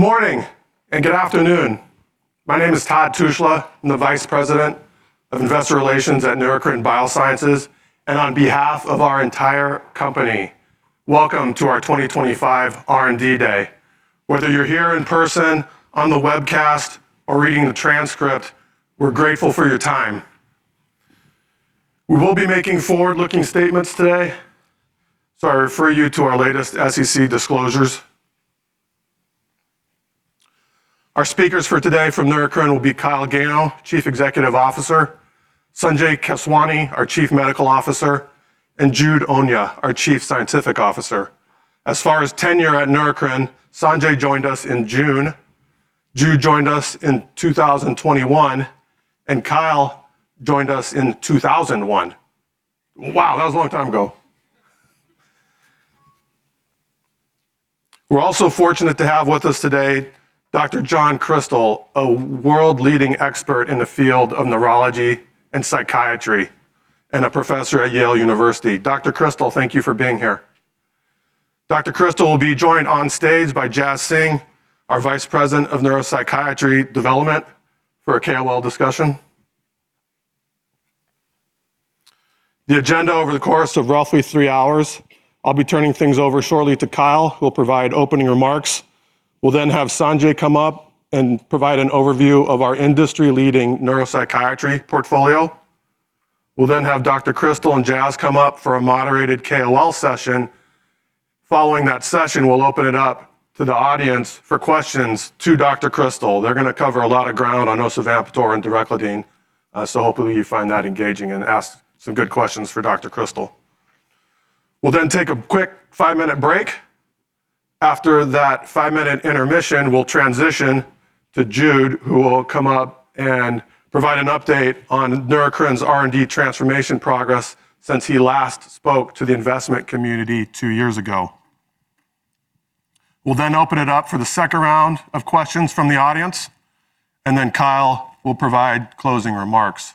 Good morning and good afternoon. My name is Todd Tushla. I'm the Vice President of Investor Relations at Neurocrine Biosciences, and on behalf of our entire company, welcome to our 2025 R&D Day. Whether you're here in person, on the webcast, or reading the transcript, we're grateful for your time. We will be making forward-looking statements today to refer you to our latest SEC disclosures. Our speakers for today from Neurocrine will be Kyle Gano, Chief Executive Officer; Sanjay Keswani, our Chief Medical Officer; and Jude Onyia, our Chief Scientific Officer. As far as tenure at Neurocrine, Sanjay joined us in June, Jude joined us in 2021, and Kyle joined us in 2001. Wow, that was a long time ago. We're also fortunate to have with us today Dr. John Krystal, a world-leading expert in the field of neurology and psychiatry and a professor at Yale University. Dr. Krystal, thank you for being here. Dr. Krystal will be joined on stage by Jaz Singh, our Vice President of Neuropsychiatry Development, for a KOL discussion. The agenda over the course of roughly three hours. I'll be turning things over shortly to Kyle, who will provide opening remarks. We'll then have Sanjay come up and provide an overview of our industry-leading neuropsychiatry portfolio. We'll then have Dr. Krystal and Jaz come up for a moderated KOL session. Following that session, we'll open it up to the audience for questions to Dr. Krystal. They're going to cover a lot of ground on Osavampator and Direclidine, so hopefully you find that engaging and ask some good questions for Dr. Krystal. We'll then take a quick five-minute break. After that five-minute intermission, we'll transition to Jude, who will come up and provide an update on Neurocrine's R&D transformation progress since he last spoke to the investment community two years ago. We'll then open it up for the second round of questions from the audience, and then Kyle will provide closing remarks.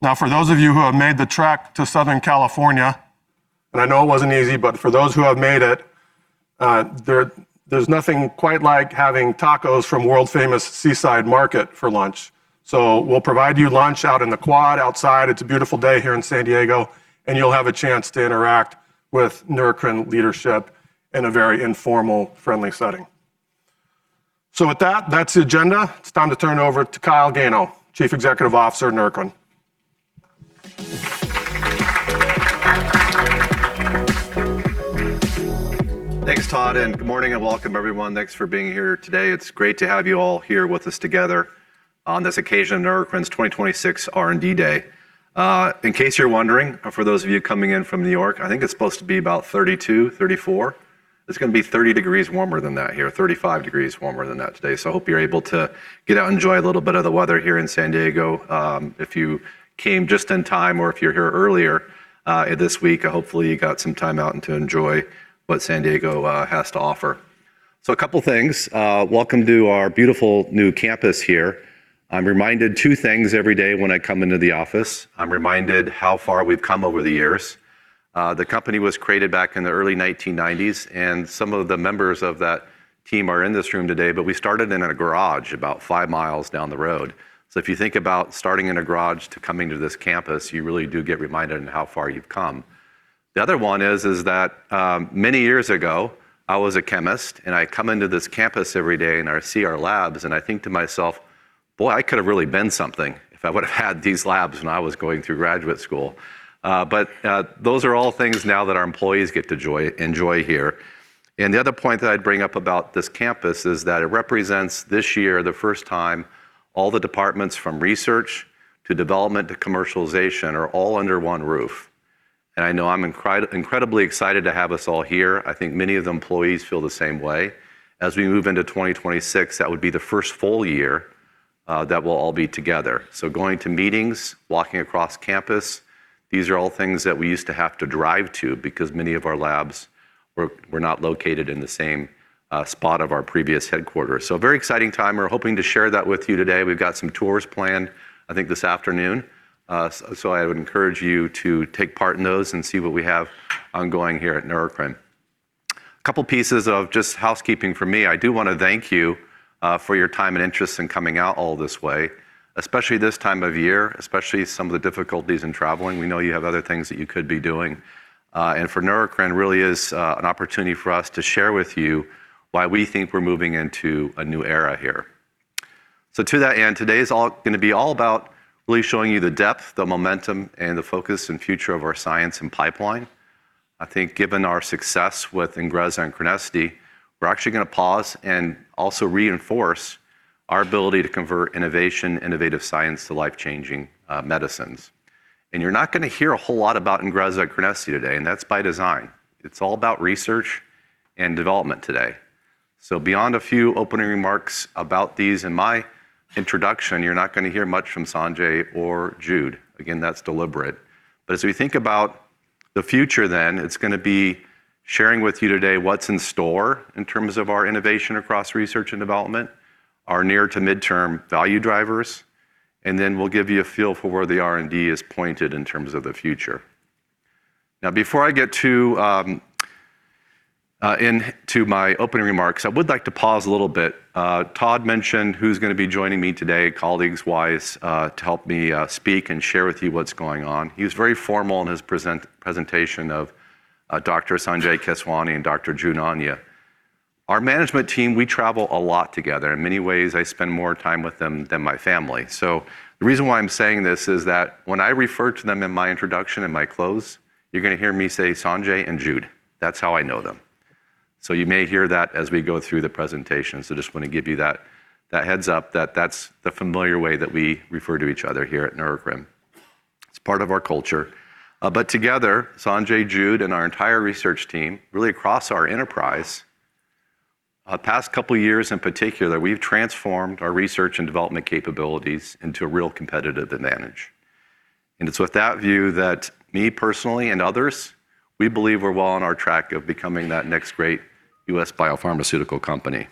Now, for those of you who have made the trek to Southern California, and I know it wasn't easy, but for those who have made it, there's nothing quite like having tacos from world-famous Seaside Market for lunch. So we'll provide you lunch out in the quad outside. It's a beautiful day here in San Diego, and you'll have a chance to interact with Neurocrine leadership in a very informal, friendly setting. So with that, that's the agenda. It's time to turn it over to Kyle Gano, Chief Executive Officer at Neurocrine. Thanks, Todd, and good morning and welcome, everyone. Thanks for being here today. It's great to have you all here with us together on this occasion of Neurocrine's 2026 R&D Day. In case you're wondering, for those of you coming in from New York, I think it's supposed to be about 32 degrees-34 degrees. It's going to be 30 degrees warmer than that here, 35 degrees warmer than that today. So I hope you're able to get out and enjoy a little bit of the weather here in San Diego. If you came just in time or if you're here earlier this week, hopefully you got some time out and to enjoy what San Diego has to offer. So a couple of things. Welcome to our beautiful new campus here. I'm reminded of two things every day when I come into the office. I'm reminded of how far we've come over the years. The company was created back in the early 1990s, and some of the members of that team are in this room today, but we started in a garage about five miles down the road. So if you think about starting in a garage to coming to this campus, you really do get reminded of how far you've come. The other one is that many years ago, I was a chemist, and I come into this campus every day and I see our labs, and I think to myself, boy, I could have really been something if I would have had these labs when I was going through graduate school. But those are all things now that our employees get to enjoy here. And the other point that I'd bring up about this campus is that it represents this year the first time all the departments from research to development to commercialization are all under one roof. And I know I'm incredibly excited to have us all here. I think many of the employees feel the same way. As we move into 2026, that would be the first full year that we'll all be together. So going to meetings, walking across campus, these are all things that we used to have to drive to because many of our labs were not located in the same spot of our previous headquarters. So a very exciting time. We're hoping to share that with you today. We've got some tours planned, I think, this afternoon. So I would encourage you to take part in those and see what we have ongoing here at Neurocrine. A couple of pieces of just housekeeping for me. I do want to thank you for your time and interest in coming out all this way, especially this time of year, especially some of the difficulties in traveling. We know you have other things that you could be doing, and for Neurocrine, it really is an opportunity for us to share with you why we think we're moving into a new era here, so to that end, today is going to be all about really showing you the depth, the momentum, and the focus and future of our science and pipeline. I think given our success with Ingrezza and Crenessity, we're actually going to pause and also reinforce our ability to convert innovation, innovative science to life-changing medicines, and you're not going to hear a whole lot about Ingrezza and Crenessity today, and that's by design. It's all about research and development today. So beyond a few opening remarks about these and my introduction, you're not going to hear much from Sanjay or Jude. Again, that's deliberate. But as we think about the future, then it's going to be sharing with you today what's in store in terms of our innovation across research and development, our near to midterm value drivers, and then we'll give you a feel for where the R&D is pointed in terms of the future. Now, before I get to my opening remarks, I would like to pause a little bit. Todd mentioned who's going to be joining me today, colleagues-wise, to help me speak and share with you what's going on. He was very formal in his presentation of Dr. Sanjay Keswani and Dr. Jude Onyia. Our management team, we travel a lot together. In many ways, I spend more time with them than my family. So the reason why I'm saying this is that when I refer to them in my introduction and my closing, you're going to hear me say Sanjay and Jude. That's how I know them. So you may hear that as we go through the presentation. So I just want to give you that heads up that that's the familiar way that we refer to each other here at Neurocrine. It's part of our culture. But together, Sanjay, Jude, and our entire research team, really across our enterprise, the past couple of years in particular, we've transformed our research and development capabilities into a real competitive advantage, and it's with that view that me personally and others, we believe we're well on track of becoming that next great U.S. biopharmaceutical company.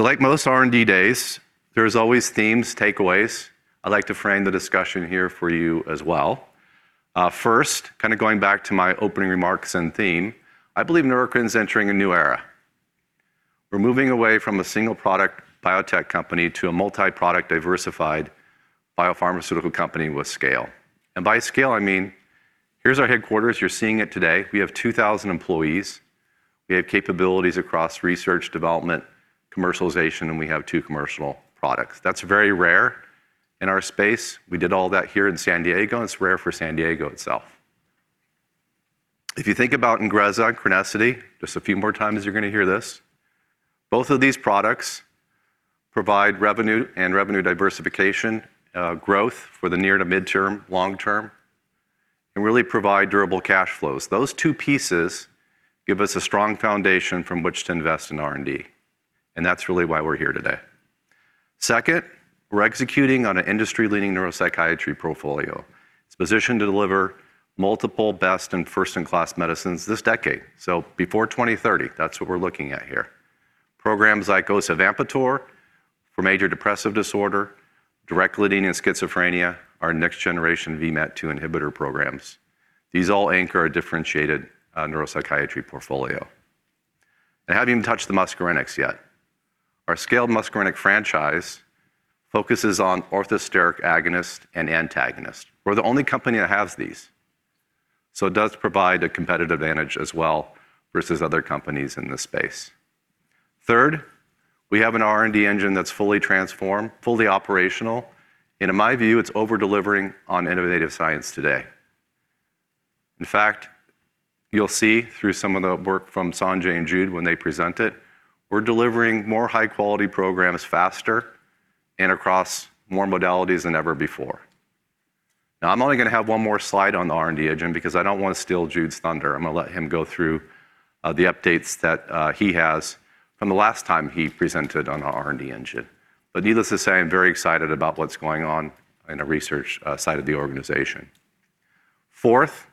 Like most R&D days, there are always themes, takeaways. I'd like to frame the discussion here for you as well. First, kind of going back to my opening remarks and theme, I believe Neurocrine is entering a new era. We're moving away from a single-product biotech company to a multi-product diversified biopharmaceutical company with scale. And by scale, I mean, here's our headquarters. You're seeing it today. We have 2,000 employees. We have capabilities across research, development, commercialization, and we have two commercial products. That's very rare in our space. We did all that here in San Diego, and it's rare for San Diego itself. If you think about Ingrezza and Crenessity, just a few more times you're going to hear this, both of these products provide revenue and revenue diversification growth for the near to midterm, long term, and really provide durable cash flows. Those two pieces give us a strong foundation from which to invest in R&D, and that's really why we're here today. Second, we're executing on an industry-leading neuropsychiatry portfolio. It's positioned to deliver multiple, best, and first-in-class medicines this decade. So before 2030, that's what we're looking at here. Programs like Osavampator for major depressive disorder, Direclidine, and schizophrenia are next-generation VMAT2 inhibitor programs. These all anchor a differentiated neuropsychiatry portfolio. I haven't even touched the muscarinics yet. Our scaled muscarinic franchise focuses on orthosteric agonists and antagonists. We're the only company that has these. So it does provide a competitive advantage as well versus other companies in this space. Third, we have an R&D engine that's fully transformed, fully operational, and in my view, it's over-delivering on innovative science today. In fact, you'll see through some of the work from Sanjay and Jude when they present it, we're delivering more high-quality programs faster and across more modalities than ever before. Now, I'm only going to have one more slide on the R&D engine because I don't want to steal Jude's thunder. I'm going to let him go through the updates that he has from the last time he presented on our R&D engine. But needless to say, I'm very excited about what's going on in the research side of the organization. Fourth,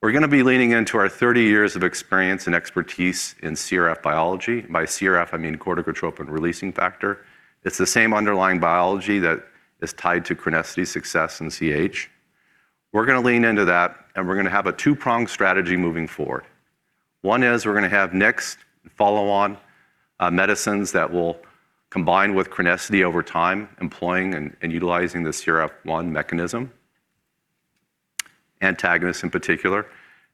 we're going to be leaning into our 30 years of experience and expertise in CRF biology. By CRF, I mean corticotropin releasing factor. It's the same underlying biology that is tied to Crenessity's success in CAH. We're going to lean into that, and we're going to have a two-pronged strategy moving forward. One is we're going to have NYX and follow-on medicines that will combine with Crenessity over time, employing and utilizing the CRF1 mechanism, antagonists in particular.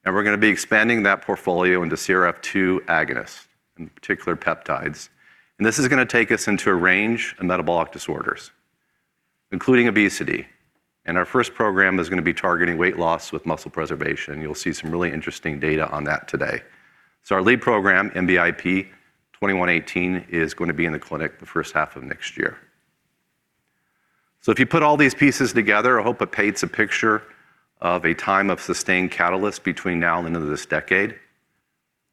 And we're going to be expanding that portfolio into CRF2 agonists, in particular peptides. And this is going to take us into a range of metabolic disorders, including obesity. And our first program is going to be targeting weight loss with muscle preservation. You'll see some really interesting data on that today. So our lead program, NBIP-'2118, is going to be in the clinic the first half of next year. So if you put all these pieces together, I hope it paints a picture of a time of sustained catalysts between now and the end of this decade.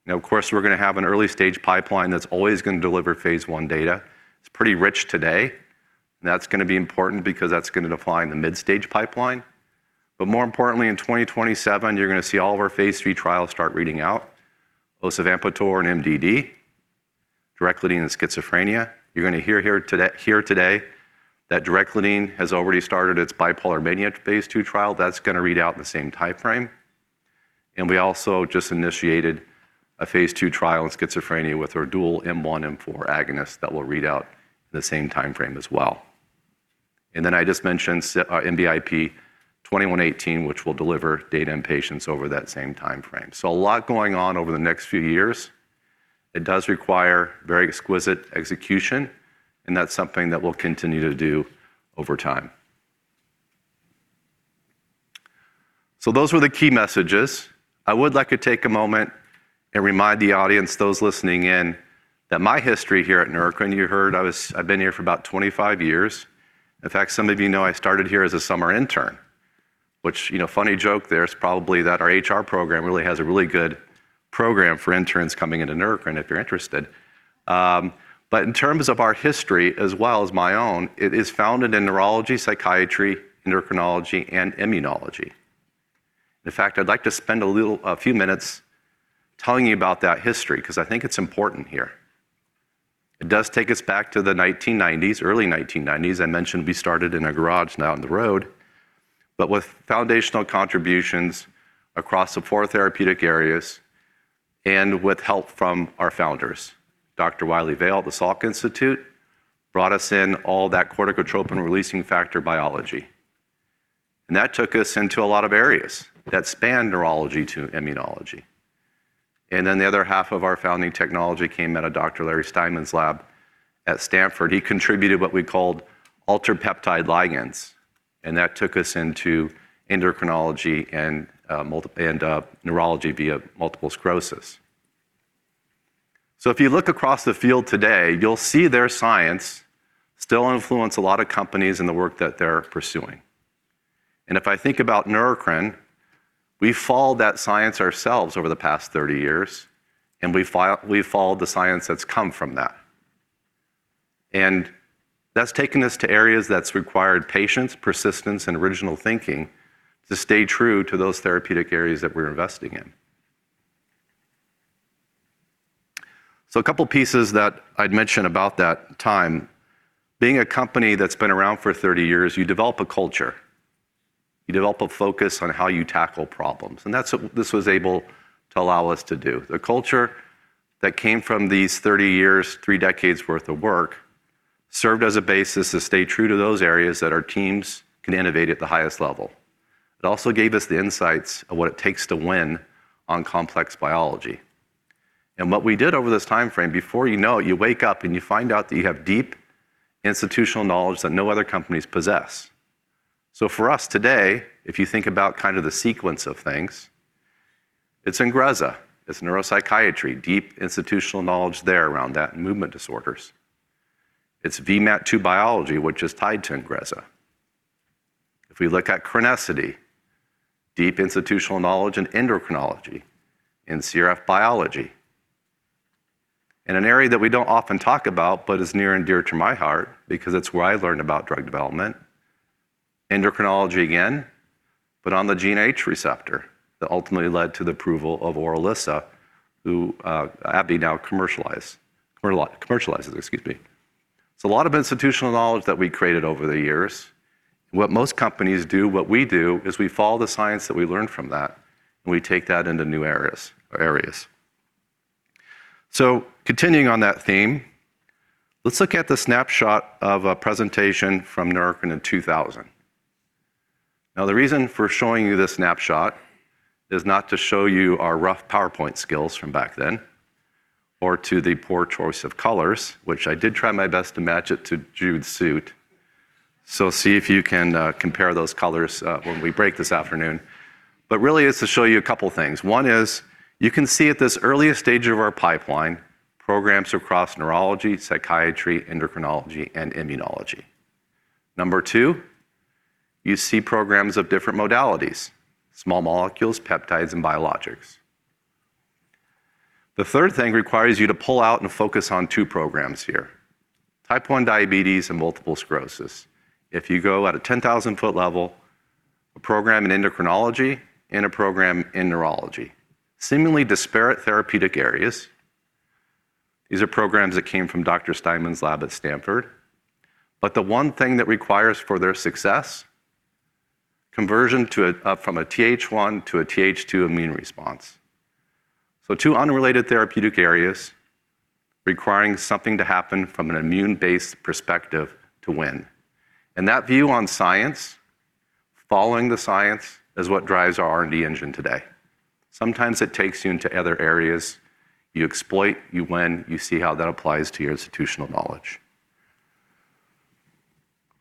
Now, of course, we're going to have an early-stage pipeline that's always going to deliver phase I data. It's pretty rich today, and that's going to be important because that's going to define the mid-stage pipeline. But more importantly, in 2027, you're going to see all of our phase III trials start reading out Osavampator and MDD, Direclidine, and schizophrenia. You're going to hear here today that Direclidine has already started its bipolar mania phase II trial. That's going to read out in the same time frame. And we also just initiated a phase two trial in schizophrenia with our dual M1, M4 agonists that will read out in the same time frame as well. And then I just mentioned NBIP-'2118, which will deliver data in patients over that same time frame. So a lot going on over the next few years. It does require very exquisite execution, and that's something that we'll continue to do over time. So those were the key messages. I would like to take a moment and remind the audience, those listening in, that my history here at Neurocrine, you heard I've been here for about 25 years. In fact, some of you know I started here as a summer intern, which, funny joke there, is probably that our HR program really has a really good program for interns coming into Neurocrine if you're interested. But in terms of our history, as well as my own, it is founded in neurology, psychiatry, endocrinology, and immunology. In fact, I'd like to spend a few minutes telling you about that history because I think it's important here. It does take us back to the 1990s, early 1990s. I mentioned we started in a garage not on the road, but with foundational contributions across the four therapeutic areas and with help from our founders, Dr. Wylie Vale at the Salk Institute brought us into all that corticotropin-releasing factor biology. And that took us into a lot of areas that spanned neurology to immunology. And then the other half of our founding technology came out of Dr. Larry Steinman's lab at Stanford. He contributed what we called ultrapeptide ligands, and that took us into endocrinology and neurology via multiple sclerosis. So if you look across the field today, you'll see their science still influences a lot of companies in the work that they're pursuing. And if I think about Neurocrine, we've followed that science ourselves over the past 30 years, and we've followed the science that's come from that. And that's taken us to areas that's required patience, persistence, and original thinking to stay true to those therapeutic areas that we're investing in. So a couple of pieces that I'd mention about that time. Being a company that's been around for 30 years, you develop a culture. You develop a focus on how you tackle problems. And that's what this was able to allow us to do. The culture that came from these 30 years, three decades' worth of work, served as a basis to stay true to those areas that our teams can innovate at the highest level. It also gave us the insights of what it takes to win on complex biology. And what we did over this time frame, before you know it, you wake up and you find out that you have deep institutional knowledge that no other companies possess. So for us today, if you think about kind of the sequence of things, it's Ingrezza. It's neuropsychiatry, deep institutional knowledge there around that and movement disorders. It's VMAT2 biology, which is tied to Ingrezza. If we look at Crenessity, deep institutional knowledge in endocrinology and CRF biology, and an area that we don't often talk about, but is near and dear to my heart because it's where I learned about drug development, endocrinology again, but on the GnRH receptor that ultimately led to the approval of Orilissa, which AbbVie now commercializes, so a lot of institutional knowledge that we created over the years. What most companies do, what we do, is we follow the science that we learned from that, and we take that into new areas, so continuing on that theme, let's look at the snapshot of a presentation from Neurocrine in 2000. Now, the reason for showing you this snapshot is not to show you our rough PowerPoint skills from back then or to the poor choice of colors, which I did try my best to match it to Jude's suit. So see if you can compare those colors when we break this afternoon. But really, it's to show you a couple of things. One is you can see at this earliest stage of our pipeline programs across neurology, psychiatry, endocrinology, and immunology. Number two, you see programs of different modalities: small molecules, peptides, and biologics. The third thing requires you to pull out and focus on two programs here: type 1 diabetes and multiple sclerosis. If you go at a 10,000-foot level, a program in endocrinology and a program in neurology. Seemingly disparate therapeutic areas. These are programs that came from Dr. Steinman's lab at Stanford. But the one thing that requires for their success, conversion from a Th1 to a Th2 immune response. So two unrelated therapeutic areas requiring something to happen from an immune-based perspective to win. That view on science, following the science, is what drives our R&D engine today. Sometimes it takes you into other areas. You exploit, you win, you see how that applies to your institutional knowledge.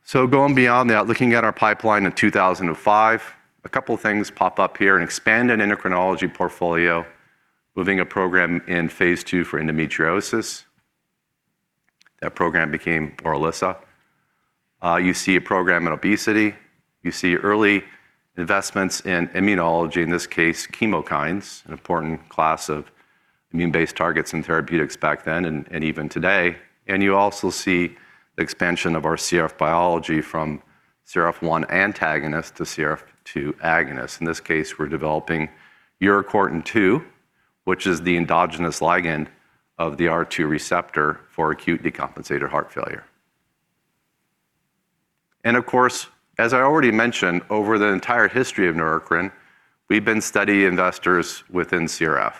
So going beyond that, looking at our pipeline in 2005, a couple of things pop up here. An expanded endocrinology portfolio, moving a program in phase II for endometriosis. That program became Orilissa. You see a program in obesity. You see early investments in immunology, in this case, chemokines, an important class of immune-based targets in therapeutics back then and even today. And you also see the expansion of our CRF biology from CRF1 antagonist to CRF2 agonist. In this case, we're developing urocortin II, which is the endogenous ligand of the R2 receptor for acute decompensated heart failure. And of course, as I already mentioned, over the entire history of Neurocrine, we've been steady investors within CRF.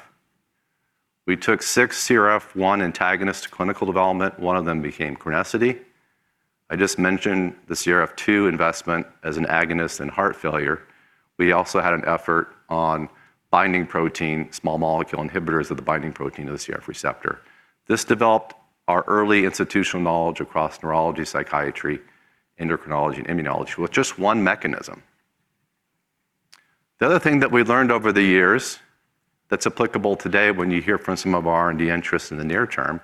We took six CRF1 antagonists to clinical development. One of them became Crenessity. I just mentioned the CRF2 investment as an agonist in heart failure. We also had an effort on binding protein, small molecule inhibitors of the binding protein of the CRF receptor. This developed our early institutional knowledge across neurology, psychiatry, endocrinology, and immunology with just one mechanism. The other thing that we've learned over the years that's applicable today when you hear from some of our R&D interests in the near term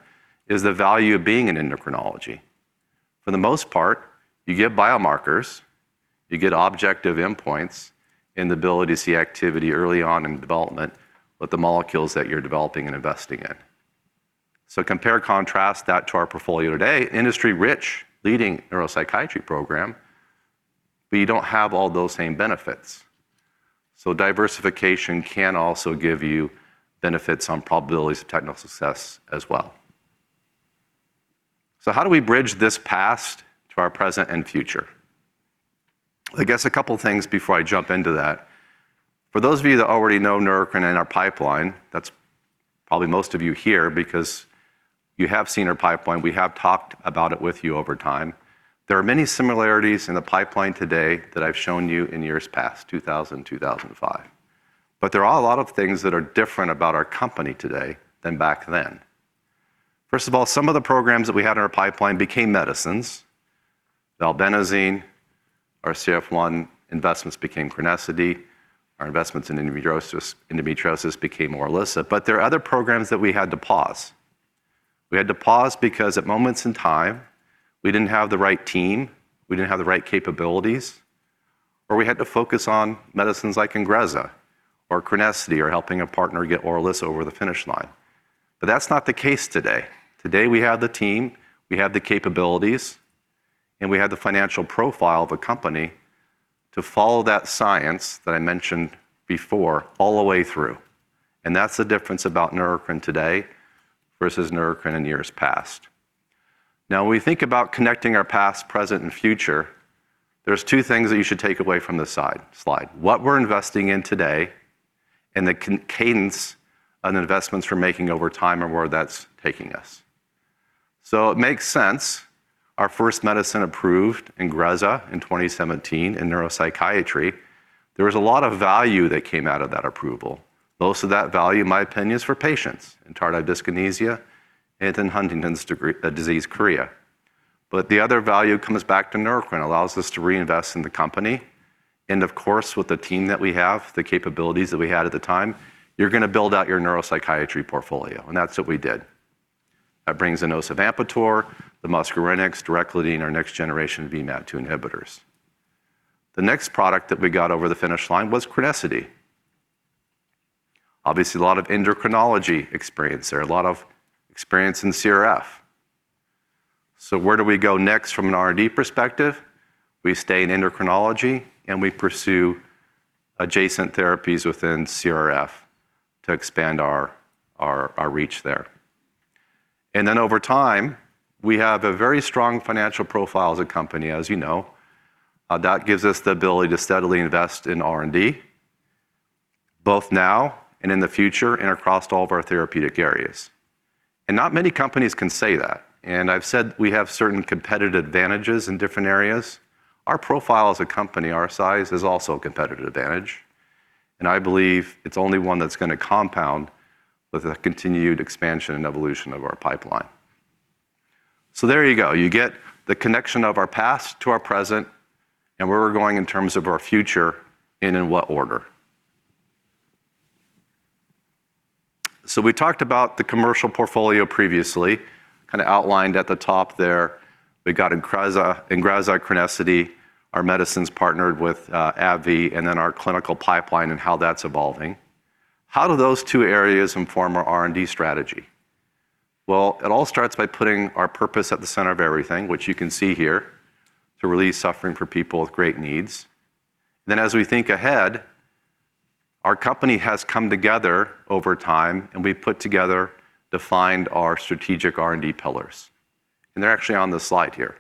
is the value of being in endocrinology. For the most part, you get biomarkers, you get objective endpoints and the ability to see activity early on in development with the molecules that you're developing and investing in. So compare and contrast that to our portfolio today, industry-rich, leading neuropsychiatry program, but you don't have all those same benefits. So diversification can also give you benefits on probabilities of technical success as well. So how do we bridge this past to our present and future? I guess a couple of things before I jump into that. For those of you that already know Neurocrine and our pipeline, that's probably most of you here because you have seen our pipeline. We have talked about it with you over time. There are many similarities in the pipeline today that I've shown you in years past, 2000, 2005. But there are a lot of things that are different about our company today than back then. First of all, some of the programs that we had in our pipeline became medicines. The valbenazine, our CRF1 investments became Crenessity. Our investments in endometriosis became Orilissa. But there are other programs that we had to pause. We had to pause because at moments in time, we didn't have the right team, we didn't have the right capabilities, or we had to focus on medicines like Ingrezza or Crenessity or helping a partner get Orilissa over the finish line. But that's not the case today. Today, we have the team, we have the capabilities, and we have the financial profile of a company to follow that science that I mentioned before all the way through. And that's the difference about Neurocrine today versus Neurocrine in years past. Now, when we think about connecting our past, present, and future, there's two things that you should take away from the slide. What we're investing in today and the cadence of investments we're making over time and where that's taking us. It makes sense. Our first medicine approved, Ingrezza, in 2017 in neuropsychiatry. There was a lot of value that came out of that approval. Most of that value, in my opinion, is for patients in tardive dyskinesia, and in Huntington's disease, chorea. But the other value comes back to Neurocrine, allows us to reinvest in the company. Of course, with the team that we have, the capabilities that we had at the time, you're going to build out your neuropsychiatry portfolio. That's what we did. That brings in Osavampator, the muscarinics, Direclidine, our next generation VMAT2 inhibitors. The next product that we got over the finish line was Crenessity. Obviously, a lot of endocrinology experience there, a lot of experience in CRF. Where do we go next from an R&D perspective? We stay in endocrinology and we pursue adjacent therapies within CRF to expand our reach there. And then over time, we have a very strong financial profile as a company, as you know. That gives us the ability to steadily invest in R&D, both now and in the future and across all of our therapeutic areas. And not many companies can say that. And I've said we have certain competitive advantages in different areas. Our profile as a company, our size, is also a competitive advantage. And I believe it's only one that's going to compound with the continued expansion and evolution of our pipeline. So there you go. You get the connection of our past to our present and where we're going in terms of our future and in what order. So we talked about the commercial portfolio previously, kind of outlined at the top there. We've got Ingrezza, Crenessity, our medicines partnered with AbbVie, and then our clinical pipeline and how that's evolving. How do those two areas inform our R&D strategy? Well, it all starts by putting our purpose at the center of everything, which you can see here, to relieve suffering for people with great needs. Then as we think ahead, our company has come together over time and we've put together, defined our strategic R&D pillars. And they're actually on the slide here.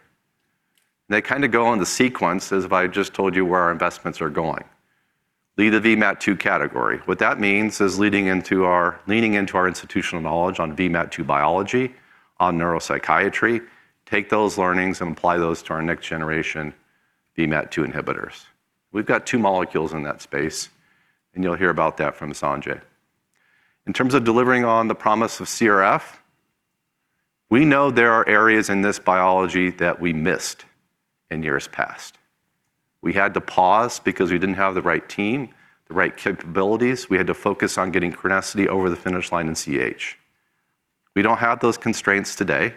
They kind of go in the sequence as if I had just told you where our investments are going. Lead the VMAT2 category. What that means is leading into our institutional knowledge on VMAT2 biology, on neuropsychiatry, take those learnings and apply those to our next generation VMAT2 inhibitors. We've got two molecules in that space, and you'll hear about that from Sanjay. In terms of delivering on the promise of CRF, we know there are areas in this biology that we missed in years past. We had to pause because we didn't have the right team, the right capabilities. We had to focus on getting Crenessity over the finish line in CAH. We don't have those constraints today.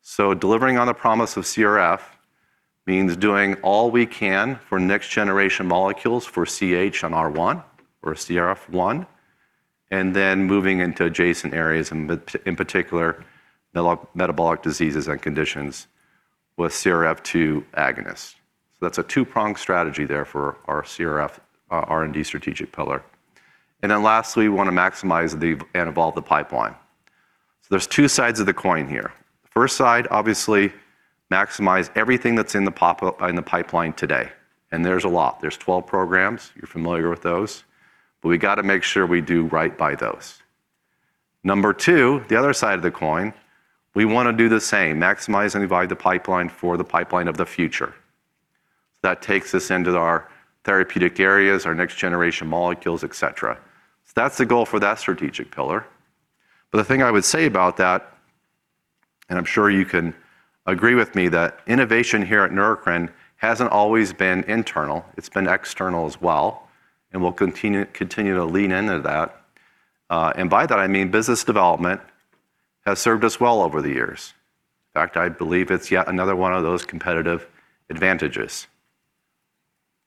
So delivering on the promise of CRF means doing all we can for next generation molecules for CAH on R1 or CRF1, and then moving into adjacent areas, in particular, metabolic diseases and conditions with CRF2 agonists. So that's a two-pronged strategy there for our CRF R&D strategic pillar. And then lastly, we want to maximize and evolve the pipeline. So there's two sides of the coin here. First side, obviously, maximize everything that's in the pipeline today. And there's a lot. There's 12 programs. You're familiar with those. But we got to make sure we do right by those. Number two, the other side of the coin, we want to do the same, maximize and evolve the pipeline for the pipeline of the future. So that takes us into our therapeutic areas, our next generation molecules, et cetera. So that's the goal for that strategic pillar. But the thing I would say about that, and I'm sure you can agree with me, that innovation here at Neurocrine hasn't always been internal. It's been external as well, and we'll continue to lean into that. And by that, I mean business development has served us well over the years. In fact, I believe it's yet another one of those competitive advantages.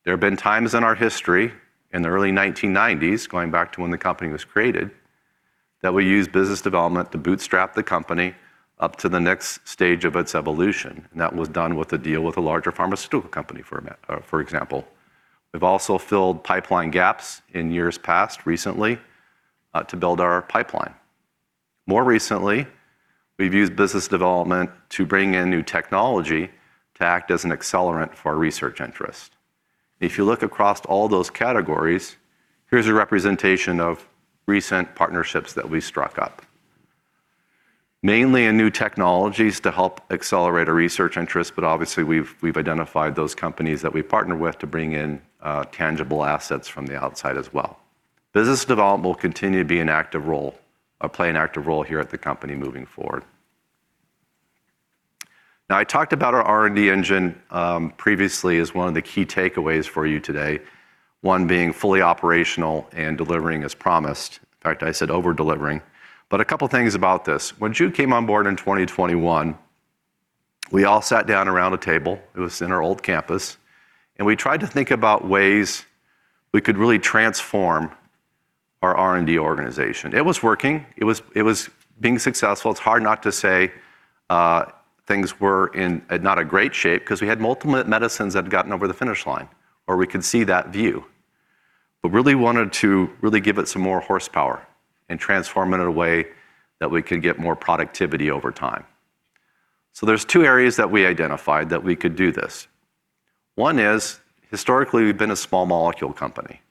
There have been times in our history, in the early 1990s, going back to when the company was created, that we used business development to bootstrap the company up to the next stage of its evolution. And that was done with a deal with a larger pharmaceutical company, for example. We've also filled pipeline gaps in years past recently to build our pipeline. More recently, we've used business development to bring in new technology to act as an accelerant for our research interest. If you look across all those categories, here's a representation of recent partnerships that we struck up, mainly in new technologies to help accelerate our research interests. But obviously, we've identified those companies that we partner with to bring in tangible assets from the outside as well. Business development will continue to be an active role, play an active role here at the company moving forward. Now, I talked about our R&D engine previously as one of the key takeaways for you today, one being fully operational and delivering as promised. In fact, I said over-delivering. But a couple of things about this. When Jude came on board in 2021, we all sat down around a table. It was in our old campus, and we tried to think about ways we could really transform our R&D organization. It was working. It was being successful. It's hard not to say things were not in a great shape because we had multiple medicines that had gotten over the finish line, or we could see that view. But really wanted to really give it some more horsepower and transform it in a way that we could get more productivity over time, so there are two areas that we identified that we could do this. One is, historically, we've been a small molecule company,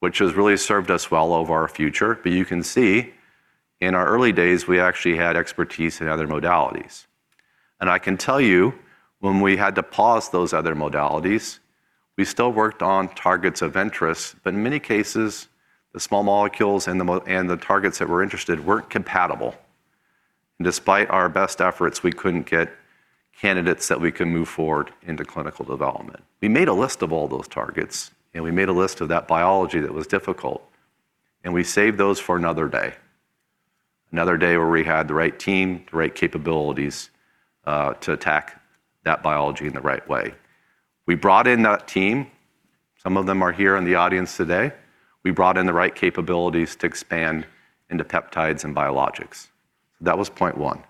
which has really served us well over our future, but you can see in our early days, we actually had expertise in other modalities, and I can tell you, when we had to pause those other modalities, we still worked on targets of interest, but in many cases, the small molecules and the targets that we're interested weren't compatible, and despite our best efforts, we couldn't get candidates that we could move forward into clinical development. We made a list of all those targets, and we made a list of that biology that was difficult, and we saved those for another day, another day where we had the right team, the right capabilities to attack that biology in the right way. We brought in that team. Some of them are here in the audience today. We brought in the right capabilities to expand into peptides and biologics. So that was point one.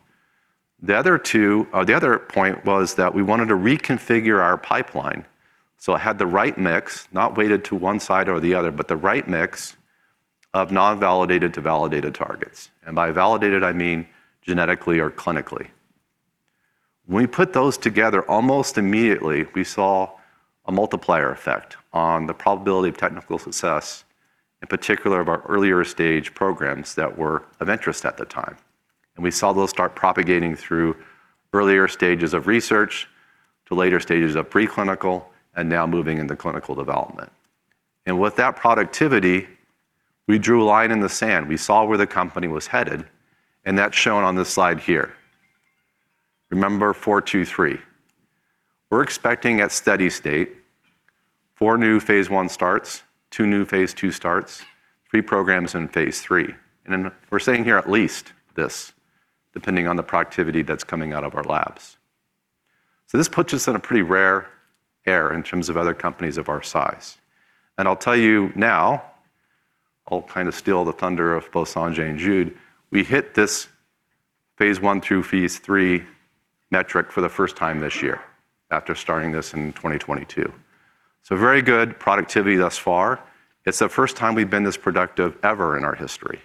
The other point was that we wanted to reconfigure our pipeline so it had the right mix, not weighted to one side or the other, but the right mix of non-validated to validated targets. And by validated, I mean genetically or clinically. When we put those together, almost immediately, we saw a multiplier effect on the probability of technical success, in particular of our earlier stage programs that were of interest at the time. And we saw those start propagating through earlier stages of research to later stages of preclinical and now moving into clinical development. And with that productivity, we drew a line in the sand. We saw where the company was headed, and that's shown on this slide here. Remember four, two, three. We're expecting at steady state, four new phase I starts, two new phase II starts, three programs in phase III. And we're saying here at least this, depending on the productivity that's coming out of our labs. So this puts us in a pretty rare air in terms of other companies of our size. And I'll tell you now, I'll kind of steal the thunder of both Sanjay and Jude, we hit this phase I through phase III metric for the first time this year after starting this in 2022. So very good productivity thus far. It's the first time we've been this productive ever in our history.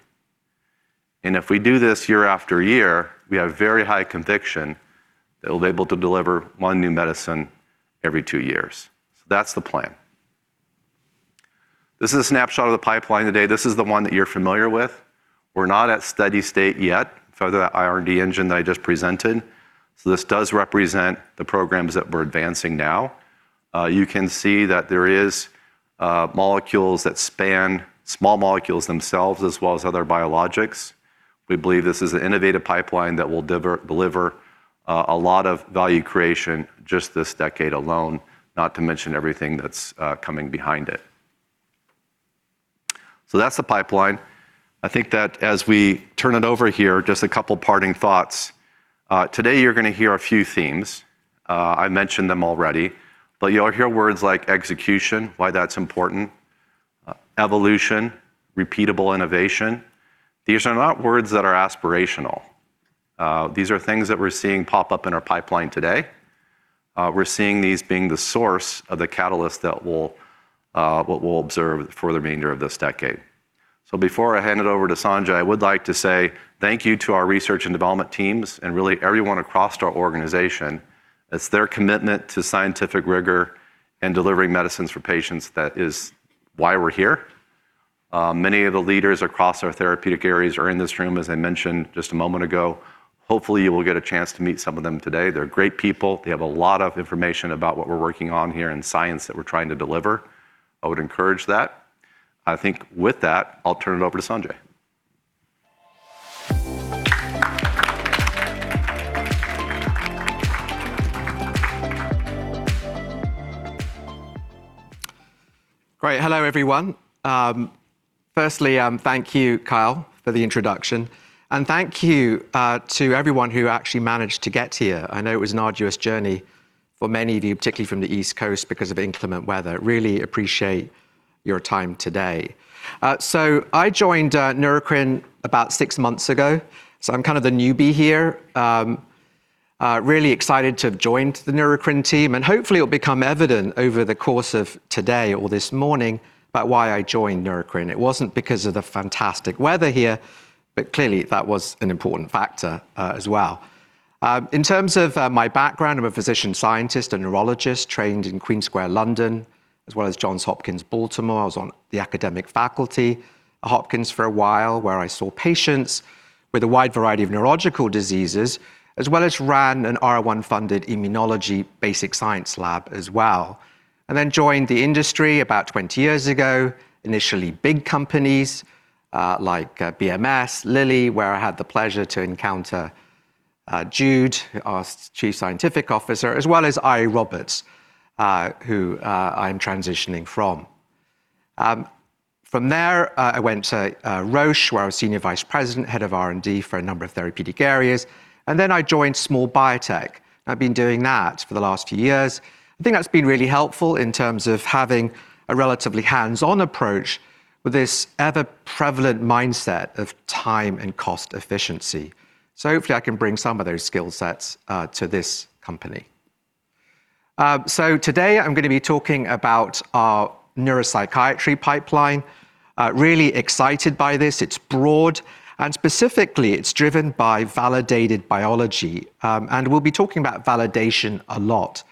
And if we do this year after year, we have very high conviction that we'll be able to deliver one new medicine every two years. So that's the plan. This is a snapshot of the pipeline today. This is the one that you're familiar with. We're not at steady state yet, fueled by that R&D engine that I just presented, so this does represent the programs that we're advancing now. You can see that there are molecules that span small molecules themselves as well as other biologics. We believe this is an innovative pipeline that will deliver a lot of value creation just this decade alone, not to mention everything that's coming behind it, so that's the pipeline. I think that as we turn it over here, just a couple of parting thoughts. Today, you're going to hear a few themes. I mentioned them already. But you'll hear words like execution, why that's important, evolution, repeatable innovation. These are not words that are aspirational. These are things that we're seeing pop up in our pipeline today. We're seeing these being the source of the catalyst that we'll observe for the remainder of this decade, so before I hand it over to Sanjay, I would like to say thank you to our research and development teams and really everyone across our organization. It's their commitment to scientific rigor and delivering medicines for patients that is why we're here. Many of the leaders across our therapeutic areas are in this room, as I mentioned just a moment ago. Hopefully, you will get a chance to meet some of them today. They're great people. They have a lot of information about what we're working on here in science that we're trying to deliver. I would encourage that. I think with that, I'll turn it over to Sanjay. Great. Hello, everyone. Firstly, thank you, Kyle, for the introduction, and thank you to everyone who actually managed to get here. I know it was an arduous journey for many of you, particularly from the East Coast, because of inclement weather. Really appreciate your time today. So I joined Neurocrine about six months ago. So I'm kind of the newbie here, really excited to have joined the Neurocrine team. And hopefully, it'll become evident over the course of today or this morning about why I joined Neurocrine. It wasn't because of the fantastic weather here, but clearly, that was an important factor as well. In terms of my background, I'm a physician scientist and neurologist trained in Queen Square, London, as well as Johns Hopkins, Baltimore. I was on the academic faculty at Hopkins for a while, where I saw patients with a wide variety of neurological diseases, as well as ran an R01-funded immunology basic science lab as well. And then joined the industry about 20 years ago, initially big companies like BMS, Lilly, where I had the pleasure to encounter Jude, our Chief Scientific Officer, as well as Eiry Roberts, who I'm transitioning from. From there, I went to Roche, where I was Senior Vice President, head of R&D for a number of therapeutic areas. And then I joined Small Biotech. I've been doing that for the last few years. I think that's been really helpful in terms of having a relatively hands-on approach with this ever-prevalent mindset of time and cost efficiency. So hopefully, I can bring some of those skill sets to this company. So today, I'm going to be talking about our neuropsychiatry pipeline. Really excited by this. It's broad. And specifically, it's driven by validated biology. We'll be talking about validation a lot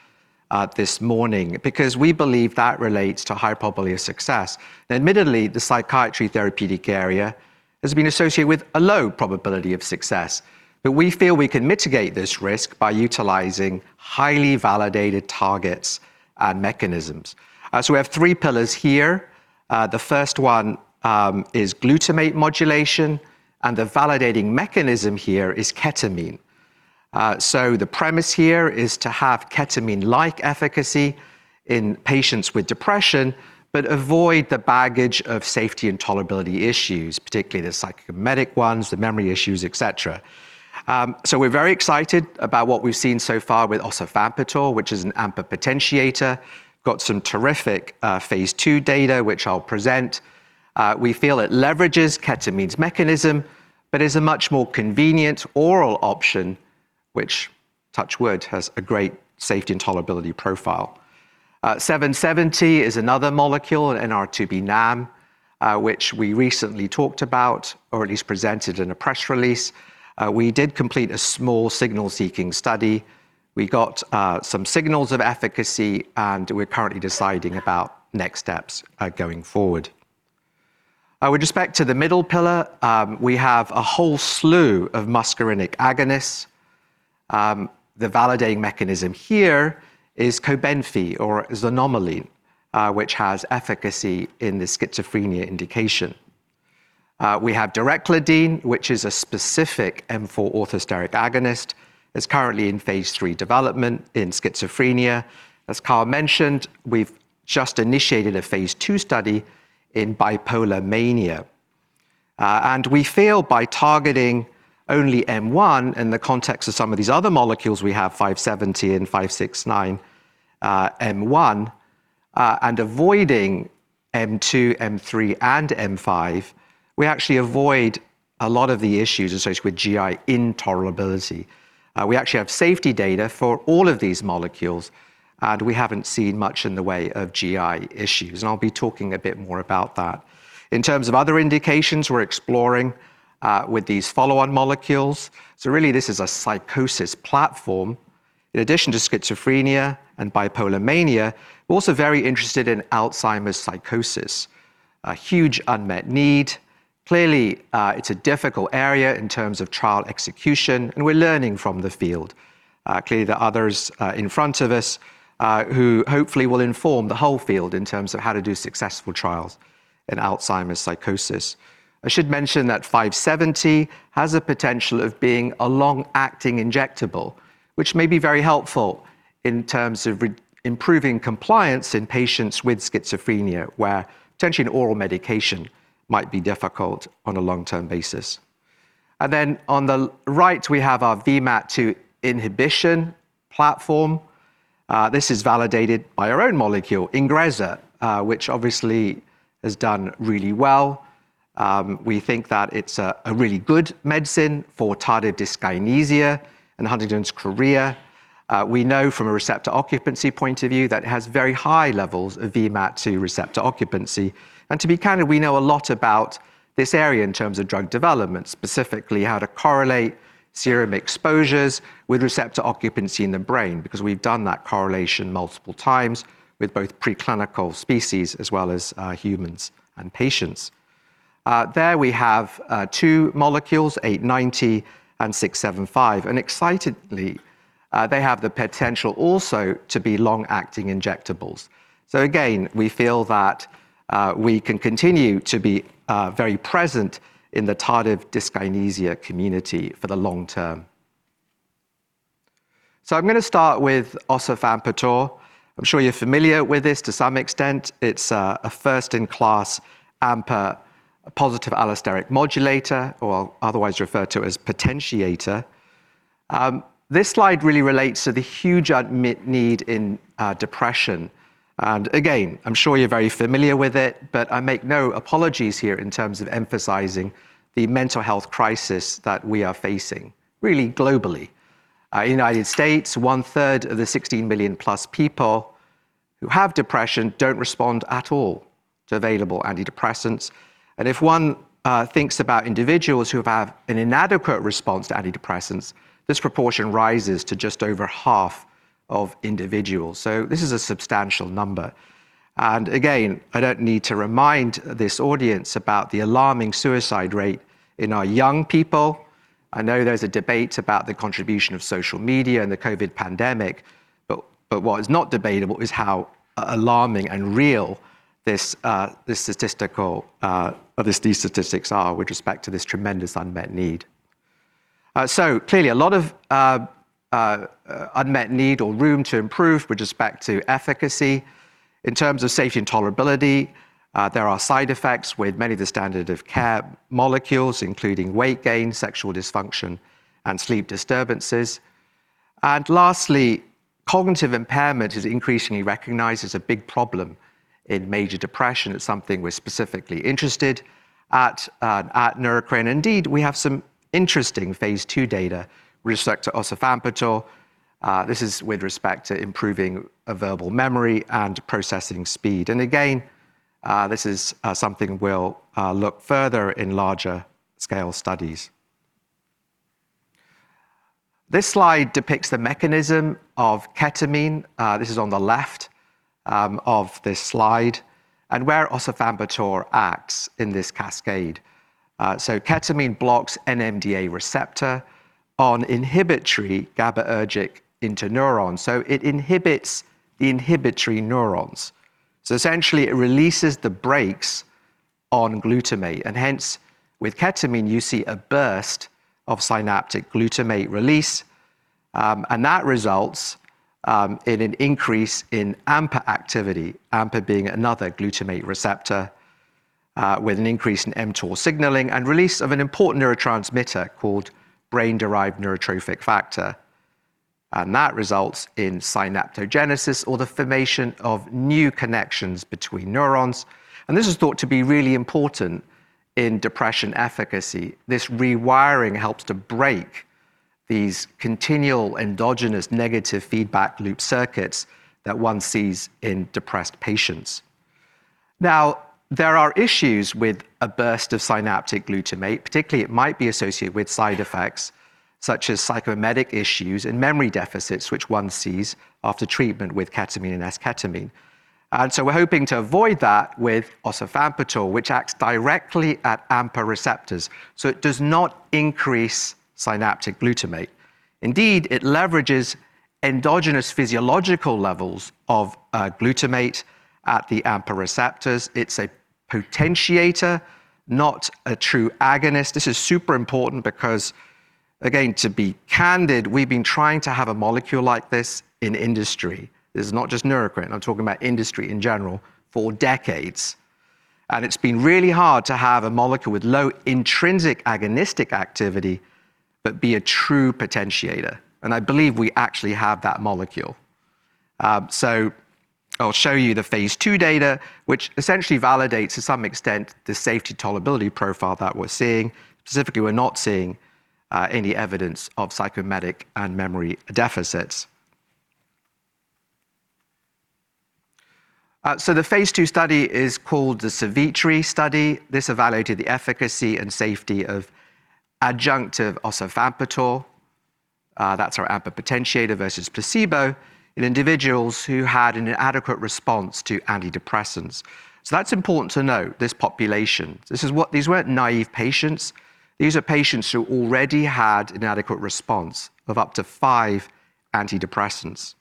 this morning because we believe that relates to high probability of success. Admittedly, the psychiatry therapeutic area has been associated with a low probability of success. We feel we can mitigate this risk by utilizing highly validated targets and mechanisms. We have three pillars here. The first one is glutamate modulation. The validating mechanism here is ketamine. The premise here is to have ketamine-like efficacy in patients with depression, but avoid the baggage of safety and tolerability issues, particularly the psychotomimetic ones, the memory issues, et cetera. We're very excited about what we've seen so far with Osavampator, which is an AMPA potentiator. Got some terrific phase II data, which I'll present. We feel it leverages ketamine's mechanism, but is a much more convenient oral option, which, touch wood, has a great safety and tolerability profile. NBI-'770 is another molecule in our 2B NAM, which we recently talked about, or at least presented in a press release. We did complete a small signal-seeking study. We got some signals of efficacy, and we're currently deciding about next steps going forward. With respect to the middle pillar, we have a whole slew of muscarinic agonists. The validating mechanism here is Cobenfy, or xanomeline, which has efficacy in the schizophrenia indication. We have Direclidine, which is a specific M4 orthosteric agonist. It's currently in phase III development in schizophrenia. As Kyle mentioned, we've just initiated a phase II study in bipolar mania. And we feel by targeting only M1 in the context of some of these other molecules, we have NBI-'570 and NBI-'569 M1, and avoiding M2, M3, and M5, we actually avoid a lot of the issues associated with GI intolerability. We actually have safety data for all of these molecules, and we haven't seen much in the way of GI issues, and I'll be talking a bit more about that. In terms of other indications, we're exploring with these follow-on molecules, so really, this is a psychosis platform. In addition to schizophrenia and bipolar mania, we're also very interested in Alzheimer's psychosis, a huge unmet need. Clearly, it's a difficult area in terms of trial execution, and we're learning from the field. Clearly, there are others in front of us who hopefully will inform the whole field in terms of how to do successful trials in Alzheimer's psychosis. I should mention that NBI-'570 has a potential of being a long-acting injectable, which may be very helpful in terms of improving compliance in patients with schizophrenia, where potentially an oral medication might be difficult on a long-term basis. And then on the right, we have our VMAT2 inhibition platform. This is validated by our own molecule, Ingrezza, which obviously has done really well. We think that it's a really good medicine for tardive dyskinesia and Huntington's chorea. We know from a receptor occupancy point of view that it has very high levels of VMAT2 receptor occupancy. And to be candid, we know a lot about this area in terms of drug development, specifically how to correlate serum exposures with receptor occupancy in the brain, because we've done that correlation multiple times with both preclinical species as well as humans and patients. There we have two molecules, NBI-'890 and NBI-'675. And excitedly, they have the potential also to be long-acting injectables. So again, we feel that we can continue to be very present in the tardive dyskinesia community for the long term. So I'm going to start with Osavampator. I'm sure you're familiar with this to some extent. It's a first-in-class AMPA, positive allosteric modulator, or otherwise referred to as potentiator. This slide really relates to the huge unmet need in depression. And again, I'm sure you're very familiar with it, but I make no apologies here in terms of emphasizing the mental health crisis that we are facing really globally. In the United States, one-third of the 16+ million people who have depression don't respond at all to available antidepressants. And if one thinks about individuals who have an inadequate response to antidepressants, this proportion rises to just over half of individuals. So this is a substantial number. And again, I don't need to remind this audience about the alarming suicide rate in our young people. I know there's a debate about the contribution of social media and the COVID pandemic. What is not debatable is how alarming and real these statistics are with respect to this tremendous unmet need. So clearly, a lot of unmet need or room to improve with respect to efficacy. In terms of safety and tolerability, there are side effects with many of the standard of care molecules, including weight gain, sexual dysfunction, and sleep disturbances. Lastly, cognitive impairment is increasingly recognized as a big problem in major depression. It's something we're specifically interested at Neurocrine. Indeed, we have some interesting phase II data with respect to Osavampator. This is with respect to improving verbal memory and processing speed. Again, this is something we'll look further in larger scale studies. This slide depicts the mechanism of ketamine. This is on the left of this slide. And where Osavampator acts in this cascade. Ketamine blocks NMDA receptor on inhibitory GABAergic interneurons. It inhibits the inhibitory neurons. Essentially, it releases the brakes on glutamate. Hence, with ketamine, you see a burst of synaptic glutamate release. That results in an increase in AMPA activity, AMPA being another glutamate receptor, with an increase in M2 signaling and release of an important neurotransmitter called brain-derived neurotrophic factor. That results in synaptogenesis or the formation of new connections between neurons. This is thought to be really important in depression efficacy. This rewiring helps to break these continual endogenous negative feedback loop circuits that one sees in depressed patients. Now, there are issues with a burst of synaptic glutamate. Particularly, it might be associated with side effects such as psychotomimetic issues and memory deficits, which one sees after treatment with ketamine and esketamine. We're hoping to avoid that with Osavampator, which acts directly at AMPA receptors. So it does not increase synaptic glutamate. Indeed, it leverages endogenous physiological levels of glutamate at the AMPA receptors. It's a potentiator, not a true agonist. This is super important because, again, to be candid, we've been trying to have a molecule like this in industry. This is not just Neurocrine. I'm talking about industry in general for decades. And it's been really hard to have a molecule with low intrinsic agonistic activity but be a true potentiator. And I believe we actually have that molecule. So I'll show you the phase II data, which essentially validates to some extent the safety tolerability profile that we're seeing. Specifically, we're not seeing any evidence of psychotomimetic and memory deficits. So the phase II study is called the Savitri study. This evaluated the efficacy and safety of adjunctive Osavampator. That's our AMPA potentiator versus placebo in individuals who had an inadequate response to antidepressants. So that's important to note, this population. These weren't naive patients. These are patients who already had an inadequate response to up to five antidepressants.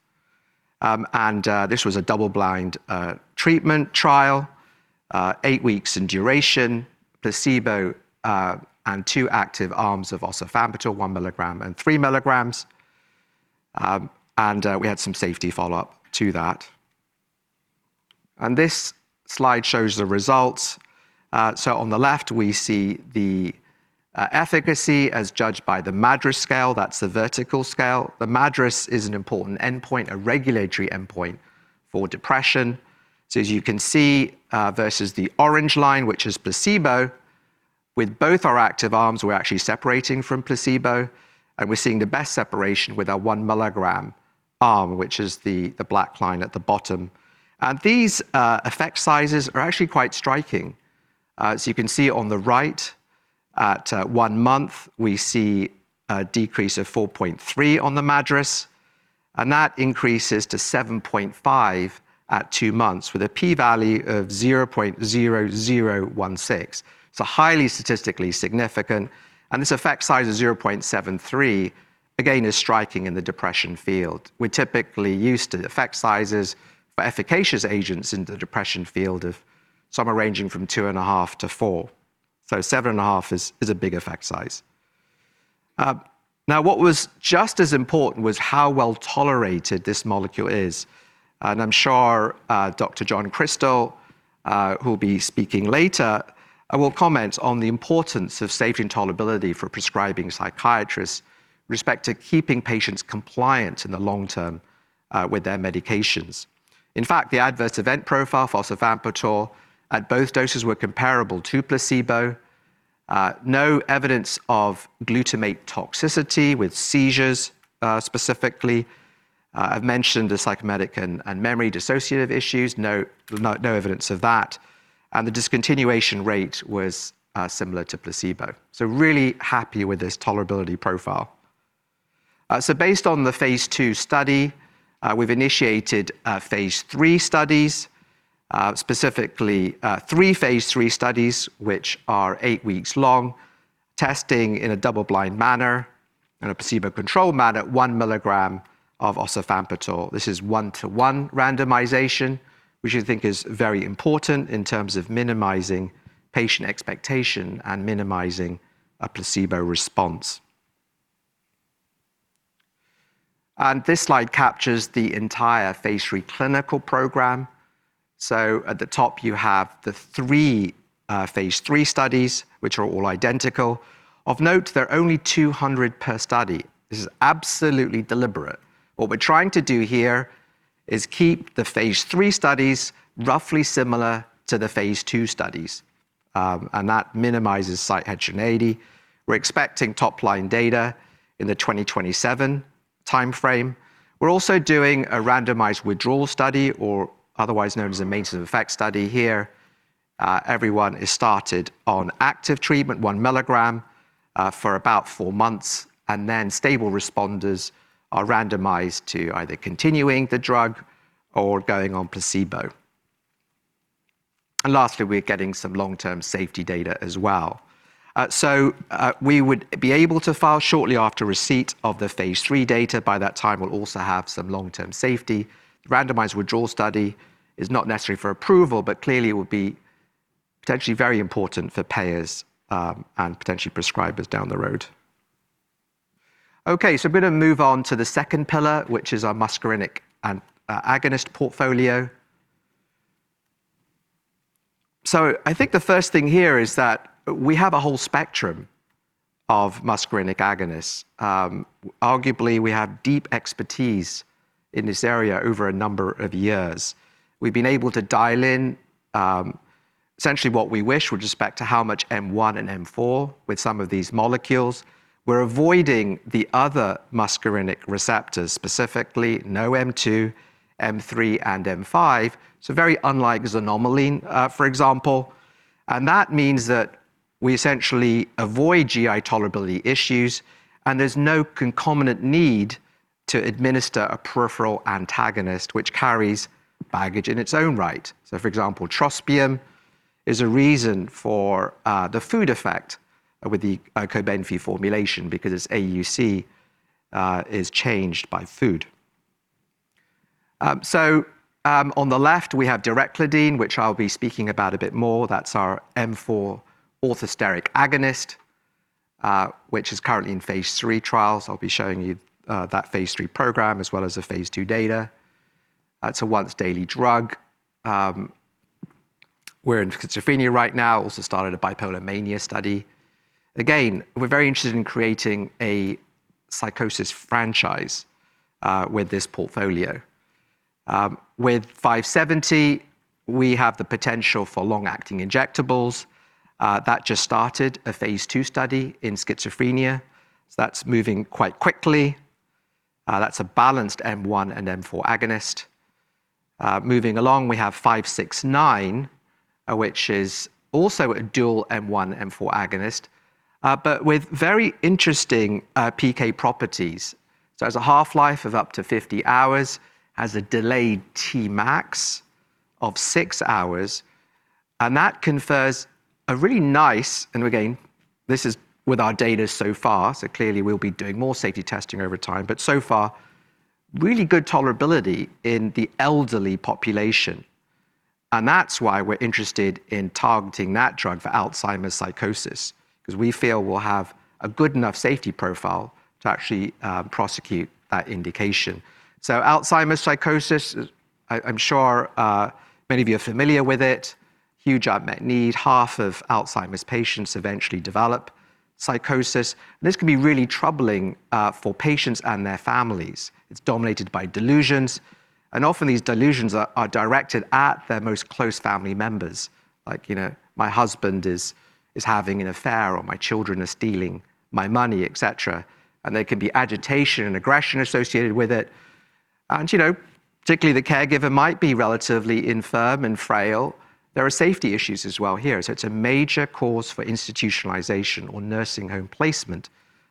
And this was a double-blind treatment trial, eight weeks in duration, placebo and two active arms of Osavampator, 1 mg and 3 mg. And we had some safety follow-up to that. And this slide shows the results. So on the left, we see the efficacy as judged by the MADRS scale. That's the vertical scale. The MADRS is an important endpoint, a regulatory endpoint for depression. So as you can see versus the orange line, which is placebo, with both our active arms, we're actually separating from placebo. And we're seeing the best separation with our 1 mg arm, which is the black line at the bottom. These effect sizes are actually quite striking. As you can see on the right, at one month, we see a decrease of 4.3 on the MADRS. And that increases to 7.5 at two months with a p-value of 0.0016. It's a highly statistically significant. And this effect size of 0.73, again, is striking in the depression field. We're typically used to effect sizes for efficacious agents in the depression field of somewhere ranging from 2.5-4. So 7.5 is a big effect size. Now, what was just as important was how well tolerated this molecule is. And I'm sure Dr. John Krystal, who will be speaking later, will comment on the importance of safety and tolerability for prescribing psychiatrists with respect to keeping patients compliant in the long term with their medications. In fact, the adverse event profile for Osavampator at both doses was comparable to placebo. No evidence of glutamate toxicity with seizures specifically. I've mentioned the psychotomimetic and memory dissociative issues. No evidence of that. The discontinuation rate was similar to placebo. Really happy with this tolerability profile. Based on the phase II study, we've initiated phase III studies, specifically three phase III studies, which are eight weeks long, testing in a double-blind manner and a placebo-controlled manner, 1 mg of Osavampator. This is one-to-one randomization, which I think is very important in terms of minimizing patient expectation and minimizing a placebo response. This slide captures the entire phase III clinical program. At the top, you have the three phase III studies, which are all identical. Of note, there are only 200 per study. This is absolutely deliberate. What we're trying to do here is keep the phase III studies roughly similar to the phase II studies. And that minimizes site heterogeneity. We're expecting top-line data in the 2027 time frame. We're also doing a randomized withdrawal study, or otherwise known as a maintenance effect study here. Everyone is started on active treatment, 1 mg for about four months. And then stable responders are randomized to either continuing the drug or going on placebo. And lastly, we're getting some long-term safety data as well. So we would be able to file shortly after receipt of the phase III data. By that time, we'll also have some long-term safety. Randomized withdrawal study is not necessary for approval, but clearly, it would be potentially very important for payers and potentially prescribers down the road. Okay, so I'm going to move on to the second pillar, which is our muscarinic agonist portfolio. So I think the first thing here is that we have a whole spectrum of muscarinic agonists. Arguably, we have deep expertise in this area over a number of years. We've been able to dial in essentially what we wish with respect to how much M1 and M4 with some of these molecules. We're avoiding the other muscarinic receptors, specifically no M2, M3, and M5. Very unlike xanomeline, for example. That means that we essentially avoid GI tolerability issues. There's no concomitant need to administer a peripheral antagonist, which carries baggage in its own right. For example, trospium is a reason for the food effect with the Cobenfy formulation because its AUC is changed by food. On the left, we have Direclidine, which I'll be speaking about a bit more. That's our M4 orthosteric agonist, which is currently in phase III trials. I'll be showing you that phase III program as well as the phase II data. It's a once-daily drug. We're in schizophrenia right now. Also started a bipolar mania study. Again, we're very interested in creating a psychosis franchise with this portfolio. With NBI-'570, we have the potential for long-acting injectables. That just started a phase II study in schizophrenia, so that's moving quite quickly. That's a balanced M1 and M4 agonist. Moving along, we have NBI-'569, which is also a dual M1, M4 agonist, but with very interesting PK properties, so it has a half-life of up to 50 hours, has a delayed Tmax of six hours, and that confers a really nice, and again, this is with our data so far, so clearly, we'll be doing more safety testing over time, but so far, really good tolerability in the elderly population. And that's why we're interested in targeting that drug for Alzheimer's psychosis because we feel we'll have a good enough safety profile to actually prosecute that indication. So Alzheimer's psychosis, I'm sure many of you are familiar with it. Huge unmet need. Half of Alzheimer's patients eventually develop psychosis. And this can be really troubling for patients and their families. It's dominated by delusions. And often, these delusions are directed at their most close family members, like, "My husband is having an affair," or, "My children are stealing my money," etc. And there can be agitation and aggression associated with it. And particularly, the caregiver might be relatively infirm and frail. There are safety issues as well here. So it's a major cause for institutionalization or nursing home placement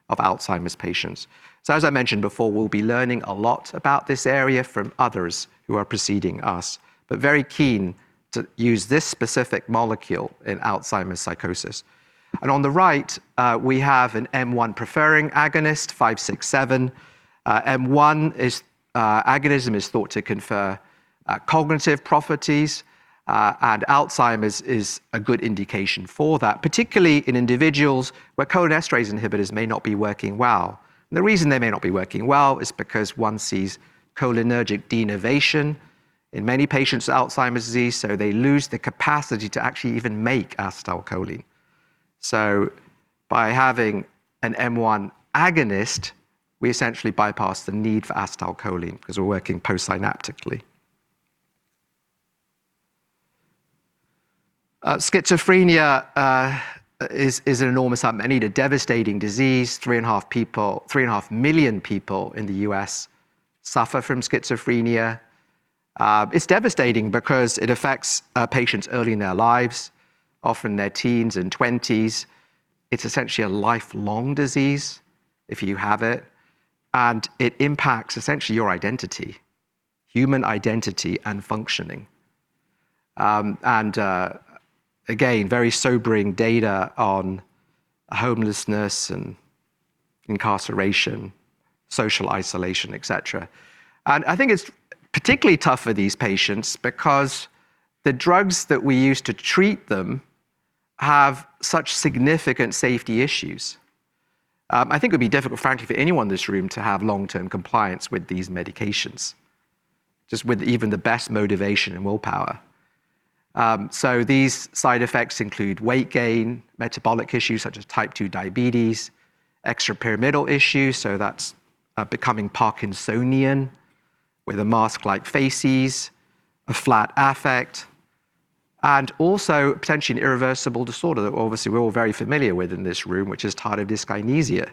of Alzheimer's patients. So as I mentioned before, we'll be learning a lot about this area from others who are preceding us, but very keen to use this specific molecule in Alzheimer's psychosis. And on the right, we have an M1-preferring agonist, NBI-'567. M1 agonism is thought to confer cognitive properties, and Alzheimer's is a good indication for that, particularly in individuals where cholinesterase inhibitors may not be working well, and the reason they may not be working well is because one sees cholinergic denervation in many patients with Alzheimer's disease, so they lose the capacity to actually even make acetylcholine, so by having an M1 agonist, we essentially bypass the need for acetylcholine because we're working postsynaptically. Schizophrenia is an enormous agonist, a devastating disease. 3.5 million people in the U.S. suffer from schizophrenia. It's devastating because it affects patients early in their lives, often their teens and 20s. It's essentially a lifelong disease if you have it, and it impacts essentially your identity, human identity and functioning, and again, very sobering data on homelessness and incarceration, social isolation, etc. I think it's particularly tough for these patients because the drugs that we use to treat them have such significant safety issues. I think it would be difficult, frankly, for anyone in this room to have long-term compliance with these medications, just with even the best motivation and willpower. These side effects include weight gain, metabolic issues such as type 2 diabetes, extrapyramidal issues. That's becoming parkinsonian with a mask-like facies, a flat affect, and also potentially an irreversible disorder that obviously we're all very familiar with in this room, which is tardive dyskinesia.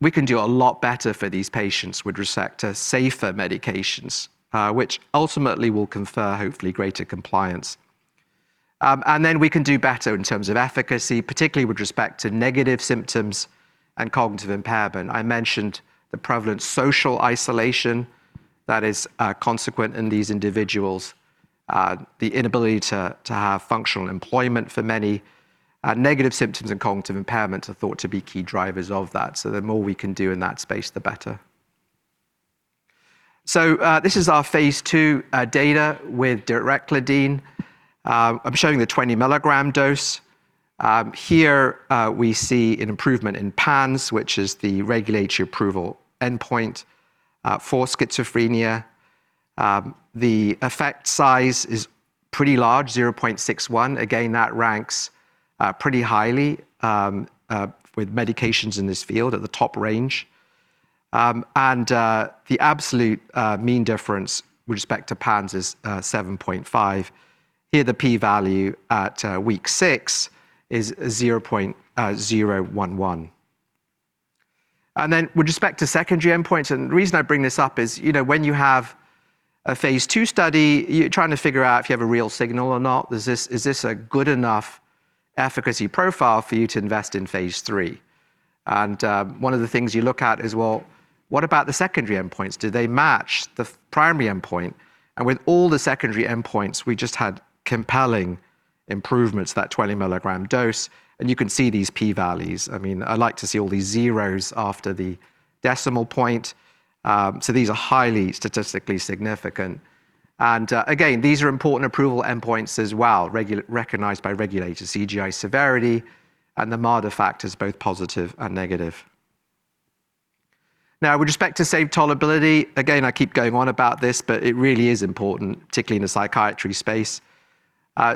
We can do a lot better for these patients with respect to safer medications, which ultimately will confer, hopefully, greater compliance. We can do better in terms of efficacy, particularly with respect to negative symptoms and cognitive impairment. I mentioned the prevalent social isolation that is consequent in these individuals, the inability to have functional employment for many. Negative symptoms and cognitive impairment are thought to be key drivers of that. The more we can do in that space, the better. This is our phase II data with Direclidine. I'm showing the 20 mg dose. Here we see an improvement in PANSS, which is the regulatory approval endpoint for schizophrenia. The effect size is pretty large, 0.61. Again, that ranks pretty highly with medications in this field at the top range. The absolute mean difference with respect to PANSS is 7.5. Here, the p-value at week six is 0.011. With respect to secondary endpoints, the reason I bring this up is when you have a phase two study, you're trying to figure out if you have a real signal or not. Is this a good enough efficacy profile for you to invest in phase III? And one of the things you look at is, well, what about the secondary endpoints? Do they match the primary endpoint? And with all the secondary endpoints, we just had compelling improvements, that 20 mg dose. And you can see these p-values. I mean, I like to see all these zeros after the decimal point. So these are highly statistically significant. And again, these are important approval endpoints as well, recognized by regulators: CGI severity and the MADRS factors, both positive and negative. Now, with respect to safety and tolerability, again, I keep going on about this, but it really is important, particularly in the psychiatry space.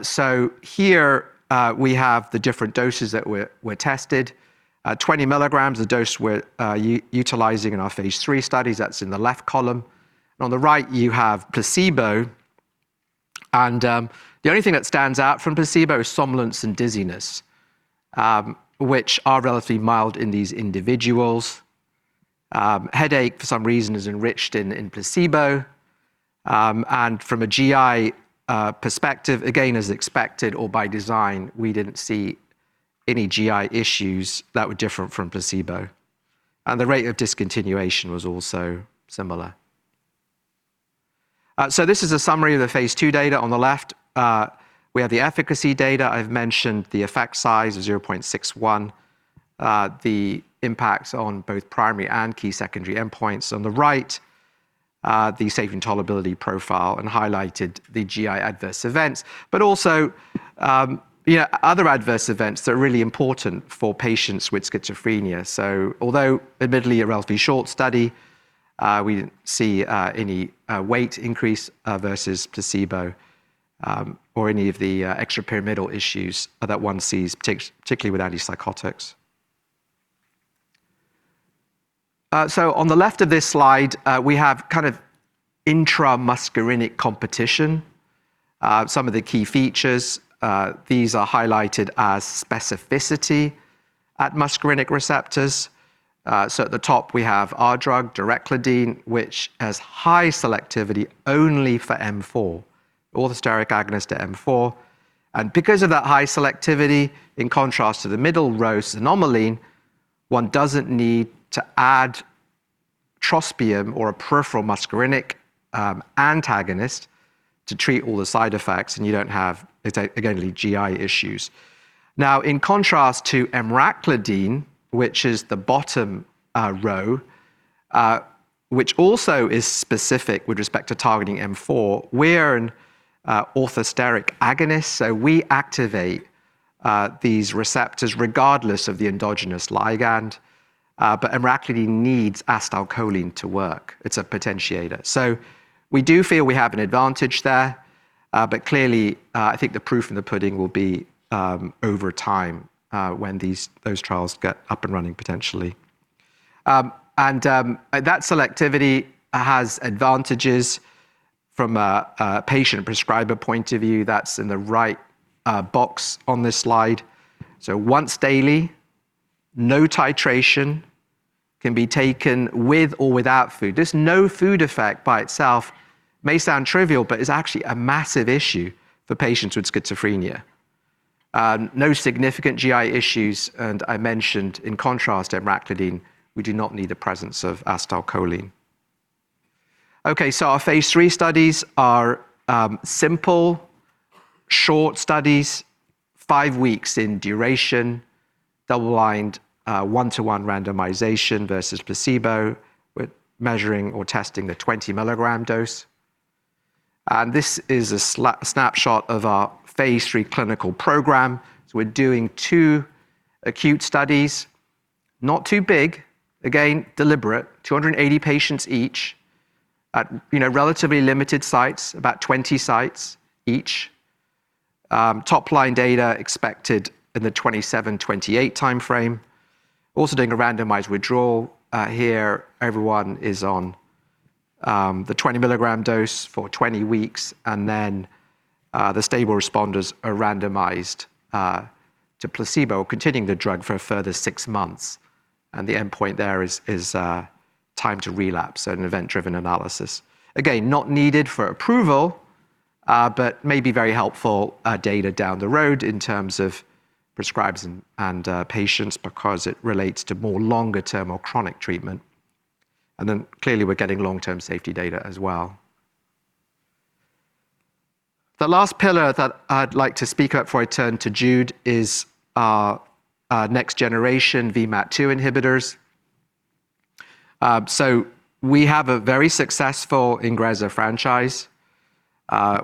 So here we have the different doses that were tested. 20 mg is the dose we're utilizing in our phase III studies. That's in the left column. On the right, you have placebo. The only thing that stands out from placebo is somnolence and dizziness, which are relatively mild in these individuals. Headache, for some reason, is enriched in placebo. From a GI perspective, again, as expected or by design, we didn't see any GI issues that were different from placebo. The rate of discontinuation was also similar. This is a summary of the phase II data on the left. We have the efficacy data. I've mentioned the effect size of 0.61, the impacts on both primary and key secondary endpoints. On the right, the safety and tolerability profile and highlighted the GI adverse events, but also other adverse events that are really important for patients with schizophrenia. Although admittedly a relatively short study, we didn't see any weight increase versus placebo or any of the extrapyramidal issues that one sees, particularly with antipsychotics. On the left of this slide, we have kind of intramuscarinic competition. Some of the key features, these are highlighted as specificity at muscarinic receptors. At the top, we have our drug, Direclidine, which has high selectivity only for M4, orthosteric agonist to M4. Because of that high selectivity, in contrast to the middle row, xanomeline, one doesn't need to add trospium or a peripheral muscarinic antagonist to treat all the side effects. You don't have, again, any GI issues. Now, in contrast to Emraclidine, which is the bottom row, which also is specific with respect to targeting M4, we're an orthosteric agonist. We activate these receptors regardless of the endogenous ligand. But Emraclidine needs acetylcholine to work. It's a potentiator. So we do feel we have an advantage there. But clearly, I think the proof of the pudding will be over time when those trials get up and running potentially. And that selectivity has advantages from a patient prescriber point of view. That's in the right box on this slide. So once daily, no titration can be taken with or without food. This no food effect by itself may sound trivial, but it's actually a massive issue for patients with schizophrenia. No significant GI issues. And I mentioned, in contrast to Emraclidine, we do not need the presence of acetylcholine. Okay, so our phase III studies are simple, short studies, five weeks in duration, double-blind one-to-one randomization versus placebo with measuring or testing the 20 mg dose. And this is a snapshot of our phase III clinical program. So we're doing two acute studies, not too big, again, deliberate, 280 patients each at relatively limited sites, about 20 sites each. Top-line data expected in the 2027, 2028 timeframe. Also doing a randomized withdrawal here. Everyone is on the 20 mg dose for 20 weeks. And then the stable responders are randomized to placebo, continuing the drug for a further six months. And the endpoint there is time to relapse, so an event-driven analysis. Again, not needed for approval, but may be very helpful data down the road in terms of prescribers and patients because it relates to more longer-term or chronic treatment. And then clearly, we're getting long-term safety data as well. The last pillar that I'd like to speak up for, I turn to Jude, is next-generation VMAT2 inhibitors. So we have a very successful Ingrezza franchise.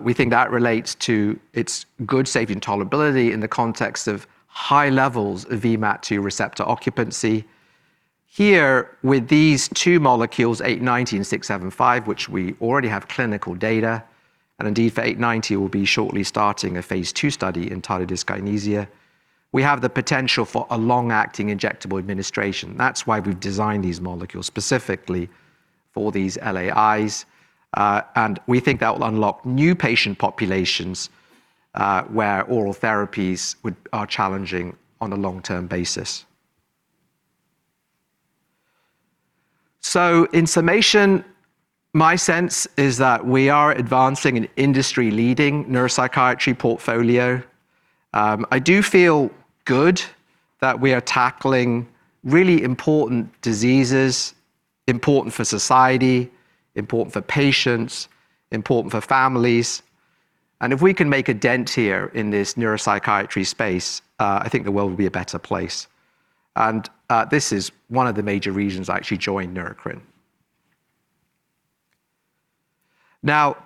We think that relates to its good safety and tolerability in the context of high levels of VMAT2 receptor occupancy. Here, with these two molecules, NBI-'890 and NBI-'675, which we already have clinical data, and indeed for NBI-'890, we'll be shortly starting a phase II study in tardive dyskinesia, we have the potential for a long-acting injectable administration. That's why we've designed these molecules specifically for these LAIs. And we think that will unlock new patient populations where oral therapies are challenging on a long-term basis. So in summation, my sense is that we are advancing an industry-leading neuropsychiatry portfolio. I do feel good that we are tackling really important diseases, important for society, important for patients, important for families. And if we can make a dent here in this neuropsychiatry space, I think the world will be a better place. This is one of the major reasons I actually joined Neurocrine. Now,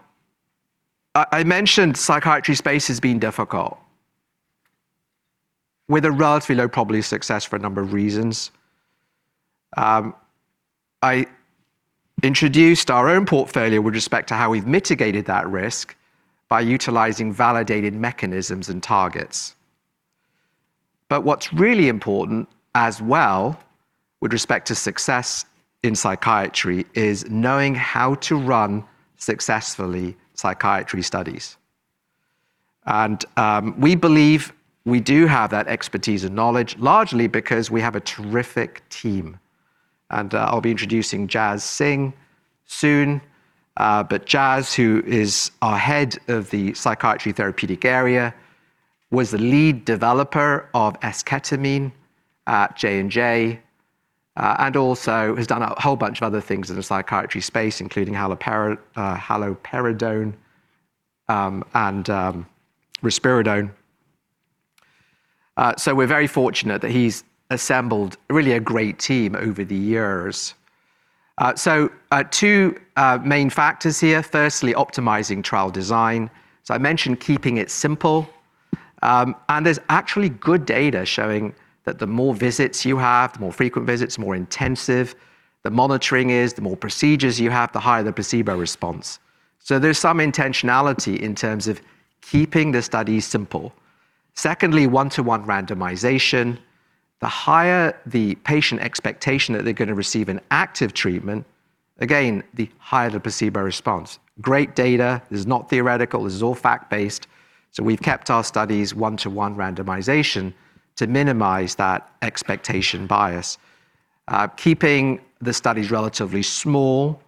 I mentioned psychiatry space has been difficult with a relatively low probability of success for a number of reasons. I introduced our own portfolio with respect to how we've mitigated that risk by utilizing validated mechanisms and targets. What's really important as well with respect to success in psychiatry is knowing how to run successfully psychiatry studies. We believe we do have that expertise and knowledge, largely because we have a terrific team. I'll be introducing Jaz Singh soon. Jaz, who is our head of the psychiatry therapeutic area, was the lead developer of esketamine at J&J and also has done a whole bunch of other things in the psychiatry space, including haloperidol and risperidone. We're very fortunate that he's assembled really a great team over the years. So two main factors here. Firstly, optimizing trial design. So I mentioned keeping it simple. And there's actually good data showing that the more visits you have, the more frequent visits, the more intensive the monitoring is, the more procedures you have, the higher the placebo response. So there's some intentionality in terms of keeping the studies simple. Secondly, one-to-one randomization. The higher the patient expectation that they're going to receive an active treatment, again, the higher the placebo response. Great data. This is not theoretical. This is all fact-based. So we've kept our studies one-to-one randomization to minimize that expectation bias. Keeping the studies relatively small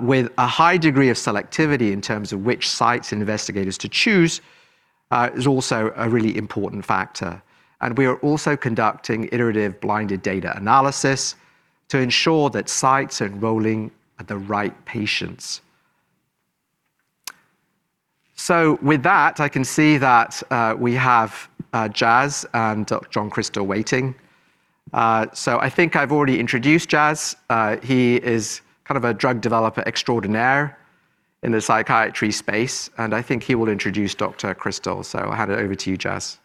with a high degree of selectivity in terms of which sites and investigators to choose is also a really important factor. And we are also conducting iterative blinded data analysis to ensure that sites are enrolling the right patients. With that, I can see that we have Jaz and Dr. John Krystal waiting. I think I've already introduced Jaz. He is kind of a drug developer extraordinaire in the psychiatry space. I think he will introduce Dr. Krystal. I'll hand it over to you, Jaz.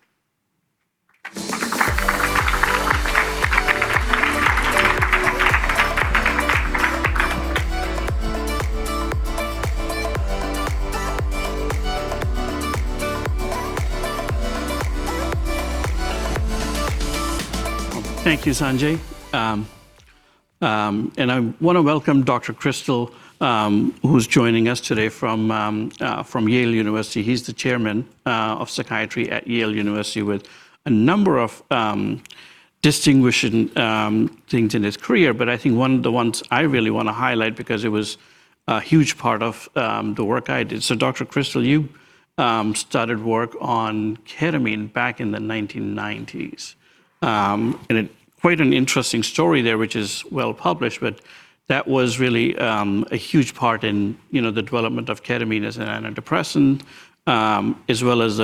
Thank you, Sanjay. I want to welcome Dr. Krystal, who's joining us today from Yale University. He is the chairman of psychiatry at Yale University with a number of distinguishing things in his career. I think one of the ones I really want to highlight because it was a huge part of the work I did. Dr. Krystal, you started work on ketamine back in the 1990s. Quite an interesting story there, which is well published, but that was really a huge part in the development of ketamine as an antidepressant, as well as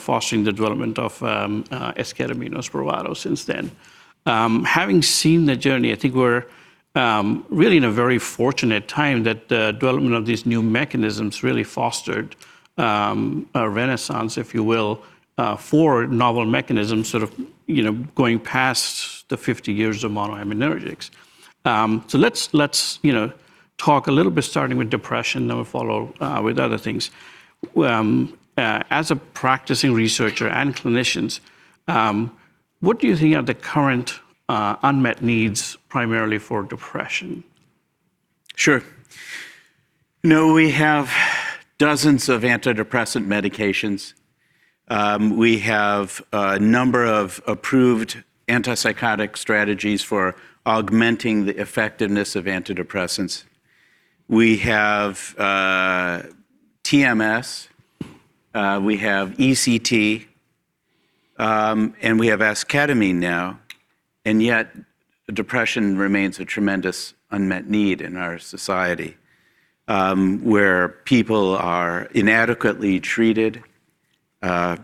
fostering the development of esketamine or Spravato since then. Having seen the journey, I think we're really in a very fortunate time that the development of these new mechanisms really fostered a renaissance, if you will, for novel mechanisms sort of going past the 50 years of monoaminergic. Let's talk a little bit starting with depression, then we'll follow with other things. As a practicing researcher and clinician, what do you think are the current unmet needs primarily for depression? Sure. We have dozens of antidepressant medications. We have a number of approved antipsychotic strategies for augmenting the effectiveness of antidepressants. We have TMS. We have ECT. We have esketamine now. And yet depression remains a tremendous unmet need in our society where people are inadequately treated,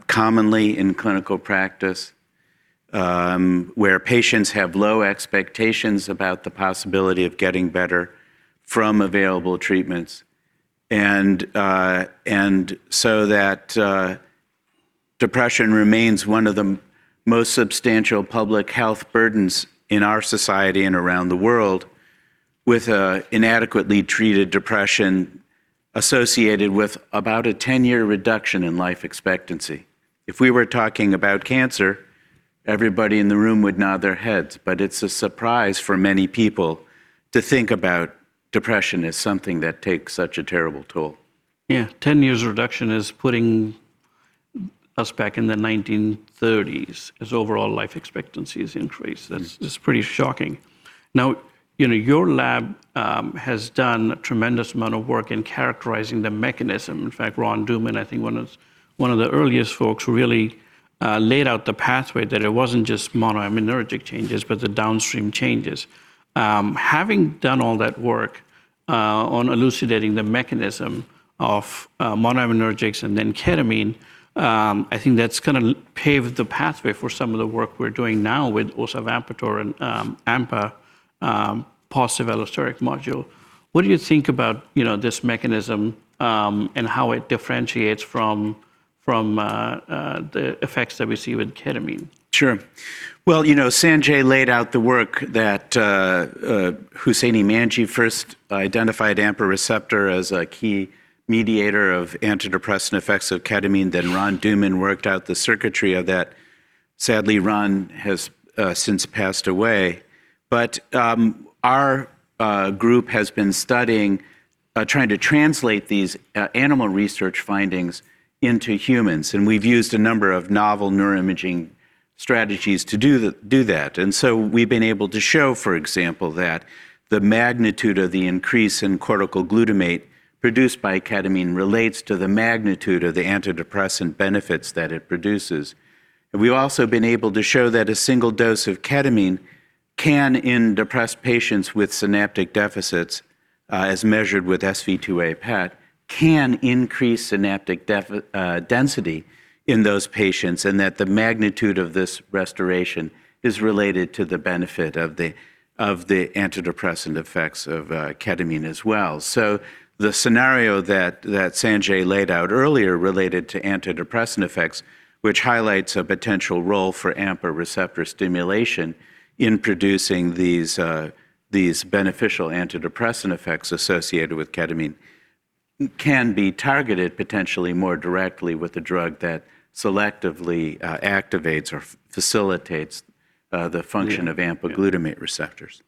commonly in clinical practice, where patients have low expectations about the possibility of getting better from available treatments. And so that depression remains one of the most substantial public health burdens in our society and around the world, with inadequately treated depression associated with about a 10-year reduction in life expectancy. If we were talking about cancer, everybody in the room would nod their heads. But it's a surprise for many people to think about depression as something that takes such a terrible toll. Yeah, 10 years of reduction is putting us back in the 1930s as overall life expectancy has increased. That's pretty shocking. Now, your lab has done a tremendous amount of work in characterizing the mechanism. In fact, Ron Duman, I think one of the earliest folks who really laid out the pathway that it wasn't just monoaminergic changes, but the downstream changes. Having done all that work on elucidating the mechanism of monoaminergics and then ketamine, I think that's going to pave the pathway for some of the work we're doing now with Osavampator and AMPA positive allosteric module. What do you think about this mechanism and how it differentiates from the effects that we see with ketamine? Sure. Well, Sanjay laid out the work that Husseini Manji first identified AMPA receptor as a key mediator of antidepressant effects of ketamine. Then Ron Duman worked out the circuitry of that. Sadly, Ron has since passed away. But our group has been studying, trying to translate these animal research findings into humans. And we've used a number of novel neuroimaging strategies to do that. And so we've been able to show, for example, that the magnitude of the increase in cortical glutamate produced by ketamine relates to the magnitude of the antidepressant benefits that it produces. And we've also been able to show that a single dose of ketamine can in depressed patients with synaptic deficits, as measured with SV2A PET, can increase synaptic density in those patients and that the magnitude of this restoration is related to the benefit of the antidepressant effects of ketamine as well. So the scenario that Sanjay laid out earlier related to antidepressant effects, which highlights a potential role for AMPA receptor stimulation in producing these beneficial antidepressant effects associated with ketamine, can be targeted potentially more directly with a drug that selectively activates or facilitates the function of AMPA glutamate receptors.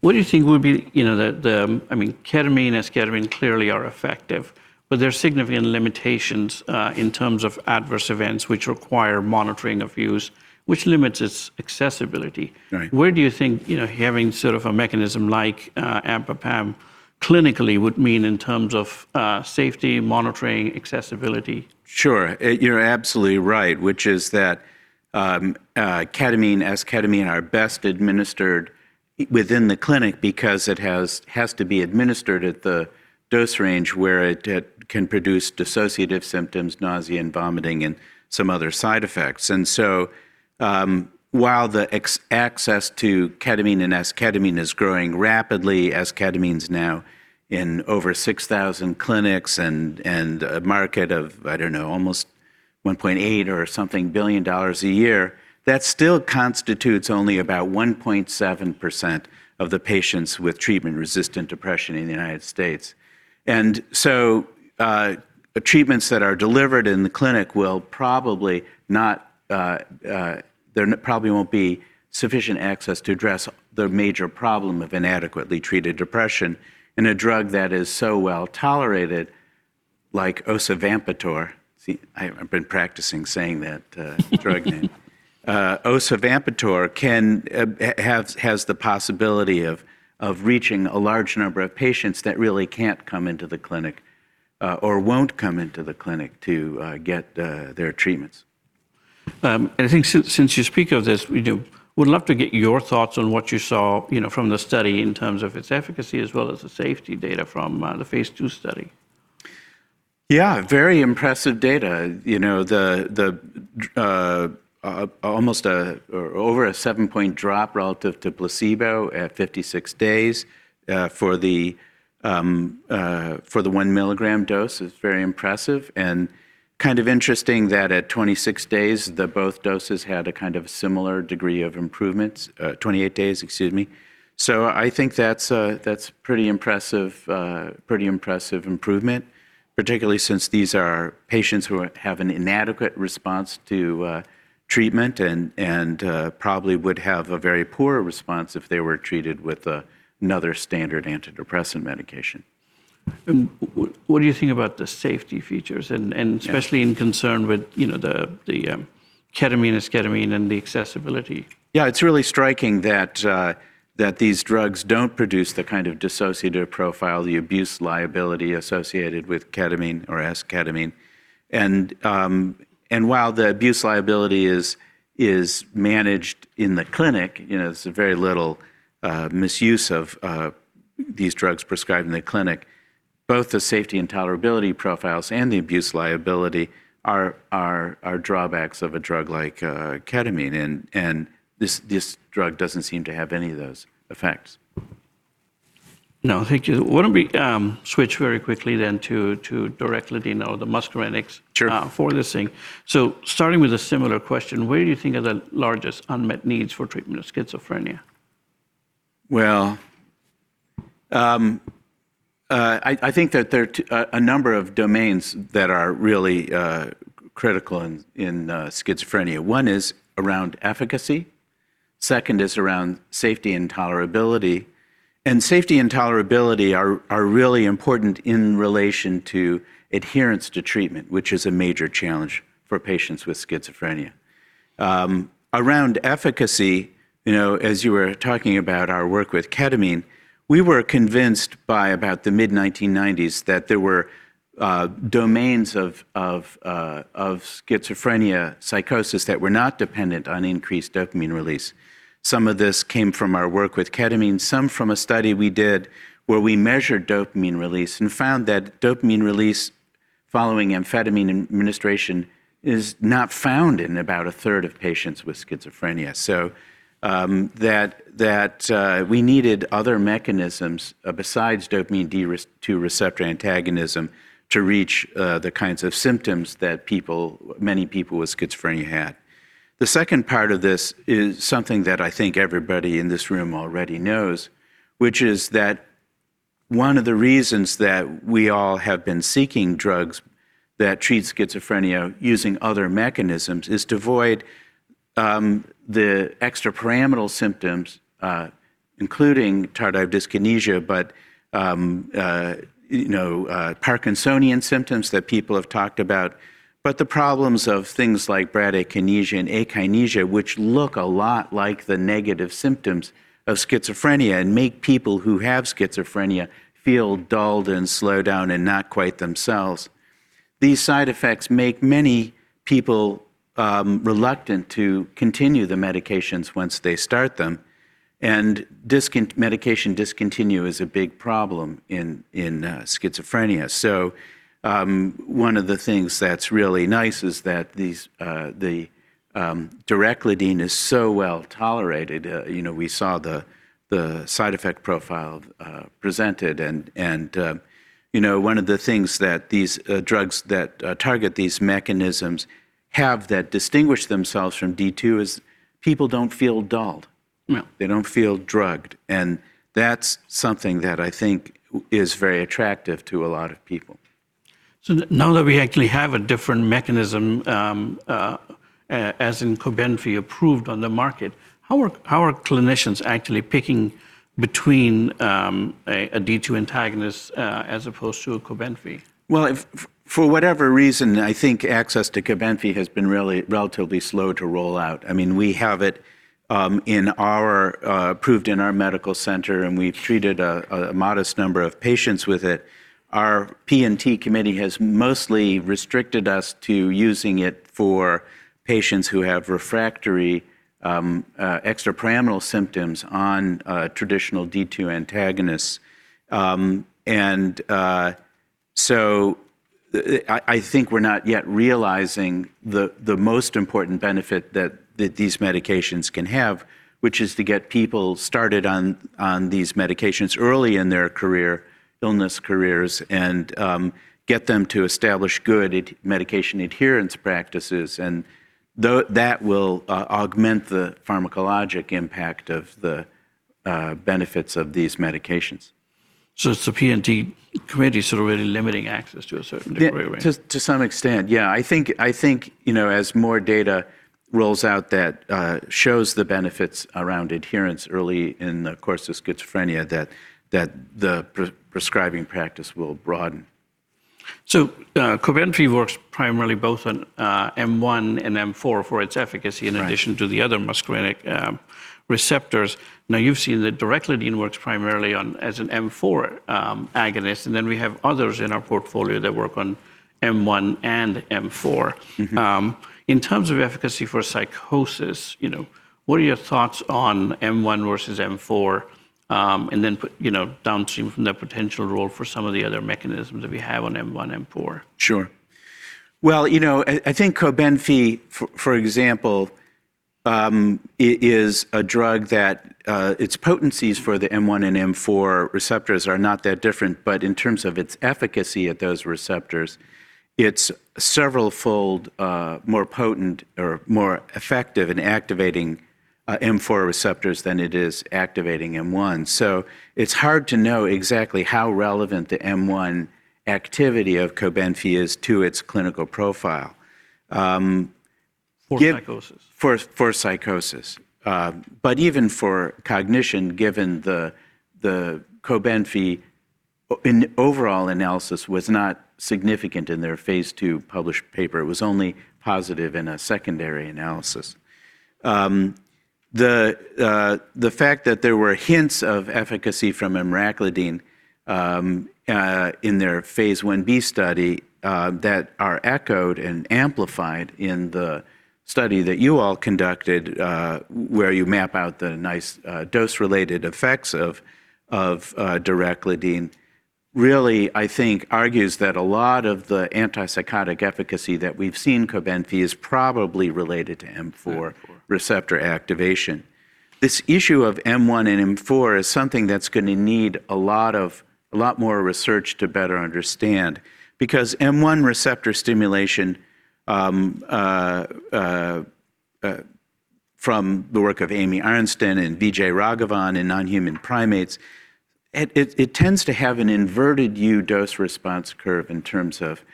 What do you think would be the, I mean, ketamine, esketamine clearly are effective, but there are significant limitations in terms of adverse events which require monitoring of use, which limits its accessibility? Where do you think having sort of a mechanism like AMPA-PAM clinically would mean in terms of safety, monitoring, accessibility? Sure. You're absolutely right, which is that ketamine, esketamine are best administered within the clinic because it has to be administered at the dose range where it can produce dissociative symptoms, nausea and vomiting, and some other side effects. And so while the access to ketamine and esketamine is growing rapidly, esketamine's now in over 6,000 clinics and a market of, I don't know, almost $1.8 billion or something a year, that still constitutes only about 1.7% of the patients with treatment-resistant depression in the United States. And so treatments that are delivered in the clinic will probably not. There probably won't be sufficient access to address the major problem of inadequately treated depression. And a drug that is so well tolerated, like Osavampator, I've been practicing saying that drug name, Osavampator has the possibility of reaching a large number of patients that really can't come into the clinic or won't come into the clinic to get their treatments. And I think since you speak of this, we'd love to get your thoughts on what you saw from the study in terms of its efficacy as well as the safety data from the phase II study. Yeah, very impressive data. Almost over a seven-point drop relative to placebo at 56 days for the 1 mg dose is very impressive. Kind of interesting that at 26 days, both doses had a kind of similar degree of improvements, 28 days, excuse me. So I think that's pretty impressive, pretty impressive improvement, particularly since these are patients who have an inadequate response to treatment and probably would have a very poor response if they were treated with another standard antidepressant medication. What do you think about the safety features and especially in concern with the ketamine, esketamine, and the accessibility? Yeah, it's really striking that these drugs don't produce the kind of dissociative profile, the abuse liability associated with ketamine or esketamine. And while the abuse liability is managed in the clinic, there's very little misuse of these drugs prescribed in the clinic. Both the safety and tolerability profiles and the abuse liability are drawbacks of a drug like ketamine. And this drug doesn't seem to have any of those effects. No, thank you. I want to switch very quickly then to directly the muscarinics for this thing. So starting with a similar question, where do you think are the largest unmet needs for treatment of schizophrenia? Well, I think that there are a number of domains that are really critical in schizophrenia. One is around efficacy. Second is around safety and tolerability. And safety and tolerability are really important in relation to adherence to treatment, which is a major challenge for patients with schizophrenia. Around efficacy, as you were talking about our work with ketamine, we were convinced by about the mid-1990s that there were domains of schizophrenia psychosis that were not dependent on increased dopamine release. Some of this came from our work with ketamine, some from a study we did where we measured dopamine release and found that dopamine release following amphetamine administration is not found in about a third of patients with schizophrenia. So that we needed other mechanisms besides dopamine D2 receptor antagonism to reach the kinds of symptoms that many people with schizophrenia had. The second part of this is something that I think everybody in this room already knows, which is that one of the reasons that we all have been seeking drugs that treat schizophrenia using other mechanisms is to avoid the extrapyramidal symptoms, including tardive dyskinesia, but Parkinsonian symptoms that people have talked about, but the problems of things like bradykinesia and akinesia, which look a lot like the negative symptoms of schizophrenia and make people who have schizophrenia feel dulled and slowed down and not quite themselves. These side effects make many people reluctant to continue the medications once they start them, and medication discontinuation is a big problem in schizophrenia, so one of the things that's really nice is that the Direclidine is so well tolerated. We saw the side effect profile presented, and one of the things that these drugs that target these mechanisms have that distinguish themselves from D2 is people don't feel dulled. They don't feel drugged, and that's something that I think is very attractive to a lot of people, so now that we actually have a different mechanism, as in Cobenfy, approved on the market, how are clinicians actually picking between a D2 antagonist as opposed to a Cobenfy, well, for whatever reason, I think access to Cobenfy has been really relatively slow to roll out. I mean, we have it approved in our medical center, and we've treated a modest number of patients with it. Our P&T committee has mostly restricted us to using it for patients who have refractory extrapyramidal symptoms on traditional D2 antagonists. And so I think we're not yet realizing the most important benefit that these medications can have, which is to get people started on these medications early in their illness careers and get them to establish good medication adherence practices. And that will augment the pharmacologic impact of the benefits of these medications. So it's the P&T committee sort of really limiting access to a certain degree, right? Yeah, to some extent, yeah. I think as more data rolls out that shows the benefits around adherence early in the course of schizophrenia, that the prescribing practice will broaden. Cobenfy works primarily both on M1 and M4 for its efficacy in addition to the other muscarinic receptors. Now, you've seen that Direclidine works primarily as an M4 agonist. And then we have others in our portfolio that work on M1 and M4. In terms of efficacy for psychosis, what are your thoughts on M1 versus M4? And then downstream from that, potential role for some of the other mechanisms that we have on M1, M4. Sure. I think Cobenfy, for example, is a drug that its potencies for the M1 and M4 receptors are not that different. But in terms of its efficacy at those receptors, it's several-fold more potent or more effective in activating M4 receptors than it is activating M1. So it's hard to know exactly how relevant the M1 activity of Cobenfy is to its clinical profile. For psychosis. But even for cognition, given the Cobenfy, an overall analysis was not significant in their phase II published paper. It was only positive in a secondary analysis. The fact that there were hints of efficacy from Emraclidine in their phase I-B study that are echoed and amplified in the study that you all conducted, where you map out the nice dose-related effects of Direclidine, really, I think, argues that a lot of the antipsychotic efficacy that we've seen Cobenfy is probably related to M4 receptor activation. This issue of M1 and M4 is something that's going to need a lot more research to better understand because M1 receptor stimulation from the work of Amy Arnsten and Vijayraghavan in non-human primates, it tends to have an inverted U dose response curve in terms of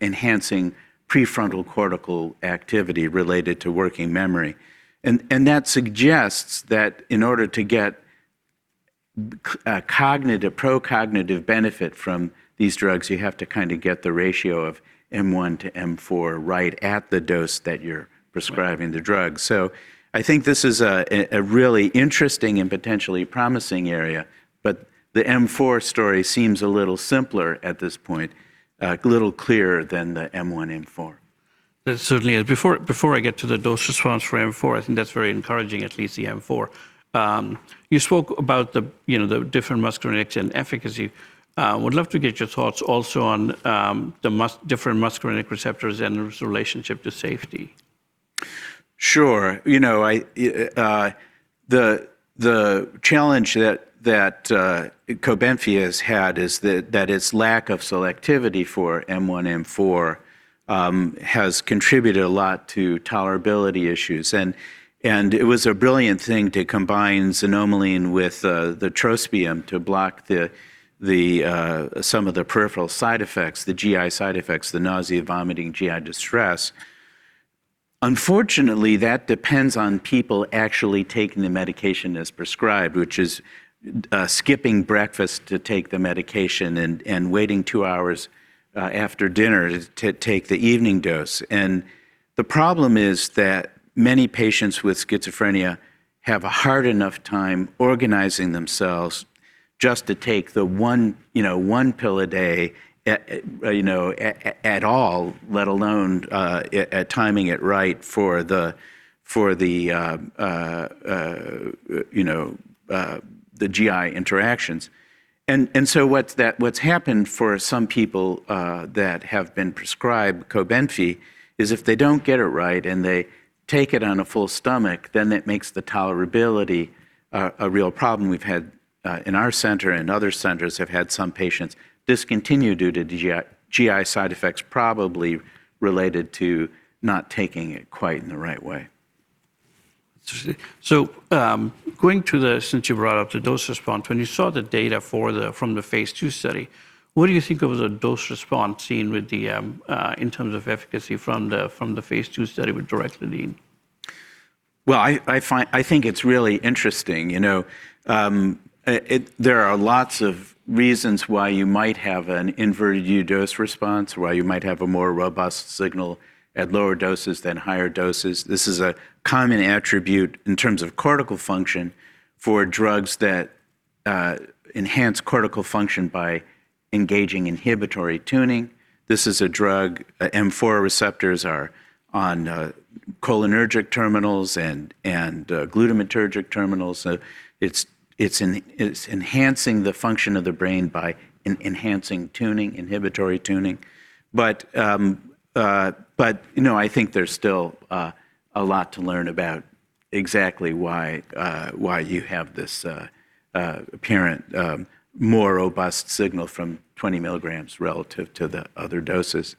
enhancing prefrontal cortical activity related to working memory. That suggests that in order to get pro-cognitive benefit from these drugs, you have to kind of get the ratio of M1 to M4 right at the dose that you're prescribing the drug, so I think this is a really interesting and potentially promising area, but the M4 story seems a little simpler at this point, a little clearer than the M1, M4. That certainly is. Before I get to the dose response for M4, I think that's very encouraging, at least the M4. You spoke about the different muscarinics and efficacy. I would love to get your thoughts also on the different muscarinic receptors and its relationship to safety. Sure. The challenge that Cobenfy has had is that its lack of selectivity for M1, M4 has contributed a lot to tolerability issues. And it was a brilliant thing to combine xanomeline with the trospium to block some of the peripheral side effects, the GI side effects, the nausea, vomiting, GI distress. Unfortunately, that depends on people actually taking the medication as prescribed, which is skipping breakfast to take the medication and waiting two hours after dinner to take the evening dose. And the problem is that many patients with schizophrenia have a hard enough time organizing themselves just to take the one pill a day at all, let alone timing it right for the GI interactions. And so what's happened for some people that have been prescribed Cobenfy is if they don't get it right and they take it on a full stomach, then that makes the tolerability a real problem. We've had in our center and other centers have had some patients discontinue due to GI side effects probably related to not taking it quite in the right way. Since you brought up the dose response, when you saw the data from the phase II study, what do you think of the dose response seen in terms of efficacy from the phase II study with Direclidine? I think it's really interesting. There are lots of reasons why you might have an inverted U dose response, why you might have a more robust signal at lower doses than higher doses. This is a common attribute in terms of cortical function for drugs that enhance cortical function by engaging inhibitory tuning. This is a drug, M4 receptors are on cholinergic terminals and glutamatergic terminals. It's enhancing the function of the brain by enhancing tuning, inhibitory tuning. But I think there's still a lot to learn about exactly why you have this apparent more robust signal from 20 mg relative to the other doses.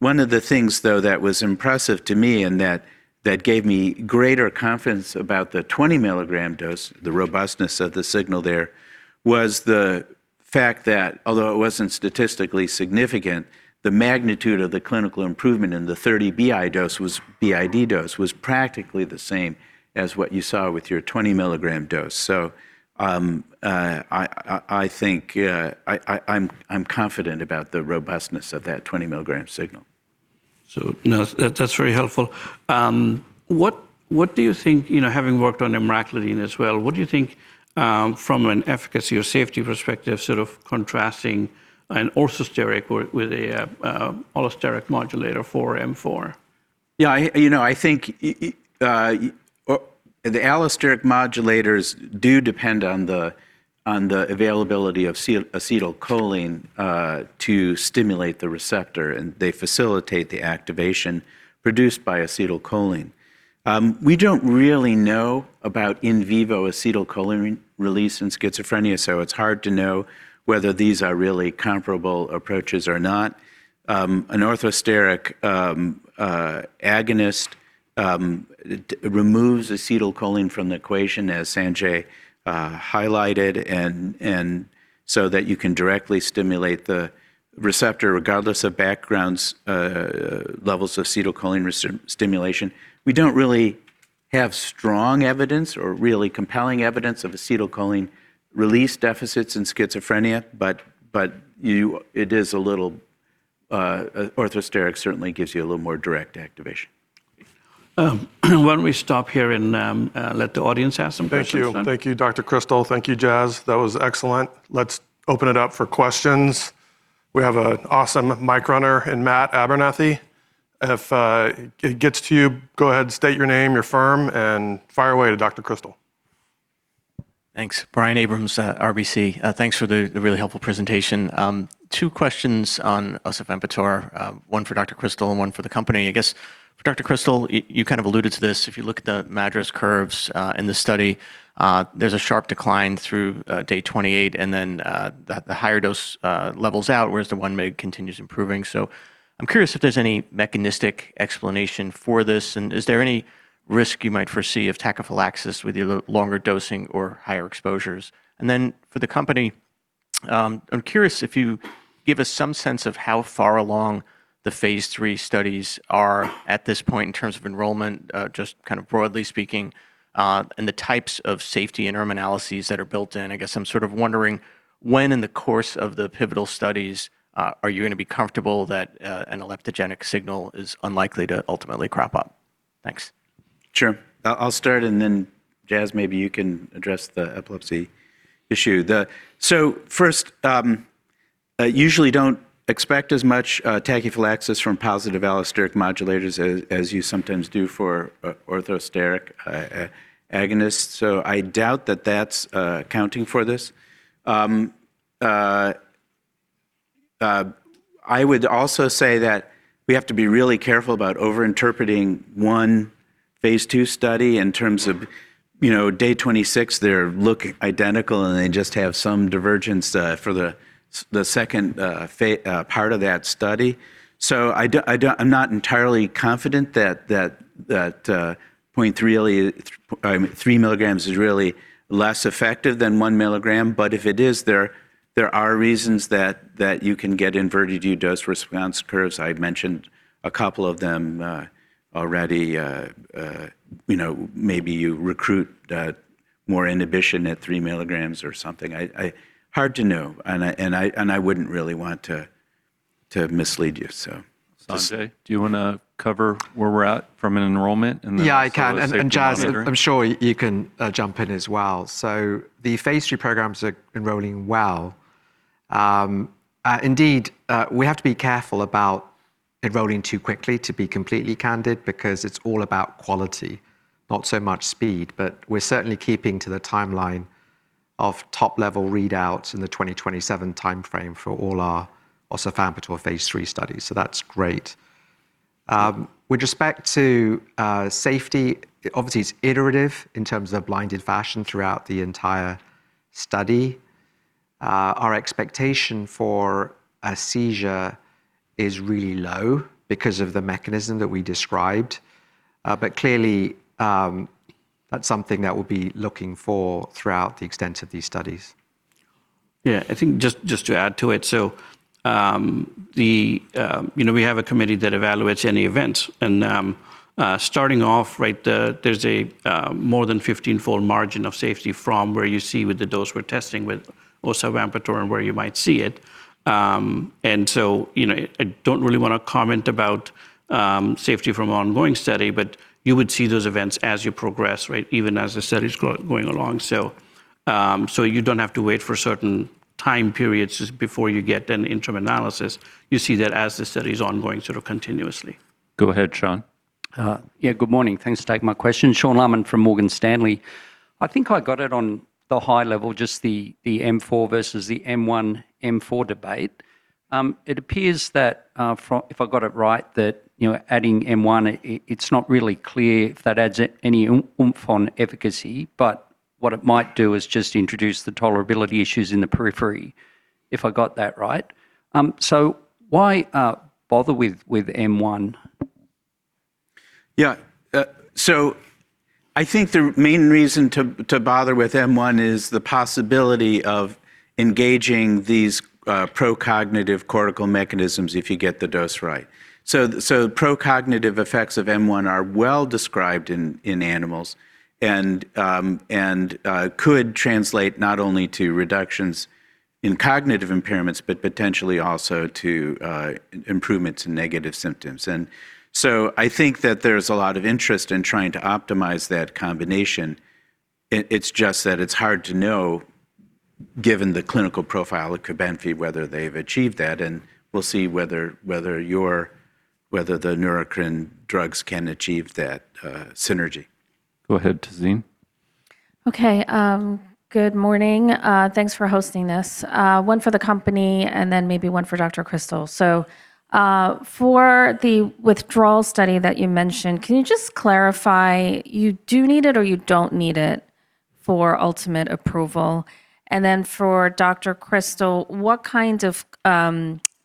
One of the things, though, that was impressive to me and that gave me greater confidence about the 20 mg dose, the robustness of the signal there, was the fact that although it wasn't statistically significant, the magnitude of the clinical improvement in the 30 mg BID dose was practically the same as what you saw with your 20 mg dose. I think I'm confident about the robustness of that 20 mg signal. That's very helpful. What do you think, having worked on emraclidine as well, what do you think from an efficacy or safety perspective, sort of contrasting an orthosteric with an allosteric modulator for M4? Yeah, I think the allosteric modulators do depend on the availability of acetylcholine to stimulate the receptor. And they facilitate the activation produced by acetylcholine. We don't really know about in vivo acetylcholine release in schizophrenia. So it's hard to know whether these are really comparable approaches or not. An orthosteric agonist removes acetylcholine from the equation, as Sanjay highlighted, and so that you can directly stimulate the receptor regardless of background levels of acetylcholine stimulation. We don't really have strong evidence or really compelling evidence of acetylcholine release deficits in schizophrenia. But it is a little. Orthosteric certainly gives you a little more direct activation. Why don't we stop here and let the audience have some questions? Thank you. Thank you, Dr. Krystal. Thank you, Jaz. That was excellent. Let's open it up for questions. We have an awesome mic runner in Matt Abernethy. If it gets to you, go ahead, state your name, your firm, and fire away to Dr. Krystal. Thanks. Brian Abrahams, RBC Capital Markets. Thanks for the really helpful presentation. Two questions on Osavampator, one for Dr. Krystal and one for the company. I guess for Dr. Krystal, you kind of alluded to this. If you look at the MADRS curves in the study, there's a sharp decline through day 28, and then the higher dose levels out, whereas the 1 mg continues improving. So I'm curious if there's any mechanistic explanation for this, and is there any risk you might foresee of tachyphylaxis with your longer dosing or higher exposures? And then for the company, I'm curious if you give us some sense of how far along the phase III studies are at this point in terms of enrollment, just kind of broadly speaking, and the types of safety interim analyses that are built in. I guess I'm sort of wondering when in the course of the pivotal studies are you going to be comfortable that an epileptogenic signal is unlikely to ultimately crop up? Thanks. Sure. I'll start. And then, Jaz, maybe you can address the epilepsy issue. So first, usually don't expect as much tachyphylaxis from positive allosteric modulators as you sometimes do for orthosteric agonists. So I doubt that that's accounting for this. I would also say that we have to be really careful about overinterpreting one phase II study terms of day 26. They're looking identical, and they just have some divergence for the second part of that study. I'm not entirely confident that 3 mg is really less effective than 1 mg. If it is, there are reasons that you can get inverted U dose response curves. I mentioned a couple of them already. Maybe you recruit more inhibition at 3 mg or something. Hard to know. I wouldn't really want to mislead you. Sanjay, do you want to cover where we're at from an enrollment? Yeah, I can. Jaz, I'm sure you can jump in as well. The phase II programs are enrolling well. Indeed, we have to be careful about enrolling too quickly, to be completely candid, because it's all about quality, not so much speed. But we're certainly keeping to the timeline of top-level readouts in the 2027 time frame for all our Osavampator phase III studies. So that's great. With respect to safety, obviously, it's iterative in terms of blinded fashion throughout the entire study. Our expectation for a seizure is really low because of the mechanism that we described. But clearly, that's something that we'll be looking for throughout the extent of these studies. Yeah, I think just to add to it, so we have a committee that evaluates any events. And starting off, there's a more than 15-fold margin of safety from where you see with the dose we're testing with Osavampator and where you might see it. And so I don't really want to comment about safety from ongoing study. But you would see those events as you progress, even as the study is going along. So you don't have to wait for certain time periods before you get an interim analysis. You see that as the study is ongoing sort of continuously. Go ahead, Sean. Yeah, good morning. Thanks for taking my question. Sean Laaman from Morgan Stanley. I think I got it on the high level, just the M4 versus the M1, M4 debate. It appears that, if I got it right, that adding M1, it's not really clear if that adds any oomph on efficacy. But what it might do is just introduce the tolerability issues in the periphery, if I got that right. So why bother with M1? Yeah. I think the main reason to bother with M1 is the possibility of engaging these pro-cognitive cortical mechanisms if you get the dose right. Pro-cognitive effects of M1 are well described in animals and could translate not only to reductions in cognitive impairments, but potentially also to improvements in negative symptoms. And so I think that there's a lot of interest in trying to optimize that combination. It's just that it's hard to know, given the clinical profile of Cobenfy, whether they've achieved that. And we'll see whether the Neurocrine drugs can achieve that synergy. Go ahead, Tazeen. OK. Good morning. Thanks for hosting this. One for the company and then maybe one for Dr. Krystal. So for the withdrawal study that you mentioned, can you just clarify you do need it or you don't need it for ultimate approval? And then for Dr. Krystal, what kind of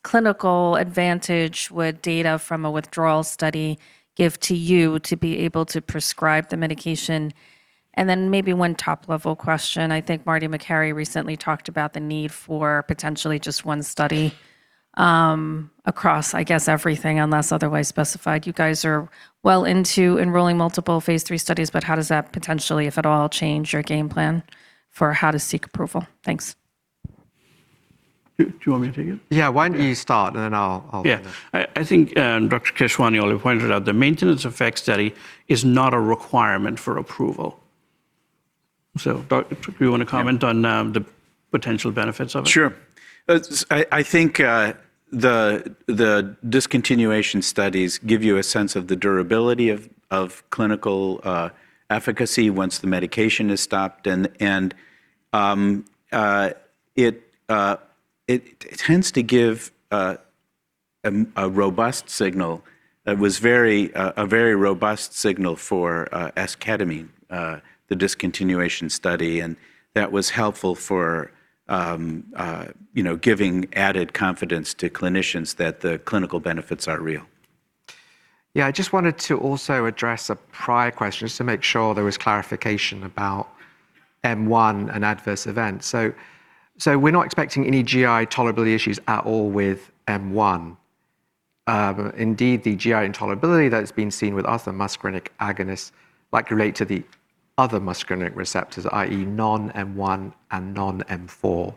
clinical advantage would data from a withdrawal study give to you to be able to prescribe the medication? And then maybe one top-level question. I think Marty McHarry recently talked about the need for potentially just one study across, I guess, everything unless otherwise specified. You guys are well into enrolling multiple phase III studies. But how does that potentially, if at all, change your game plan for how to seek approval? Thanks. Do you want me to take it? Yeah, why don't you start, and then I'll? Yeah. I think Dr. Keswani already pointed out the maintenance effect study is not a requirement for approval. So do you want to comment on the potential benefits of it? Sure. I think the discontinuation studies give you a sense of the durability of clinical efficacy once the medication is stopped. It tends to give a robust signal. It was a very robust signal for esketamine, the discontinuation study. That was helpful for giving added confidence to clinicians that the clinical benefits are real. Yeah, I just wanted to also address a prior question just to make sure there was clarification about M1 and adverse events. So we're not expecting any GI tolerability issues at all with M1. Indeed, the GI intolerability that's been seen with other muscarinic agonists likely relates to the other muscarinic receptors, i.e., non-M1 and non-M4.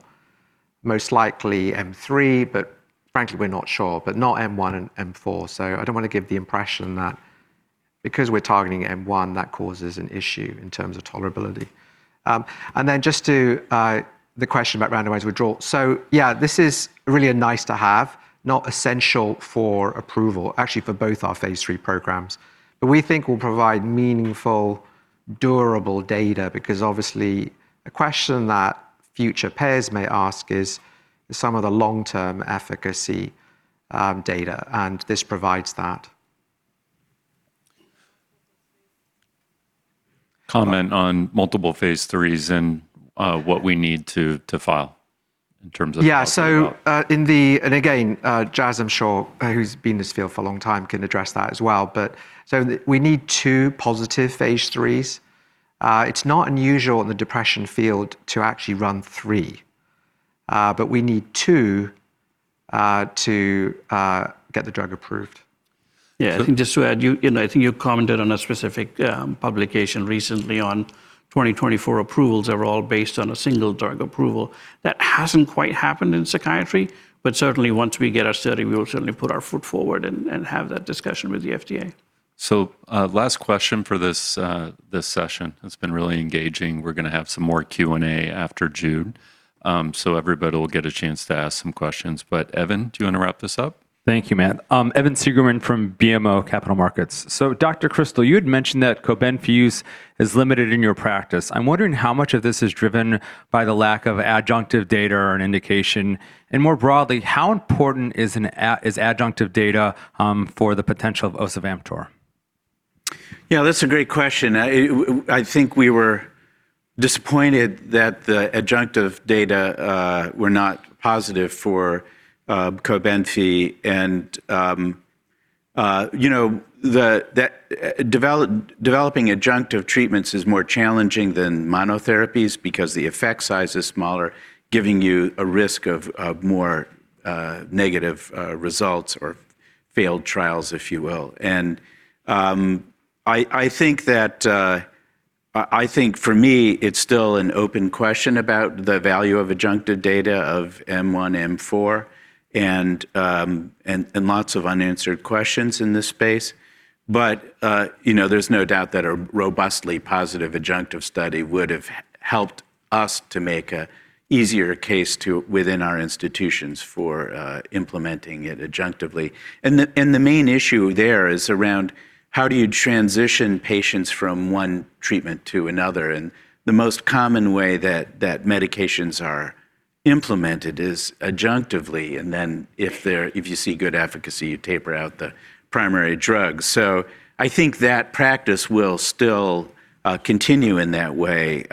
Most likely M3, but frankly, we're not sure. But not M1 and M4. So I don't want to give the impression that because we're targeting M1, that causes an issue in terms of tolerability. Then just to the question about randomized withdrawal. So yeah, this is really a nice-to-have, not essential for approval, actually for both our phase III programs. But we think we'll provide meaningful, durable data because obviously, a question that future payers may ask is some of the long-term efficacy data. And this provides that. Comment on multiple phase 3s and what we need to file in terms of. Yeah. And again, Jaz, I'm sure, who's been in this field for a long time, can address that as well. But so we need two positive phase IIIs. It's not unusual in the depression field to actually run three. But we need two to get the drug approved. Yeah, I think just to add, I think you commented on a specific publication recently on 2024 approvals that were all based on a single drug approval. That hasn't quite happened in psychiatry. But certainly, once we get our study, we will certainly put our foot forward and have that discussion with the FDA. So last question for this session. It's been really engaging. We're going to have some more Q&A after June. So everybody will get a chance to ask some questions. But Evan, do you want to wrap this up? Thank you, Matt. Evan Seigerman from BMO Capital Markets. So Dr. Krystal, you had mentioned that Cobenfy use is limited in your practice. I'm wondering how much of this is driven by the lack of adjunctive data or an indication. And more broadly, how important is adjunctive data for the potential of Osavampator? Yeah, that's a great question. I think we were disappointed that the adjunctive data were not positive for Cobenfy. And developing adjunctive treatments is more challenging than monotherapies because the effect size is smaller, giving you a risk of more negative results or failed trials, if you will. And I think for me, it's still an open question about the value of adjunctive data of M1, M4, and lots of unanswered questions in this space. But there's no doubt that a robustly positive adjunctive study would have helped us to make an easier case within our institutions for implementing it adjunctively. And the main issue there is around how do you transition patients from one treatment to another. And the most common way that medications are implemented is adjunctively. And then if you see good efficacy, you taper out the primary drug. So I think that practice will still continue in that way.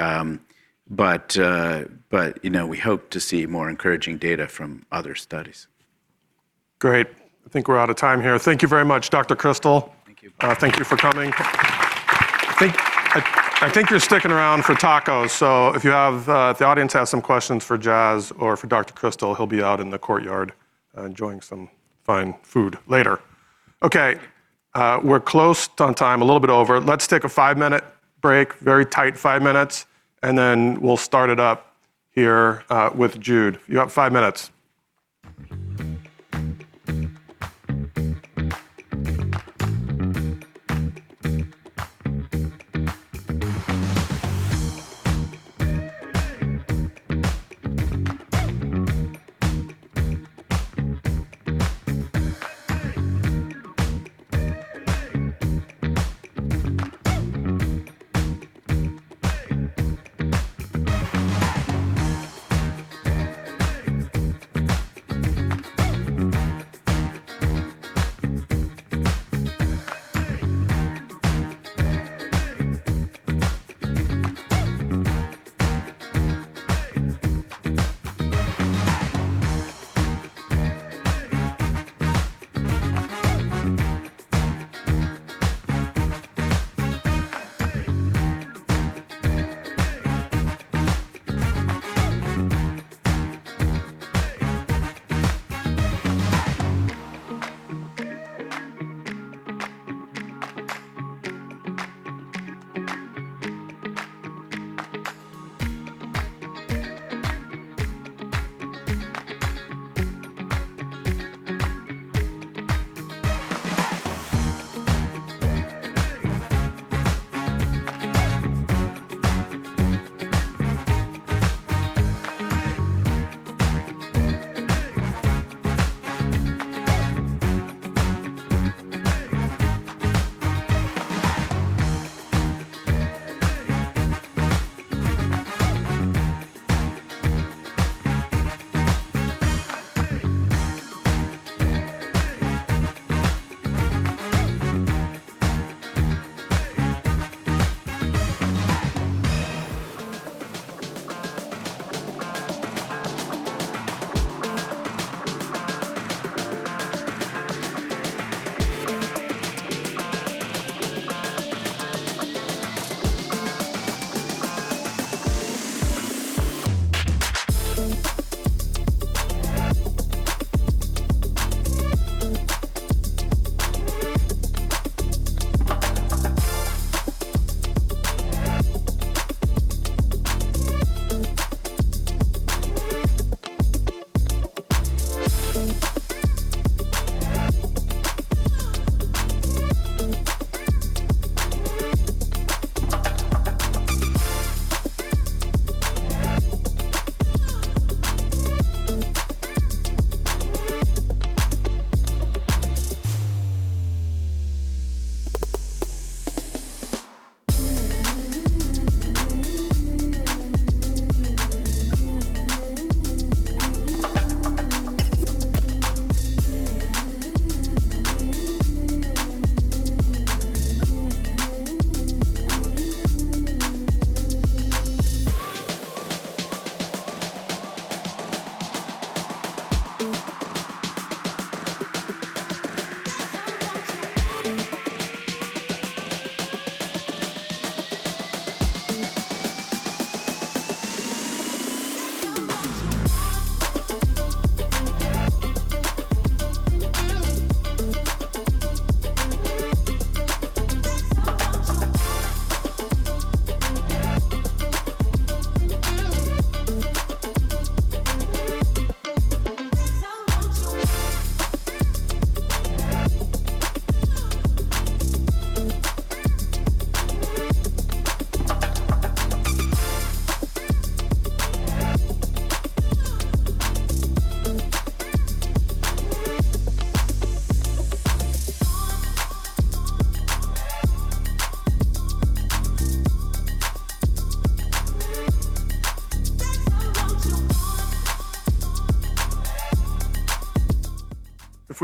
But we hope to see more encouraging data from other studies. Great. I think we're out of time here. Thank you very much, Dr. Krystal. Thank you. Thank you for coming. I think you're sticking around for tacos. So if the audience has some questions for Jaz or for Dr. Krystal, he'll be out in the courtyard enjoying some fine food later. OK, we're close on time, a little bit over. Let's take a five-minute break, very tight five minutes, and then we'll start it up here with Jude. You have five minutes.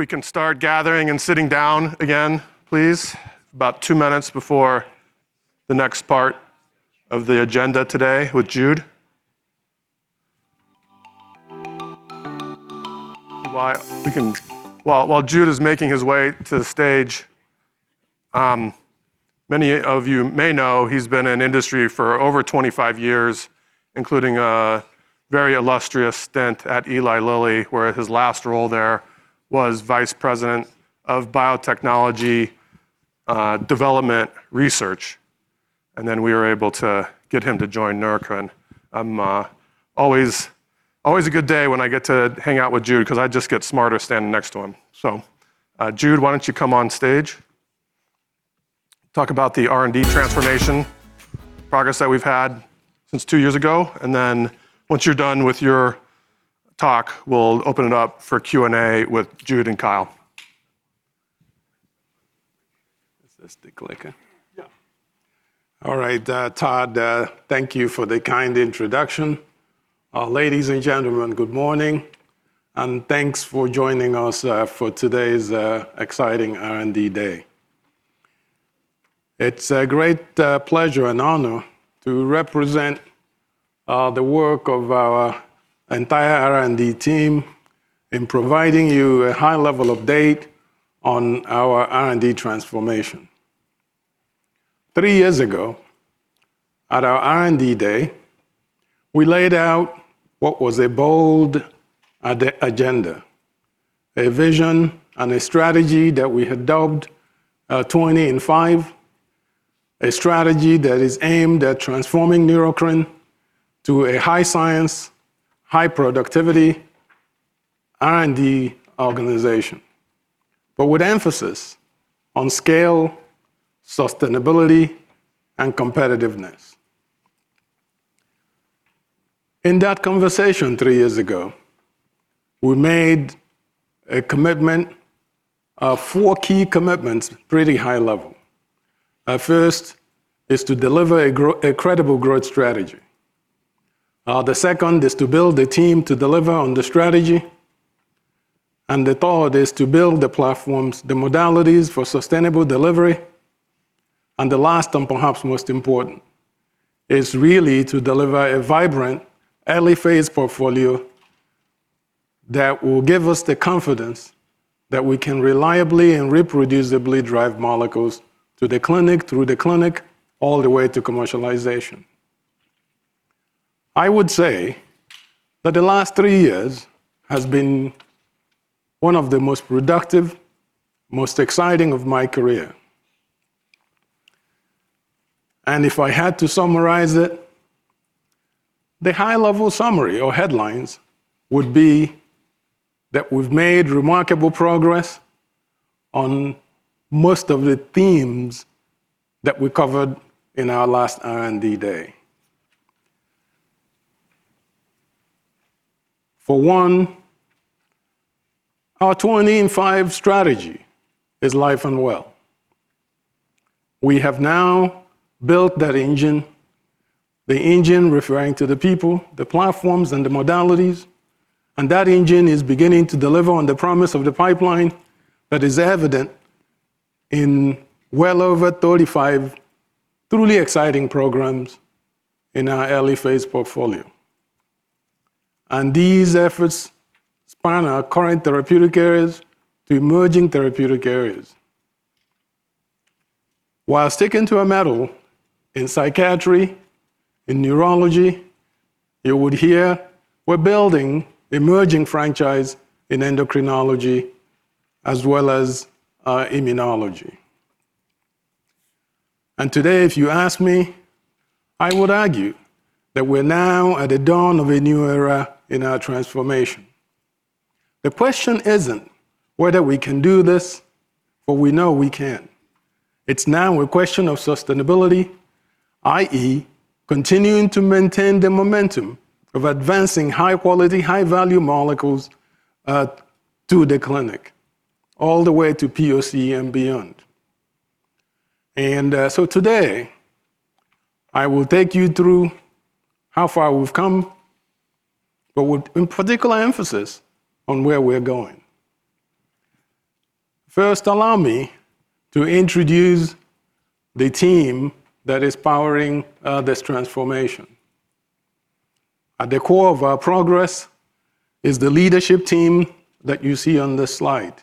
If we can start gathering and sitting down again, please, about two minutes before the next part of the agenda today with Jude. While Jude is making his way to the stage, many of you may know he's been in industry for over 25 years, including a very illustrious stint at Eli Lilly, where his last role there was Vice President of Biotechnology Development Research. And then we were able to get him to join Neurocrine. Always a good day when I get to hang out with Jude because I just get smarter standing next to him. So Jude, why don't you come on stage? Talk about the R&D transformation progress that we've had since two years ago. And then once you're done with your talk, we'll open it up for Q&A with Jude and Kyle. Is this the clicker? Yeah. All right, Todd, thank you for the kind introduction. Ladies and gentlemen, good morning. And thanks for joining us for today's exciting R&D day. It's a great pleasure and honor to represent the work of our entire R&D team in providing you a high level update on our R&D transformation. Three years ago, at our R&D day, we laid out what was a bold agenda, a vision, and a strategy that we had dubbed 20 in 5, a strategy that is aimed at transforming Neurocrine to a high-science, high-productivity R&D organization, but with emphasis on scale, sustainability, and competitiveness. In that conversation three years ago, we made a commitment, four key commitments, pretty high level. First is to deliver a credible growth strategy. The second is to build a team to deliver on the strategy. And the third is to build the platforms, the modalities for sustainable delivery. And the last, and perhaps most important, is really to deliver a vibrant early-phase portfolio that will give us the confidence that we can reliably and reproducibly drive molecules to the clinic, through the clinic, all the way to commercialization. I would say that the last three years has been one of the most productive, most exciting of my career. And if I had to summarize it, the high-level summary or headlines would be that we've made remarkable progress on most of the themes that we covered in our last R&D day. For one, our 20 in 5 strategy is alive and well. We have now built that engine, the engine referring to the people, the platforms, and the modalities. And that engine is beginning to deliver on the promise of the pipeline that is evident in well over 35 truly exciting programs in our early-phase portfolio. And these efforts span our current therapeutic areas to emerging therapeutic areas. While sticking to a mandate in psychiatry, in neurology, you would hear we're building emerging franchise in endocrinology, as well as immunology. Today, if you ask me, I would argue that we're now at the dawn of a new era in our transformation. The question isn't whether we can do this, for we know we can. It's now a question of sustainability, i.e., continuing to maintain the momentum of advancing high-quality, high-value molecules to the clinic, all the way to POC and beyond. So today, I will take you through how far we've come, but with particular emphasis on where we're going. First, allow me to introduce the team that is powering this transformation. At the core of our progress is the leadership team that you see on this slide.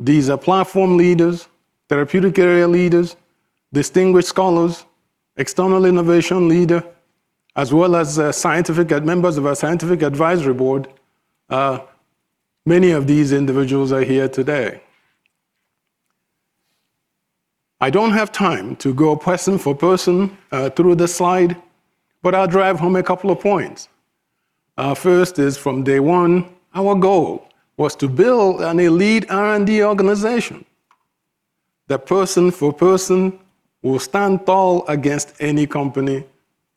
These are platform leaders, therapeutic area leaders, distinguished scholars, external innovation leader, as well as members of our scientific advisory board. Many of these individuals are here today. I don't have time to go person for person through the slide, but I'll drive home a couple of points. First is from day one, our goal was to build an elite R&D organization that person for person will stand tall against any company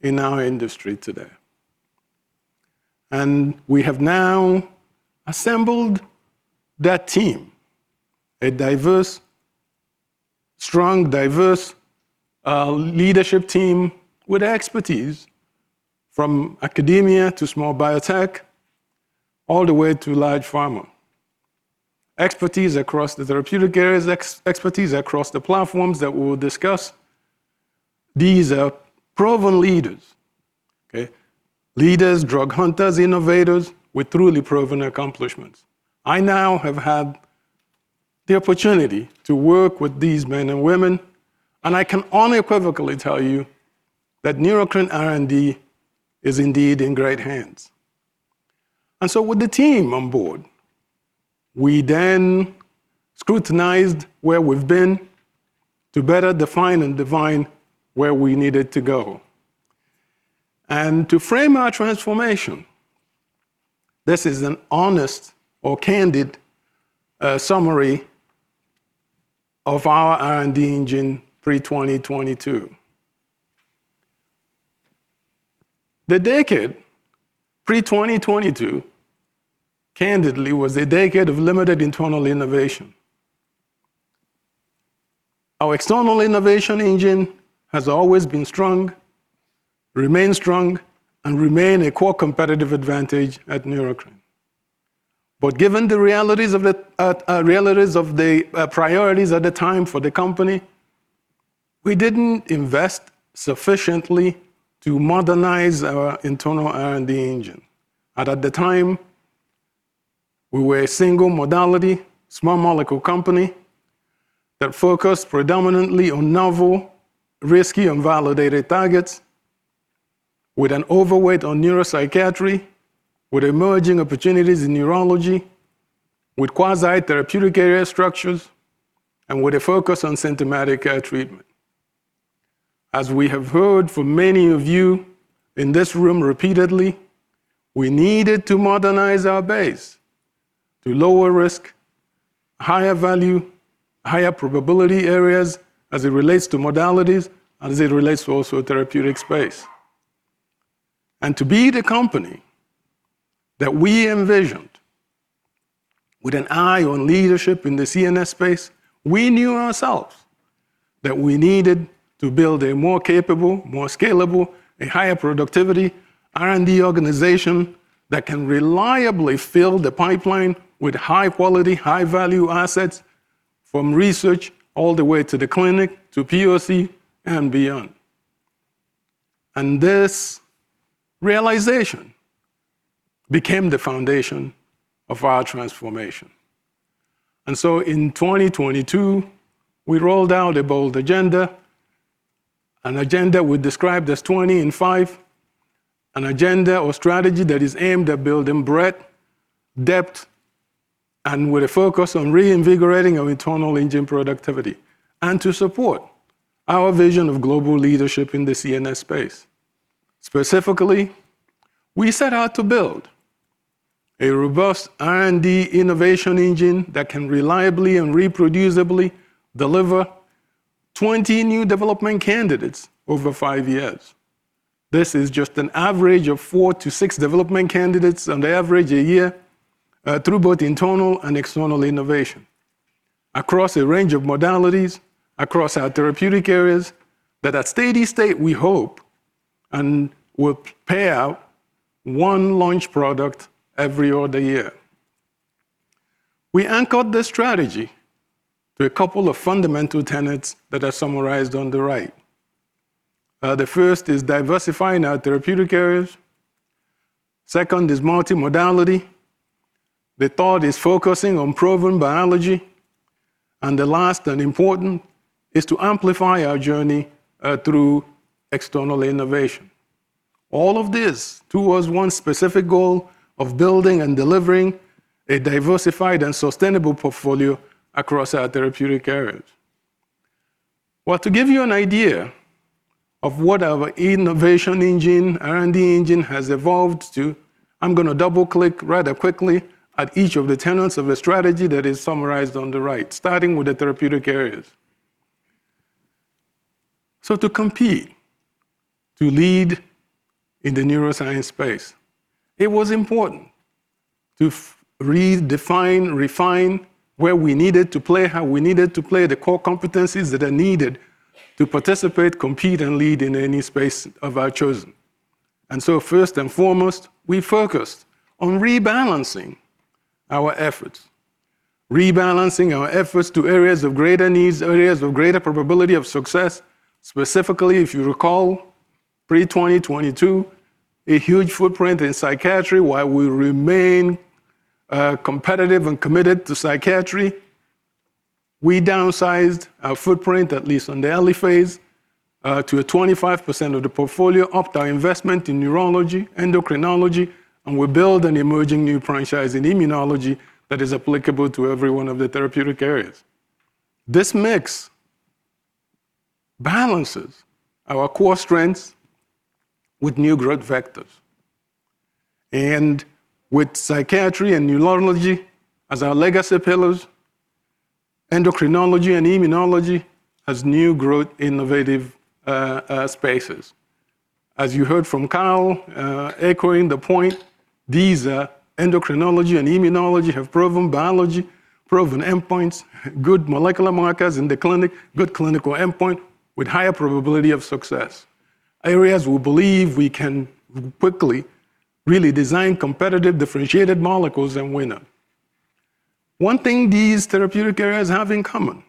in our industry today, and we have now assembled that team, a diverse, strong, diverse leadership team with expertise from academia to small biotech, all the way to large pharma. Expertise across the therapeutic areas, expertise across the platforms that we will discuss. These are proven leaders, leaders, drug hunters, innovators with truly proven accomplishments. I now have had the opportunity to work with these men and women, and I can unequivocally tell you that Neurocrine R&D is indeed in great hands, and so with the team on board, we then scrutinized where we've been to better define and divine where we needed to go. To frame our transformation, this is an honest or candid summary of our R&D engine pre-2022. The decade pre-2022, candidly, was a decade of limited internal innovation. Our external innovation engine has always been strong, remains strong, and remains a core competitive advantage at Neurocrine. But given the realities of the priorities at the time for the company, we didn't invest sufficiently to modernize our internal R&D engine. And at the time, we were a single modality, small molecule company that focused predominantly on novel, risky, and validated targets, with an overweight on neuropsychiatry, with emerging opportunities in neurology, with quasi-therapeutic area structures, and with a focus on symptomatic care treatment. As we have heard from many of you in this room repeatedly, we needed to modernize our base to lower risk, higher value, higher probability areas as it relates to modalities, as it relates to also therapeutic space. To be the company that we envisioned with an eye on leadership in the CNS space, we knew ourselves that we needed to build a more capable, more scalable, a higher productivity R&D organization that can reliably fill the pipeline with high-quality, high-value assets from research all the way to the clinic, to POC, and beyond. This realization became the foundation of our transformation. In 2022, we rolled out a bold agenda, an agenda we described as 20 in 5, an agenda or strategy that is aimed at building breadth, depth, and with a focus on reinvigorating our internal engine productivity and to support our vision of global leadership in the CNS space. Specifically, we set out to build a robust R&D innovation engine that can reliably and reproducibly deliver 20 new development candidates over five years. This is just an average of four to six development candidates on the average a year through both internal and external innovation across a range of modalities across our therapeutic areas, that at steady state, we hope and will pay out one launch product every other year. We anchored this strategy to a couple of fundamental tenets that are summarized on the right. The first is diversifying our therapeutic areas. Second is multimodality. The third is focusing on proven biology. And the last and important is to amplify our journey through external innovation. All of this towards one specific goal of building and delivering a diversified and sustainable portfolio across our therapeutic areas. To give you an idea of what our innovation engine, R&D engine has evolved to, I'm going to double-click rather quickly at each of the tenets of a strategy that is summarized on the right, starting with the therapeutic areas. To compete, to lead in the neuroscience space, it was important to redefine, refine where we needed to play, how we needed to play the core competencies that are needed to participate, compete, and lead in any space of our choosing. First and foremost, we focused on rebalancing our efforts to areas of greater needs, areas of greater probability of success. Specifically, if you recall, pre-2022, a huge footprint in psychiatry, while we remain competitive and committed to psychiatry, we downsized our footprint, at least in the early phase, to 25% of the portfolio, upped our investment in neurology, endocrinology, and we built an emerging new franchise in immunology that is applicable to every one of the therapeutic areas. This mix balances our core strengths with new growth vectors, and with psychiatry and neurology as our legacy pillars, endocrinology and immunology as new growth innovative spaces. As you heard from Kyle echoing the point, these are endocrinology and immunology have proven biology, proven endpoints, good molecular markers in the clinic, good clinical endpoint with higher probability of success, areas we believe we can quickly really design competitive differentiated molecules and winner. One thing these therapeutic areas have in common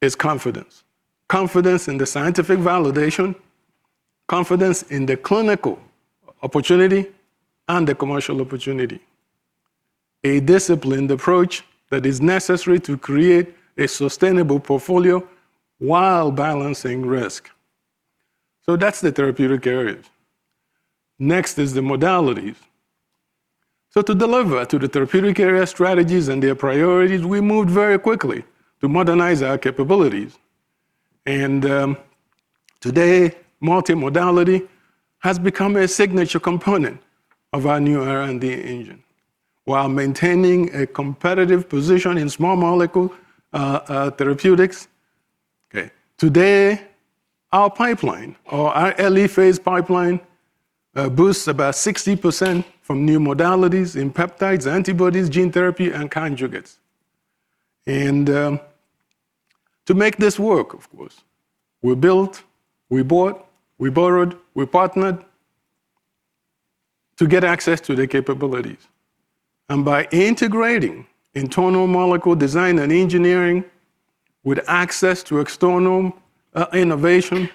is confidence, confidence in the scientific validation, confidence in the clinical opportunity and the commercial opportunity, a disciplined approach that is necessary to create a sustainable portfolio while balancing risk. So that's the therapeutic areas. Next is the modalities. So to deliver to the therapeutic area strategies and their priorities, we moved very quickly to modernize our capabilities. And today, multimodality has become a signature component of our new R&D engine. While maintaining a competitive position in small molecule therapeutics, today, our pipeline or our early-phase pipeline boasts about 60% from new modalities in peptides, antibodies, gene therapy, and conjugates. And to make this work, of course, we built, we bought, we borrowed, we partnered to get access to the capabilities. And by integrating internal molecule design and engineering with access to external innovation,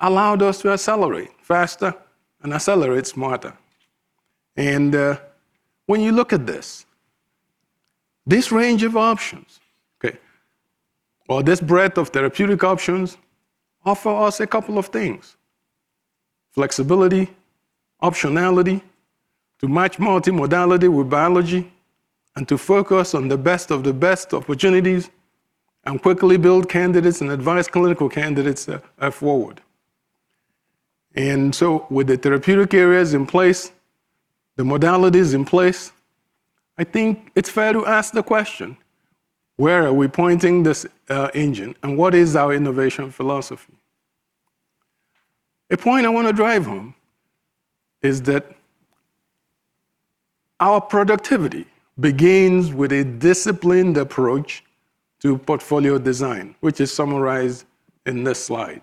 allowed us to accelerate faster and accelerate smarter. When you look at this, this range of options, or this breadth of therapeutic options offer us a couple of things: flexibility, optionality to match multimodality with biology, and to focus on the best of the best opportunities and quickly build candidates and advise clinical candidates forward. With the therapeutic areas in place, the modalities in place, I think it's fair to ask the question, where are we pointing this engine and what is our innovation philosophy? A point I want to drive home is that our productivity begins with a disciplined approach to portfolio design, which is summarized in this slide.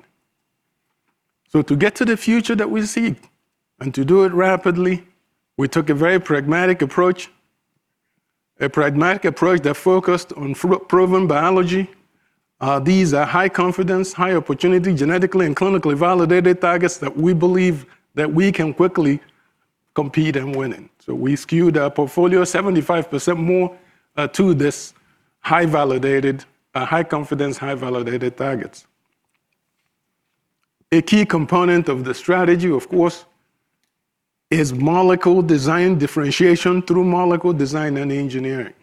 To get to the future that we seek and to do it rapidly, we took a very pragmatic approach, a pragmatic approach that focused on proven biology. These are high confidence, high opportunity, genetically and clinically validated targets that we believe that we can quickly compete and win in, so we skewed our portfolio 75% more to these high validated, high confidence, high validated targets. A key component of the strategy, of course, is molecule design differentiation through molecule design and engineering,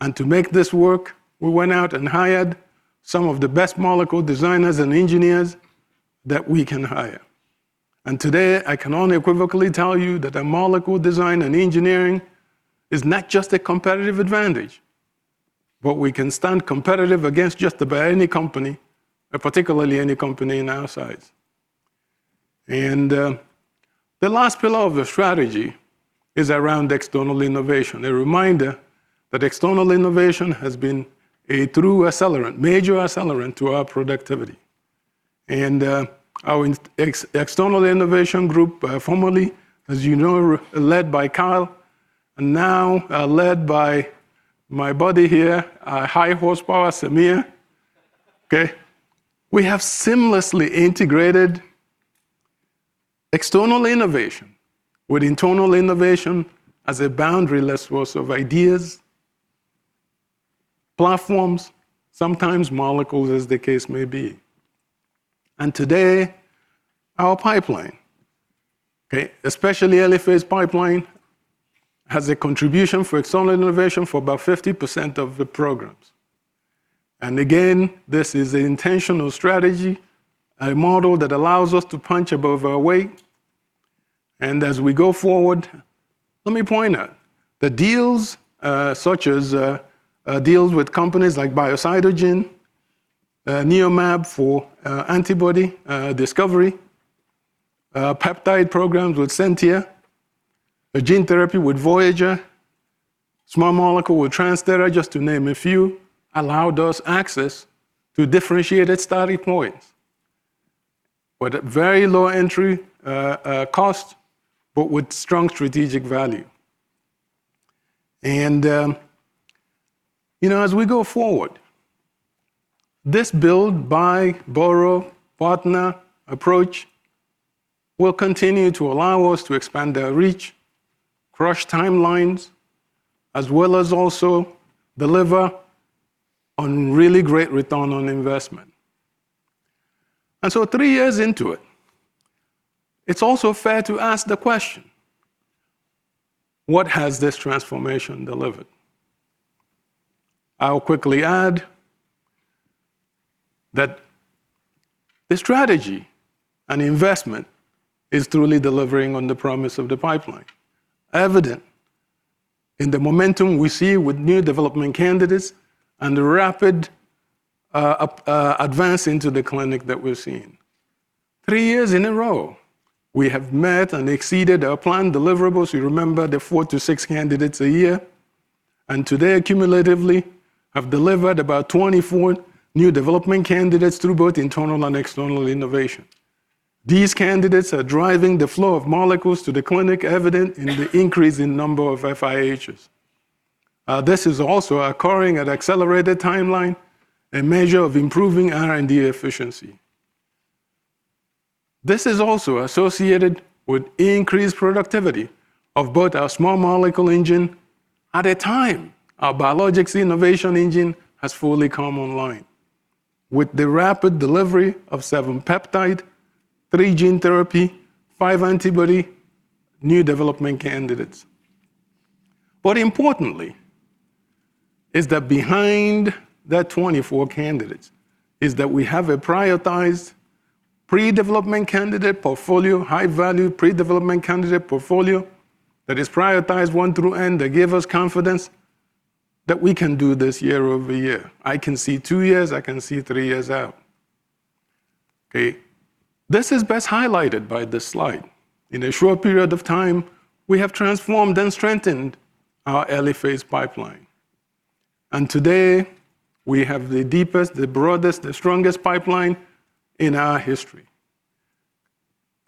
and to make this work, we went out and hired some of the best molecule designers and engineers that we can hire, and today, I can only unequivocally tell you that our molecule design and engineering is not just a competitive advantage, but we can stand competitive against just about any company, particularly any company in our size, and the last pillar of the strategy is around external innovation, a reminder that external innovation has been a true accelerant, major accelerant to our productivity. Our external innovation group, formerly, as you know, led by Kyle, and now led by my buddy here, high horsepower, Samir. We have seamlessly integrated external innovation with internal innovation as a boundless force of ideas, platforms, sometimes molecules, as the case may be. And today, our pipeline, especially early-phase pipeline, has a contribution for external innovation for about 50% of the programs. And again, this is an intentional strategy, a model that allows us to punch above our weight. And as we go forward, let me point out the deals such as deals with companies like Biocytogen, NeoMab for antibody discovery, peptide programs with Sentia, gene therapy with Voyager, small molecule with TransThera, just to name a few, allowed us access to differentiated starting points with very low entry costs, but with strong strategic value. And as we go forward, this build, buy, borrow, partner approach will continue to allow us to expand our reach, crush timelines, as well as also deliver on really great return on investment. And so three years into it, it's also fair to ask the question, what has this transformation delivered? I'll quickly add that the strategy and investment is truly delivering on the promise of the pipeline, evident in the momentum we see with new development candidates and the rapid advance into the clinic that we've seen. Three years in a row, we have met and exceeded our planned deliverables. You remember the four to six candidates a year. And today, cumulatively, we have delivered about 24 new development candidates through both internal and external innovation. These candidates are driving the flow of molecules to the clinic, evident in the increasing number of FIHs. This is also occurring at an accelerated timeline, a measure of improving R&D efficiency. This is also associated with increased productivity of both our small molecule engine at a time our biologics innovation engine has fully come online with the rapid delivery of seven peptide, three gene therapy, five antibody new development candidates. But importantly, behind that 24 candidates is that we have a prioritized pre-development candidate portfolio, high-value pre-development candidate portfolio that is prioritized one through end that gives us confidence that we can do this year-over-year. I can see two years. I can see three years out. This is best highlighted by this slide. In a short period of time, we have transformed and strengthened our early-phase pipeline. And today, we have the deepest, the broadest, the strongest pipeline in our history,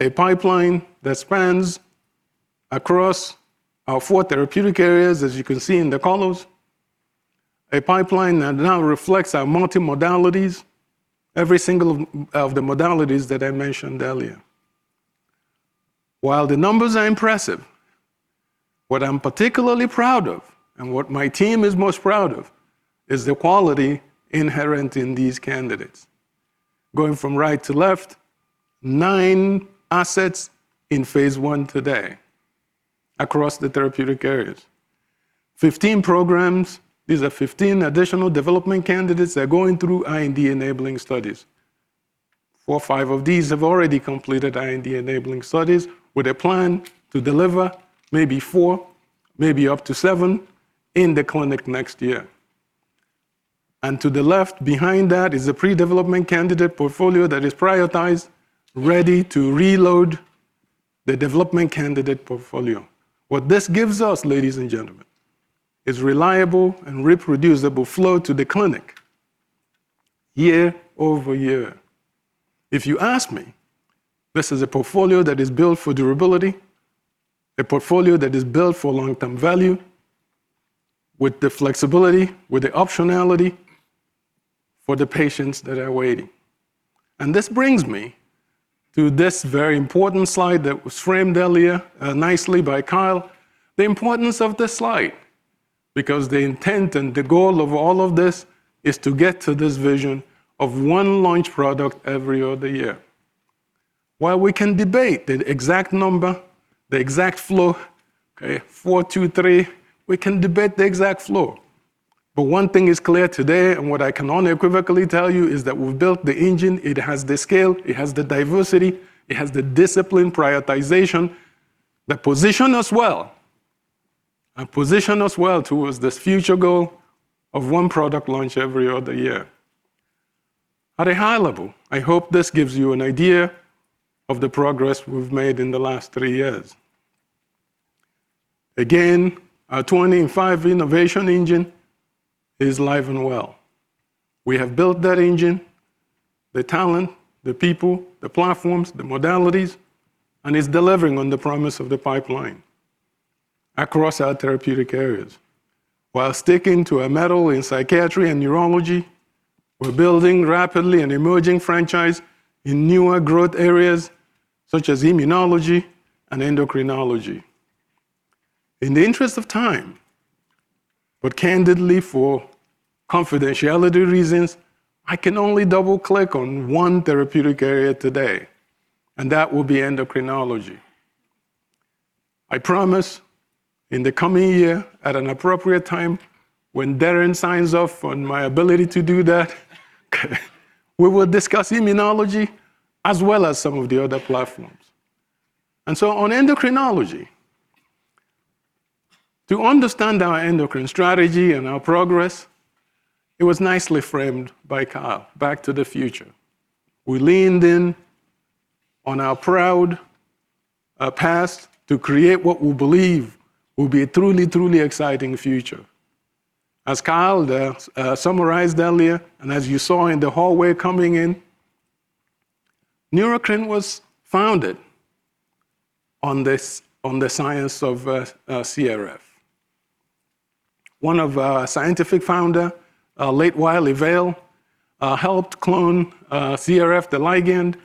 a pipeline that spans across our four therapeutic areas, as you can see in the columns, a pipeline that now reflects our multimodalities, every single of the modalities that I mentioned earlier. While the numbers are impressive, what I'm particularly proud of and what my team is most proud of is the quality inherent in these candidates. Going from right to left, nine assets in phase I today across the therapeutic areas, 15 programs. These are 15 additional development candidates that are going through IND enabling studies. Four or five of these have already completed IND enabling studies with a plan to deliver maybe four, maybe up to seven in the clinic next year. And to the left, behind that is a pre-development candidate portfolio that is prioritized, ready to reload the development candidate portfolio. What this gives us, ladies and gentlemen, is reliable and reproducible flow to the clinic year-over-year. If you ask me, this is a portfolio that is built for durability, a portfolio that is built for long-term value with the flexibility, with the optionality for the patients that are waiting, and this brings me to this very important slide that was framed earlier nicely by Kyle, the importance of this slide, because the intent and the goal of all of this is to get to this vision of one launch product every other year. While we can debate the exact number, the exact flow, 423, we can debate the exact flow, but one thing is clear today, and what I can only unequivocally tell you is that we've built the engine. It has the scale. It has the diversity. It has the disciplined prioritization, the positioning as well, a positioning as well towards this future goal of one product launch every other year. At a high level, I hope this gives you an idea of the progress we've made in the last three years. Again, our 25 innovation engine is live and well. We have built that engine, the talent, the people, the platforms, the modalities, and it's delivering on the promise of the pipeline across our therapeutic areas. While sticking to our mettle in psychiatry and neurology, we're building rapidly an emerging franchise in newer growth areas such as immunology and endocrinology. In the interest of time, but candidly, for confidentiality reasons, I can only double-click on one therapeutic area today, and that will be endocrinology. I promise in the coming year, at an appropriate time, when Darin signs off on my ability to do that, we will discuss immunology as well as some of the other platforms, and so, on endocrinology, to understand our endocrine strategy and our progress, it was nicely framed by Kyle, back to the future. We leaned in on our proud past to create what we believe will be a truly, truly exciting future. As Kyle summarized earlier, and as you saw in the hallway coming in, Neurocrine was founded on the science of CRF. One of our scientific founders, late Wylie Vale, helped clone CRF, the ligand,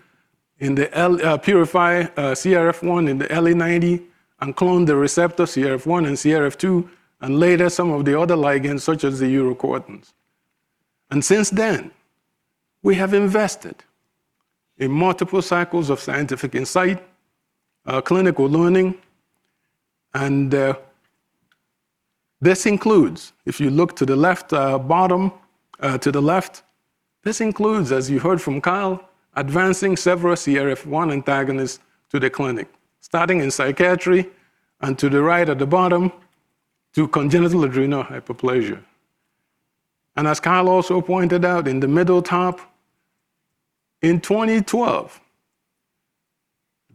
and purify CRF1 in the late '90s, and cloned the receptor CRF1 and CRF2, and later some of the other ligands such as the urocortins. And since then, we have invested in multiple cycles of scientific insight, clinical learning, and this includes, if you look to the bottom left, as you heard from Kyle, advancing several CRF1 antagonists to the clinic, starting in psychiatry and to the right at the bottom to congenital adrenal hyperplasia. And as Kyle also pointed out in the middle top, in 2012,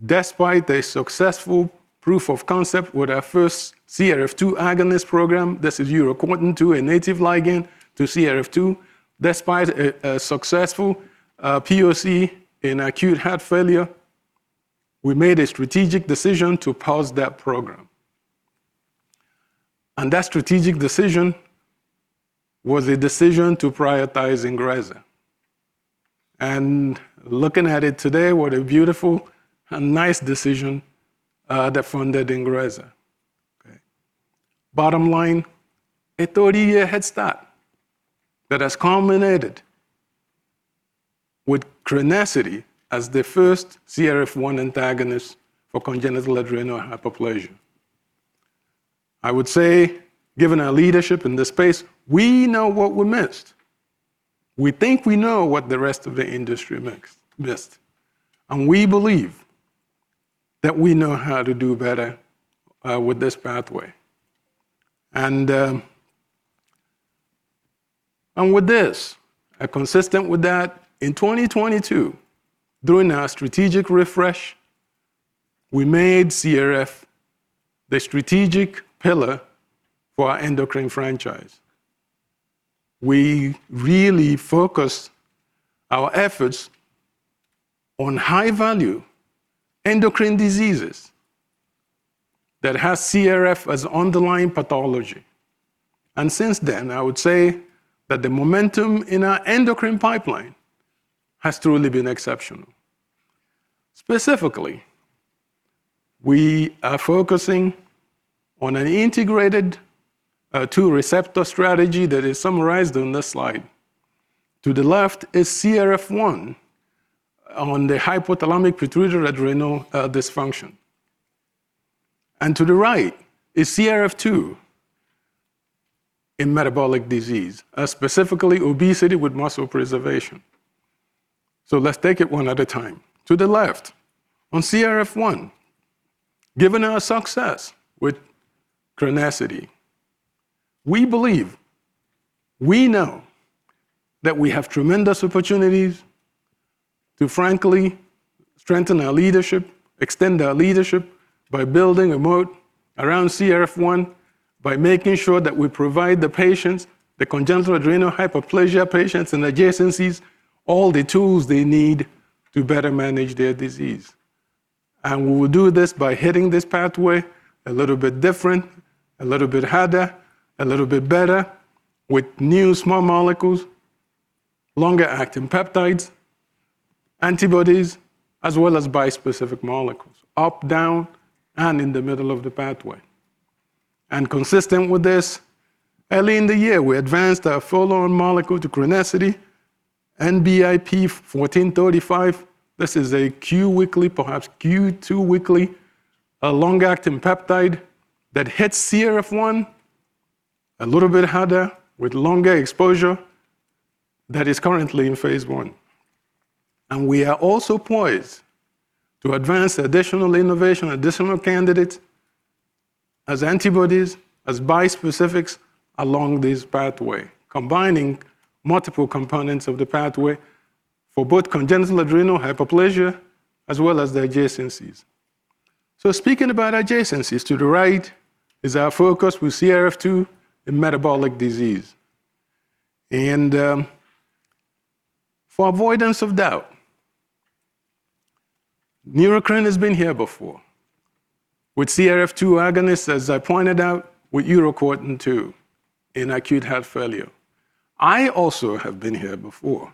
despite a successful proof of concept with our first CRF2 agonist program, this is urocortin II, a native ligand to CRF2, despite a successful POC in acute heart failure, we made a strategic decision to pause that program. And that strategic decision was a decision to prioritize Ingrezza. And looking at it today, what a beautiful and nice decision that funded Ingrezza. Bottom line, a 30-year head start that has culminated with Crenessity as the first CRF1 antagonist for congenital adrenal hyperplasia. I would say, given our leadership in this space, we know what we missed. We think we know what the rest of the industry missed. And we believe that we know how to do better with this pathway. And with this, consistent with that, in 2022, during our strategic refresh, we made CRF the strategic pillar for our endocrine franchise. We really focused our efforts on high-value endocrine diseases that have CRF as underlying pathology. And since then, I would say that the momentum in our endocrine pipeline has truly been exceptional. Specifically, we are focusing on an integrated two-receptor strategy that is summarized on this slide. To the left is CRF1 on the hypothalamic pituitary adrenal dysfunction. And to the right is CRF2 in metabolic disease, specifically obesity with muscle preservation. So let's take it one at a time. To the left, on CRF1, given our success with Crenessity, we believe, we know that we have tremendous opportunities to, frankly, strengthen our leadership, extend our leadership by building a moat around CRF1, by making sure that we provide the patients, the congenital adrenal hyperplasia patients and adjacencies, all the tools they need to better manage their disease. And we will do this by hitting this pathway a little bit different, a little bit harder, a little bit better, with new small molecules, longer-acting peptides, antibodies, as well as bispecific molecules, up, down, and in the middle of the pathway. And consistent with this, early in the year, we advanced our full-on molecule Crenessity, NBIP-'1435. This is a Q-weekly, perhaps Q2-weekly, long-acting peptide that hits CRF1 a little bit harder with longer exposure that is currently in phase I. We are also poised to advance additional innovation, additional candidates as antibodies, as bispecifics along this pathway, combining multiple components of the pathway for both congenital adrenal hyperplasia as well as the adjacencies. Speaking about adjacencies, to the right is our focus with CRF2 in metabolic disease. For avoidance of doubt, Neurocrine has been here before with CRF2 agonists, as I pointed out, with urocortin II in acute heart failure. I also have been here before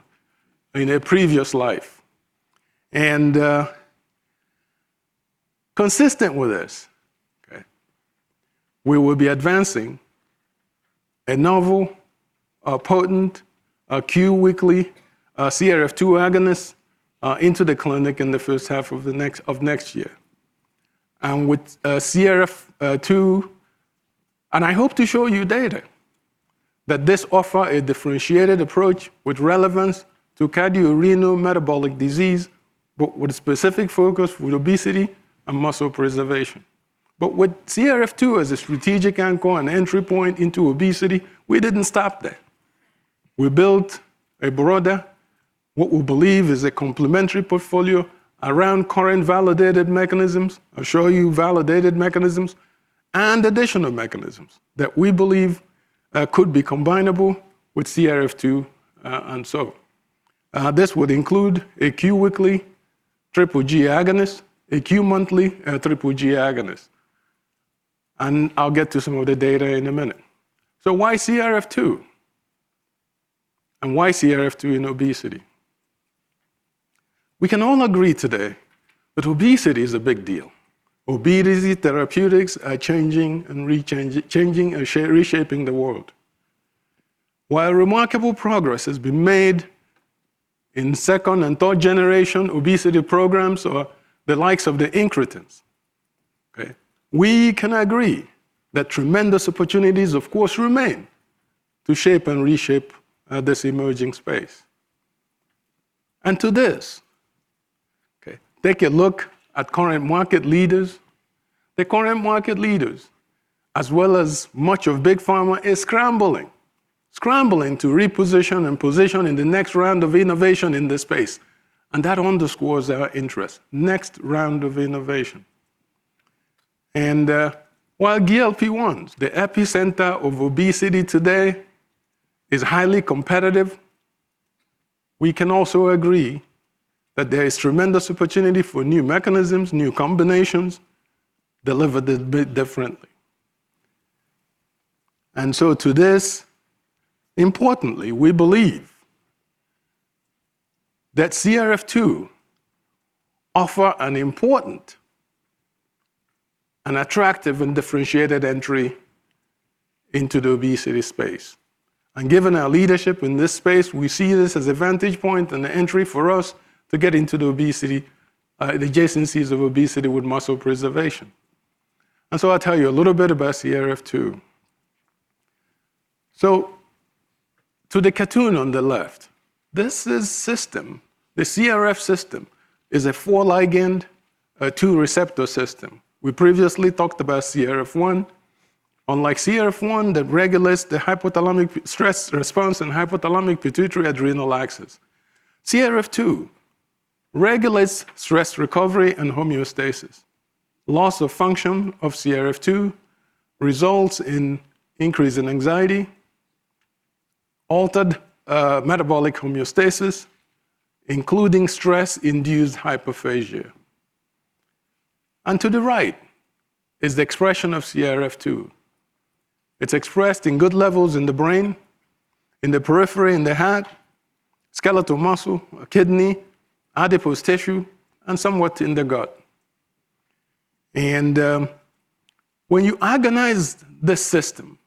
in a previous life. Consistent with this, we will be advancing a novel, potent Q-weekly CRF2 agonist into the clinic in the first half of next year. With CRF2, and I hope to show you data that this offers a differentiated approach with relevance to cardiorenal metabolic disease, but with a specific focus with obesity and muscle preservation. But with CRF2 as a strategic anchor and entry point into obesity, we didn't stop there. We built a broader, what we believe is a complementary portfolio around current validated mechanisms, I'll show you validated mechanisms, and additional mechanisms that we believe could be combinable with CRF2 and so on. This would include a Q-weekly GGG agonist, a Q-monthly GGG agonist. And I'll get to some of the data in a minute. So why CRF2? And why CRF2 in obesity? We can all agree today that obesity is a big deal. Obesity therapeutics are changing and reshaping the world. While remarkable progress has been made in second and third generation obesity programs or the likes of the Incretins, we can agree that tremendous opportunities, of course, remain to shape and reshape this emerging space. And to this, take a look at current market leaders. The current market leaders, as well as much of big pharma, are scrambling, scrambling to reposition and position in the next round of innovation in this space. And that underscores our interest, next round of innovation. And while GLP-1, the epicenter of obesity today, is highly competitive, we can also agree that there is tremendous opportunity for new mechanisms, new combinations, delivered a bit differently. And so to this, importantly, we believe that CRF2 offers an important and attractive and differentiated entry into the obesity space. And given our leadership in this space, we see this as a vantage point and an entry for us to get into the obesity, the adjacencies of obesity with muscle preservation. And so I'll tell you a little bit about CRF2. So to the cartoon on the left, this system, the CRF system, is a four-ligand two-receptor system. We previously talked about CRF1. Unlike CRF1, that regulates the hypothalamic stress response and hypothalamic pituitary adrenal axis, CRF2 regulates stress recovery and homeostasis. Loss of function of CRF2 results in increase in anxiety, altered metabolic homeostasis, including stress-induced hyperphagia. And to the right is the expression of CRF2. It's expressed in good levels in the brain, in the periphery, in the heart, skeletal muscle, kidney, adipose tissue, and somewhat in the gut. And when you agonize this system,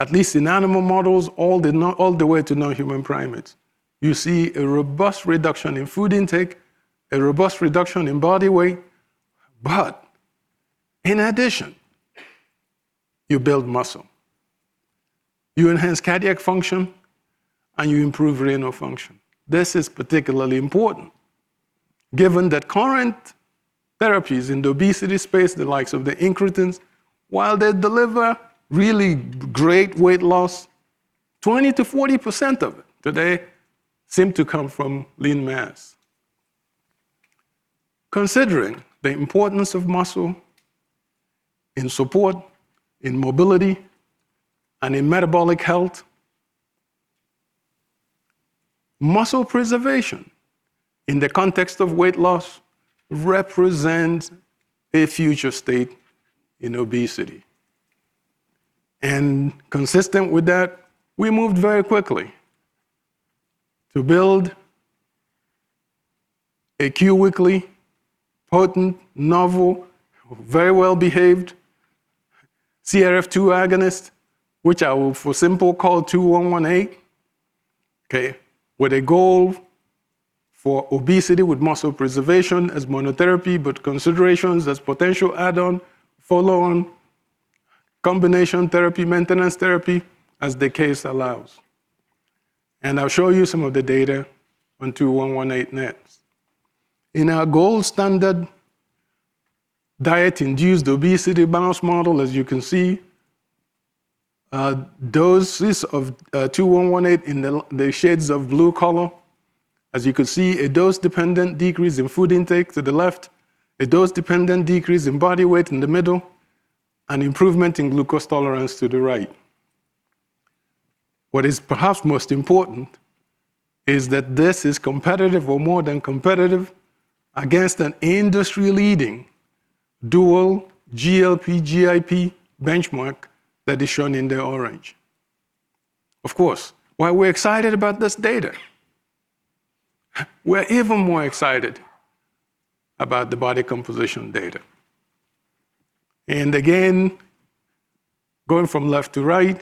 at least in animal models, all the way to non-human primates, you see a robust reduction in food intake, a robust reduction in body weight. But in addition, you build muscle. You enhance cardiac function, and you improve renal function. This is particularly important, given that current therapies in the obesity space, the likes of the incretins, while they deliver really great weight loss, 20%-40% of it today seem to come from lean mass. Considering the importance of muscle in support, in mobility, and in metabolic health, muscle preservation in the context of weight loss represents a future state in obesity. Consistent with that, we moved very quickly to build a Q-weekly potent, novel, very well-behaved CRF2 agonist, which I will, for simplicity, call NBIP-'2118, with a goal for obesity with muscle preservation as monotherapy, but considerations as potential add-on, follow-on, combination therapy, maintenance therapy, as the case allows. I'll show you some of the data on NBIP-'2118 next. In our gold standard diet-induced obesity mouse model, as you can see, doses of NBIP-'2118 in the shades of blue color, as you can see, a dose-dependent decrease in food intake to the left, a dose-dependent decrease in body weight in the middle, and improvement in glucose tolerance to the right. What is perhaps most important is that this is competitive or more than competitive against an industry-leading dual GLP-GIP benchmark that is shown in the orange. Of course, while we're excited about this data, we're even more excited about the body composition data. And again, going from left to right,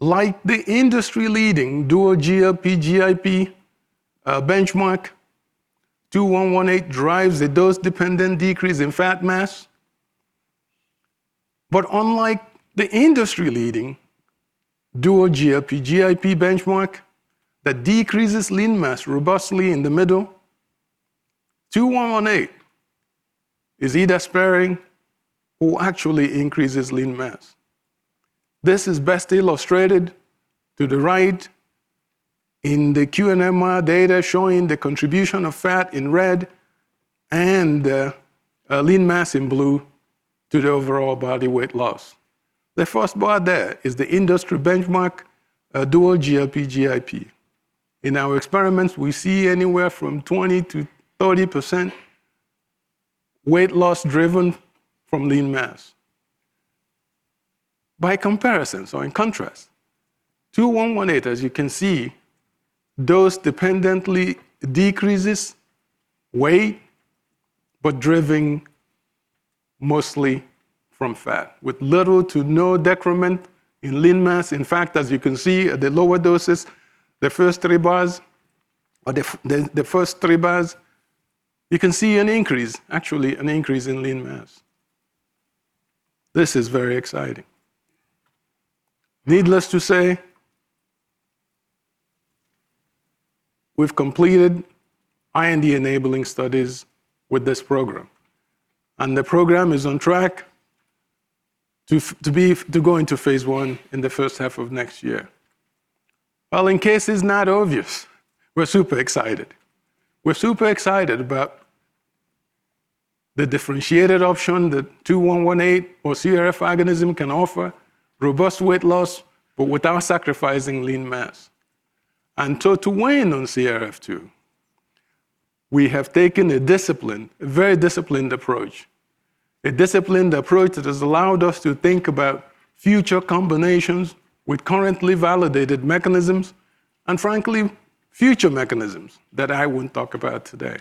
like the industry-leading dual GLP-GIP benchmark, NBIP-'2118 drives a dose-dependent decrease in fat mass. But unlike the industry-leading dual GLP-GIP benchmark that decreases lean mass robustly in the middle, NBIP-'2118 is either sparing or actually increases lean mass. This is best illustrated to the right in the qNMR data showing the contribution of fat in red and lean mass in blue to the overall body weight loss. The first bar there is the industry benchmark dual GLP-GIP. In our experiments, we see anywhere from 20%-30% weight loss driven from lean mass. By comparison, so in contrast, NBIP-'2118, as you can see, dose-dependently decreases weight, but driven mostly from fat, with little to no decrement in lean mass. In fact, as you can see at the lower doses, the first three bars, you can see an increase, actually an increase in lean mass. This is very exciting. Needless to say, we've completed IND-enabling studies with this program. And the program is on track to go into phase I in the first half of next year. Well, in case it's not obvious, we're super excited. We're super excited about the differentiated option that NBIP-'2118 or CRF agonism can offer, robust weight loss, but without sacrificing lean mass. And so to win on CRF2, we have taken a disciplined, a very disciplined approach, a disciplined approach that has allowed us to think about future combinations with currently validated mechanisms, and frankly, future mechanisms that I won't talk about today.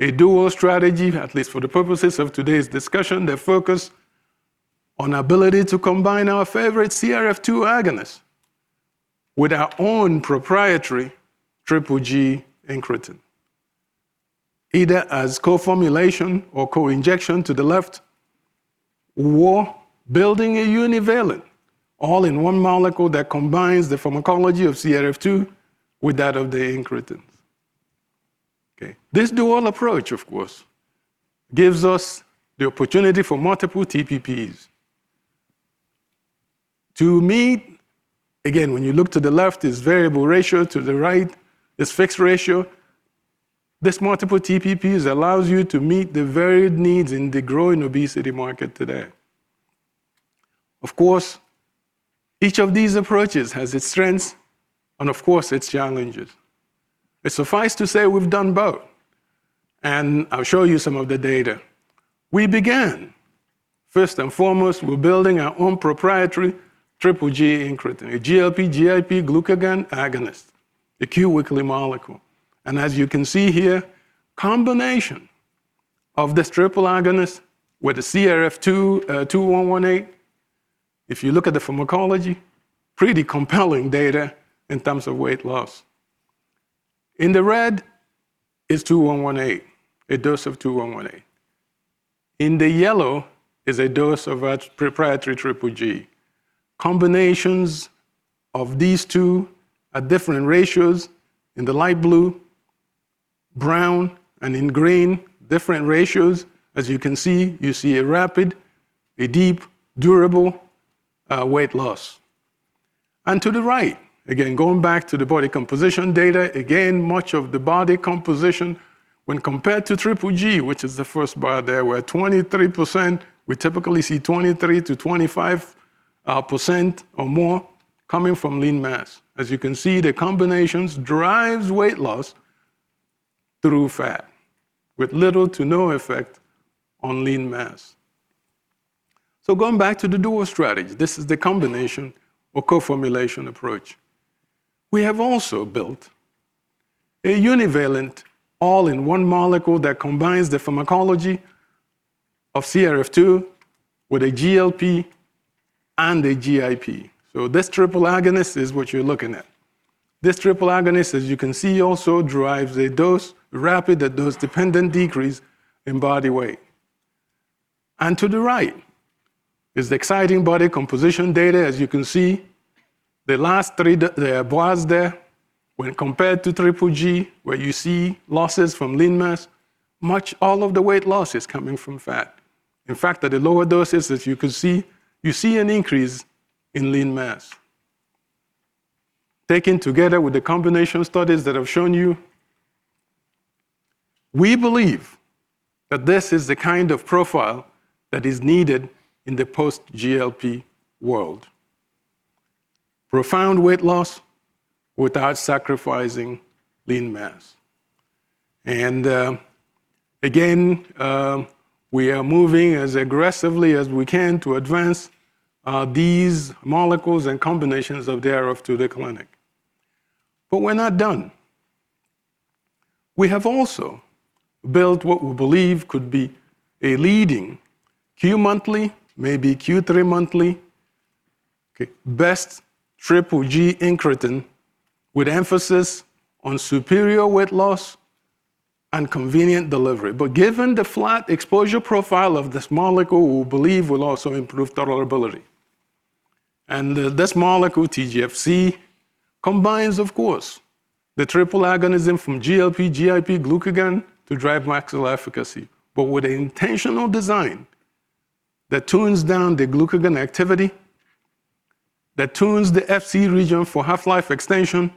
A dual strategy, at least for the purposes of today's discussion, that focuses on the ability to combine our favorite CRF2 agonist with our own proprietary GGG Incretin, either as co-formulation or co-injection to the left, or building a univalent, all in one molecule that combines the pharmacology of CRF2 with that of the Incretins. This dual approach, of course, gives us the opportunity for multiple TPPs to meet. Again, when you look to the left, it's variable ratio. To the right, it's fixed ratio. This multiple TPPs allows you to meet the varied needs in the growing obesity market today. Of course, each of these approaches has its strengths and, of course, its challenges. It suffices to say we've done both, and I'll show you some of the data. We began, first and foremost, with building our own proprietary GGG Incretin, a GLP-GIP glucagon agonist, a Q-weekly molecule. And as you can see here, the combination of this triple agonist with the CRF2 NBIP-'2118, if you look at the pharmacology, pretty compelling data in terms of weight loss. In the red is NBIP-'2118, a dose of NBIP-'2118. In the yellow is a dose of our proprietary GGG. Combinations of these two are different ratios in the light blue, brown, and in green, different ratios. As you can see, you see a rapid, a deep, durable weight loss. And to the right, again, going back to the body composition data, again, much of the body composition, when compared to GGG, which is the first bar there, we're at 23%. We typically see 23%-25% or more coming from lean mass. As you can see, the combinations drive weight loss through fat with little to no effect on lean mass. So going back to the dual strategy, this is the combination or co-formulation approach. We have also built a univalent, all in one molecule that combines the pharmacology of CRF2 with a GLP and a GIP. So this triple agonist is what you're looking at. This triple agonist, as you can see, also drives a dose-related and dose-dependent decrease in body weight. And to the right is the exciting body composition data. As you can see, the last three bars there, when compared to GGG, where you see losses from lean mass, almost all of the weight loss is coming from fat. In fact, at the lower doses, as you can see, you see an increase in lean mass. Taken together with the combination studies that I've shown you, we believe that this is the kind of profile that is needed in the post-GLP world: profound weight loss without sacrificing lean mass. And again, we are moving as aggressively as we can to advance these molecules and combinations thereof to the clinic. But we're not done. We have also built what we believe could be a leading Q-monthly, maybe Q3-monthly, best GGG incretin with emphasis on superior weight loss and convenient delivery. But given the flat exposure profile of this molecule, we believe will also improve tolerability. This molecule, TGFc, combines, of course, the triple agonism from GLP-GIP glucagon to drive maximal efficacy, but with an intentional design that tones down the glucagon activity, that tones the Fc region for half-life extension.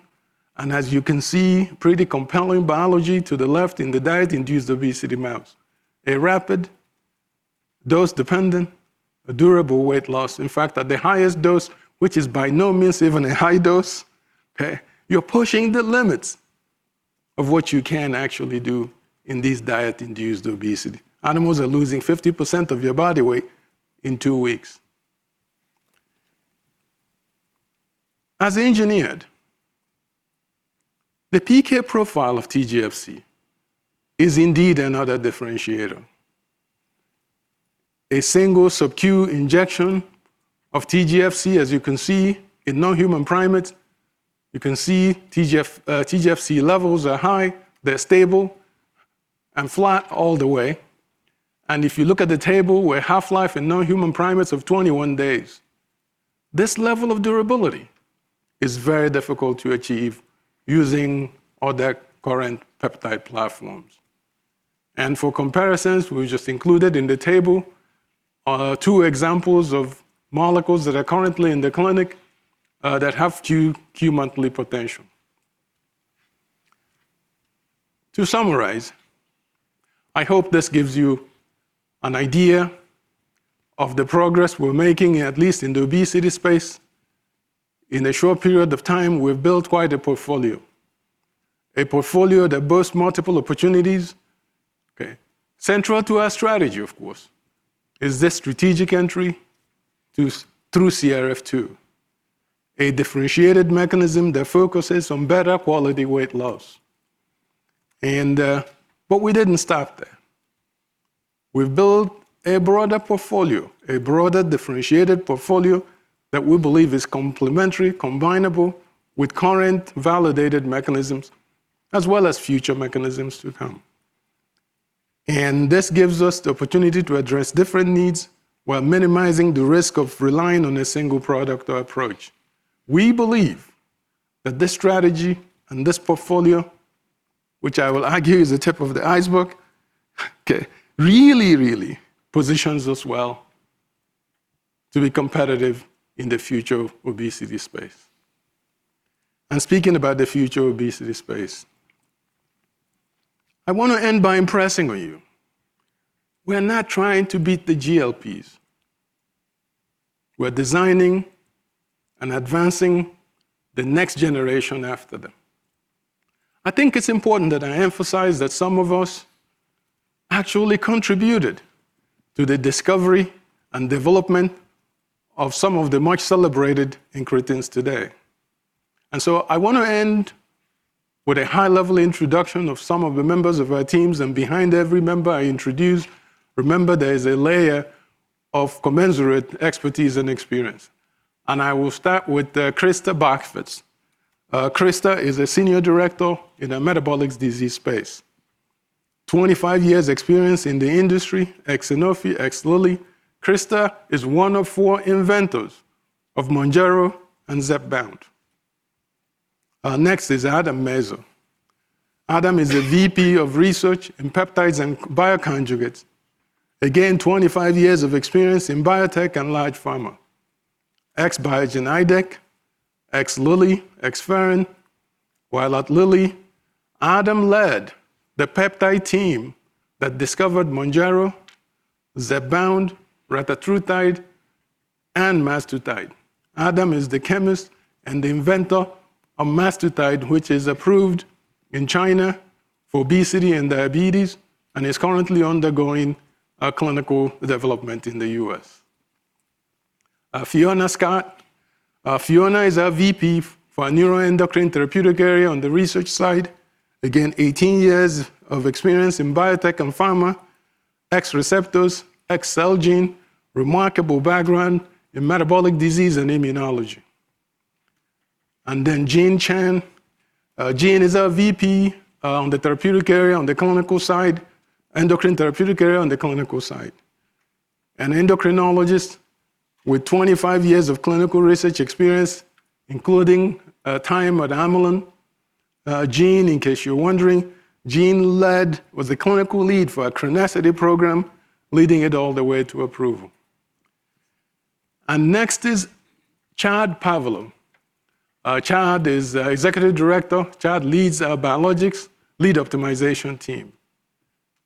As you can see, pretty compelling biology to the left in the diet-induced obesity maps. A rapid, dose-dependent, durable weight loss. In fact, at the highest dose, which is by no means even a high dose, you are pushing the limits of what you can actually do in this diet-induced obesity. Animals are losing 50% of body weight in two weeks. As engineered, the PK profile of TGFc is indeed another differentiator. A single sub-Q injection of TGFc, as you can see, in non-human primates, you can see TGFc levels are high. They are stable and flat all the way. If you look at the table, we have a half-life in non-human primates of 21 days. This level of durability is very difficult to achieve using other current peptide platforms. For comparisons, we just included in the table two examples of molecules that are currently in the clinic that have Q-monthly potential. To summarize, I hope this gives you an idea of the progress we're making, at least in the obesity space. In a short period of time, we've built quite a portfolio, a portfolio that boasts multiple opportunities. Central to our strategy, of course, is this strategic entry through CRF2, a differentiated mechanism that focuses on better quality weight loss. But we didn't stop there. We've built a broader portfolio, a broader differentiated portfolio that we believe is complementary, combinable with current validated mechanisms, as well as future mechanisms to come. This gives us the opportunity to address different needs while minimizing the risk of relying on a single product or approach. We believe that this strategy and this portfolio, which I will argue is the tip of the iceberg, really, really positions us well to be competitive in the future obesity space. Speaking about the future obesity space, I want to end by impressing on you. We're not trying to beat the GLPs. We're designing and advancing the next generation after them. I think it's important that I emphasize that some of us actually contributed to the discovery and development of some of the much-celebrated Incretins today. I want to end with a high-level introduction of some of the members of our teams. Behind every member I introduce, remember, there is a layer of commensurate expertise and experience. I will start with Krister Bokvist. Krister is a senior director in the metabolic disease space, 25 years' experience in the industry, ex-Sanofi, ex-Lilly. Krister is one of four inventors of Mounjaro and Zepbound. Next is Adam Mezo. Adam is a VP of research in peptides and bioconjugates, again, 25 years of experience in biotech and large pharma, ex-Biogen Idec, ex-Lilly, ex-Ferring, while at Lilly, Adam led the peptide team that discovered Mounjaro, Zepbound, Retatrutide, and Mazdutide. Adam is the chemist and the inventor of Mazdutide, which is approved in China for obesity and diabetes and is currently undergoing clinical development in the US. Fiona Scott. Fiona is our VP for a neuroendocrine therapeutic area on the research side. Again, 18 years of experience in biotech and pharma, ex-Receptos, ex-Celgene, remarkable background in metabolic disease and immunology. Then Gene Chen. Gene is our VP on the therapeutic area on the clinical side, endocrine therapeutic area on the clinical side, an endocrinologist with 25 years of clinical research experience, including time at Amylin. Gene, in case you're wondering, Gene led with the clinical lead for a chronicity program, leading it all the way to approval. Next is Chad Paavola. Chad is Executive Director. Chad leads our biologics lead optimization team.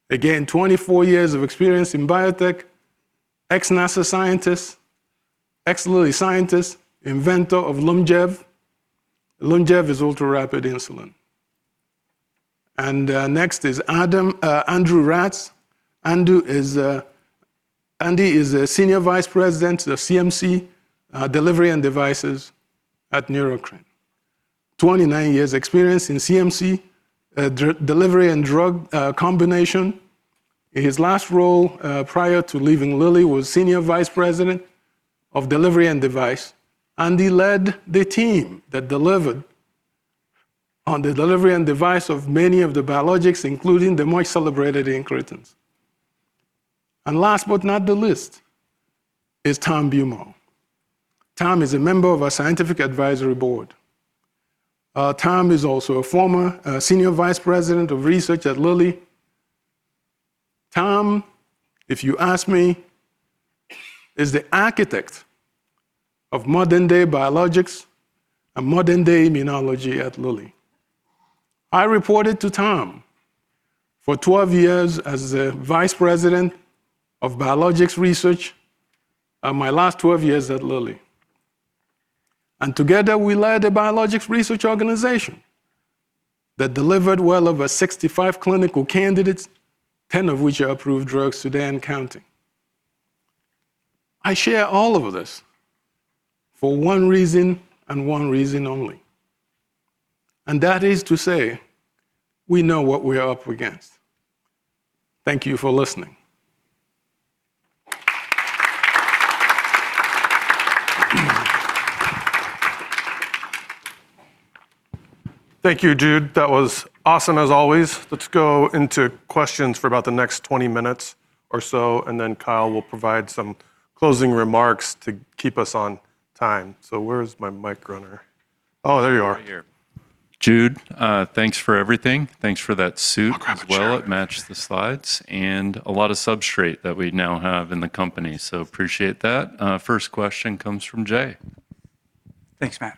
Again, 24 years of experience in biotech, ex-NASA scientist, ex-Lilly scientist, inventor of Lyumjev. Lyumjev is ultra-rapid insulin. Next is Andrew Ratz. Andy is a Senior Vice President of CMC, Delivery and Devices at Neurocrine, 29 years' experience in CMC, delivery and drug combination. His last role prior to leaving Lilly was Senior Vice President of Delivery and Device. Andy led the team that delivered on the delivery and device of many of the biologics, including the most celebrated incretins. And last but not the least is Tom Bumol. Tom is a member of our scientific advisory board. Tom is also a former Senior Vice President of Research at Lilly. Tom, if you ask me, is the architect of modern-day biologics and modern-day immunology at Lilly. I reported to Tom for 12 years as the Vice President of Biologics Research, my last 12 years at Lilly. And together, we led a biologics research organization that delivered well over 65 clinical candidates, 10 of which are approved drugs today and counting. I share all of this for one reason and one reason only, and that is to say we know what we are up against. Thank you for listening. Thank you, Jude. That was awesome as always. Let's go into questions for about the next 20 minutes or so, and then Kyle will provide some closing remarks to keep us on time, so where is my mic runner? Oh, there you are. Here. Jude, thanks for everything. Thanks for that suit, well, it matched the slides and a lot of substrate that we now have in the company, so appreciate that. First question comes from Jay. Thanks, Matt.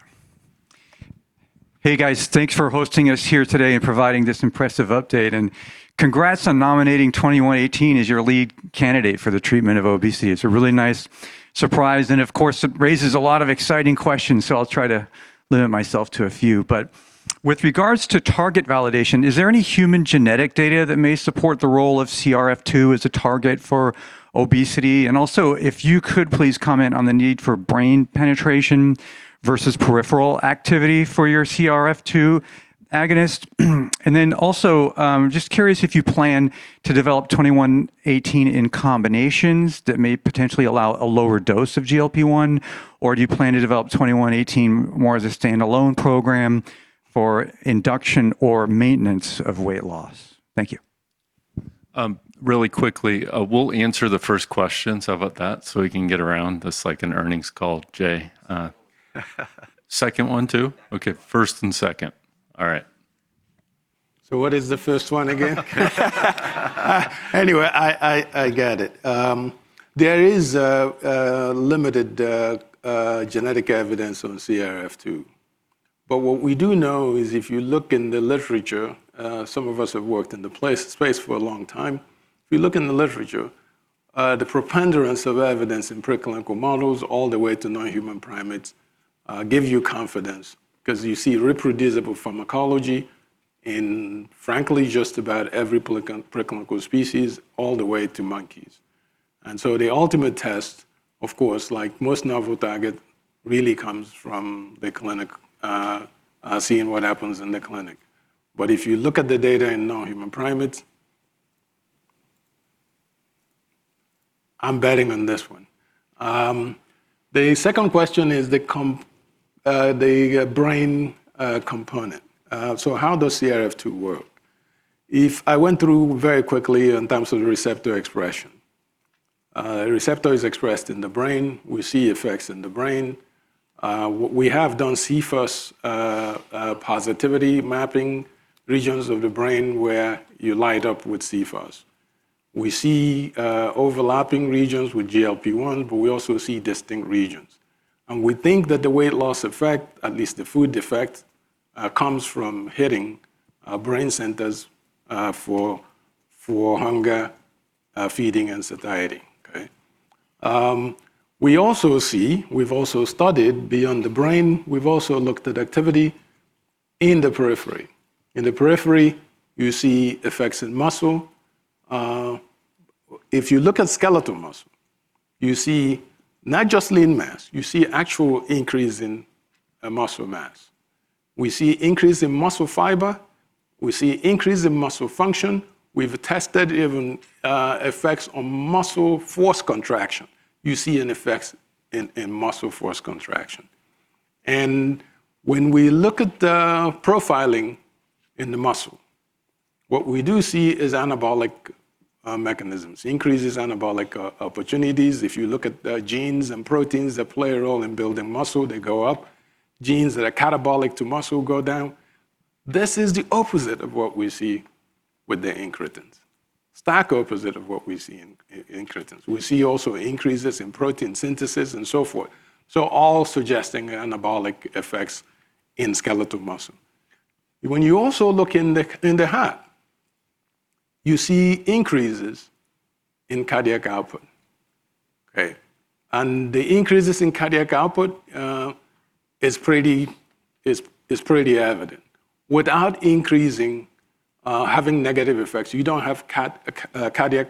Hey, guys, thanks for hosting us here today and providing this impressive update, and congrats on nominating NBIP-'2118 as your lead candidate for the treatment of obesity. It's a really nice surprise, and of course, it raises a lot of exciting questions, so I'll try to limit myself to a few, but with regards to target validation, is there any human genetic data that may support the role of CRF2 as a target for obesity? And also, if you could please comment on the need for brain penetration versus peripheral activity for your CRF2 agonist. And then also, just curious if you plan to develop NBIP-'2118 in combinations that may potentially allow a lower dose of GLP-1, or do you plan to develop NBIP-'2118 more as a standalone program for induction or maintenance of weight loss? Thank you. Really quickly, we'll answer the first question. How about that? So we can get around this like an earnings call, Jay. Second one too? Okay, first and second. All right. So what is the first one again? Anyway, I get it. There is limited genetic evidence on CRF2. But what we do know is if you look in the literature, some of us have worked in the space for a long time. If you look in the literature, the preponderance of evidence in pre-clinical models all the way to non-human primates gives you confidence because you see reproducible pharmacology in, frankly, just about every pre-clinical species all the way to monkeys, and so the ultimate test, of course, like most novel target, really comes from the clinic, seeing what happens in the clinic, but if you look at the data in non-human primates, I'm betting on this one. The second question is the brain component, so how does CRF2 work? If I went through very quickly in terms of the receptor expression, the receptor is expressed in the brain. We see effects in the brain. We have done c-Fos positivity mapping regions of the brain where you light up with c-Fos. We see overlapping regions with GLP-1, but we also see distinct regions. We think that the weight loss effect, at least the food effect, comes from hitting brain centers for hunger, feeding, and satiety. We also see, we've also studied beyond the brain. We've also looked at activity in the periphery. In the periphery, you see effects in muscle. If you look at skeletal muscle, you see not just lean mass. You see actual increase in muscle mass. We see increase in muscle fiber. We see increase in muscle function. We've tested even effects on muscle force contraction. You see an effect in muscle force contraction. And when we look at the profiling in the muscle, what we do see is anabolic mechanisms, increases anabolic opportunities. If you look at the genes and proteins that play a role in building muscle, they go up. Genes that are catabolic to muscle go down. This is the opposite of what we see with the incretins, stark opposite of what we see in incretins. We see also increases in protein synthesis and so forth, so all suggesting anabolic effects in skeletal muscle. When you also look in the heart, you see increases in cardiac output. And the increases in cardiac output is pretty evident. Without increasing, having negative effects, you don't have cardiac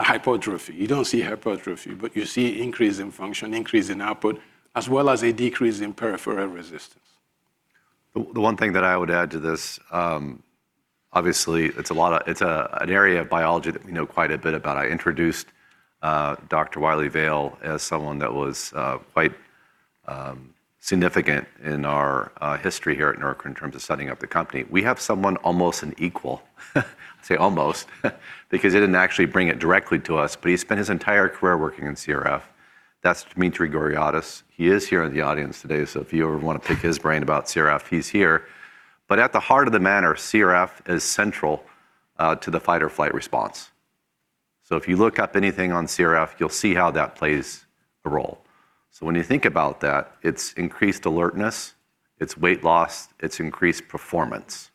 hypertrophy. You don't see hypertrophy, but you see increase in function, increase in output, as well as a decrease in peripheral resistance. The one thing that I would add to this, obviously, it's an area of biology that we know quite a bit about. I introduced Dr. Wylie Vale as someone that was quite significant in our history here at Neurocrine in terms of setting up the company. We have someone almost an equal, say almost, because he didn't actually bring it directly to us, but he spent his entire career working in CRF. That's Dimitri Grigoriadis. He is here in the audience today, so if you ever want to pick his brain about CRF, he's here. But at the heart of the matter, CRF is central to the fight-or-flight response. So if you look up anything on CRF, you'll see how that plays a role. So when you think about that, it's increased alertness, it's weight loss, it's increased performance,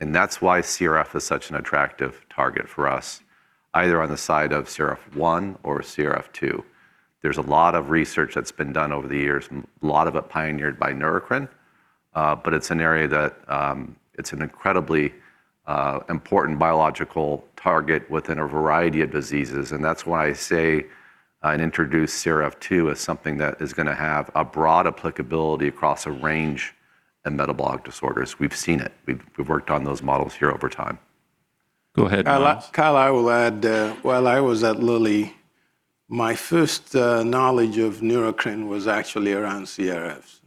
and that's why CRF is such an attractive target for us, either on the side of CRF1 or CRF2. There's a lot of research that's been done over the years, a lot of it pioneered by Neurocrine, but it's an area that it's an incredibly important biological target within a variety of diseases. And that's why I say and introduce CRF2 as something that is going to have a broad applicability across a range of metabolic disorders. We've seen it. We've worked on those models here over time. Go ahead, Kyle. Kyle, I will add, while I was at Lilly, my first knowledge of Neurocrine was actually around CRFs,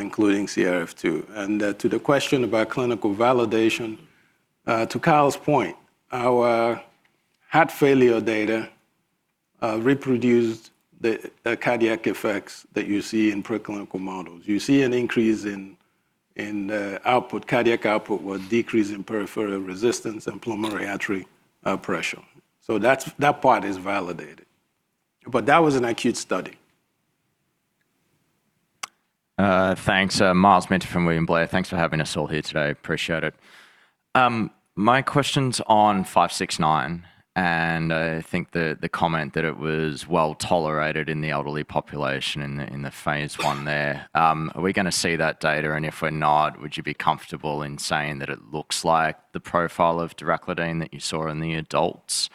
including CRF2. And to the question about clinical validation, to Kyle's point, our heart failure data reproduced the cardiac effects that you see in pre-clinical models. You see an increase in output, cardiac output with decrease in peripheral resistance and pulmonary artery pressure. So that part is validated. But that was an acute study. Thanks. Myles Minter from William Blair. Thanks for having us all here today. Appreciate it. My question's on NBI-'569, and I think the comment that it was well tolerated in the elderly population in the phase I there. Are we going to see that data? And if we're not, would you be comfortable in saying that it looks like the profile of Direclidine that you saw in the adults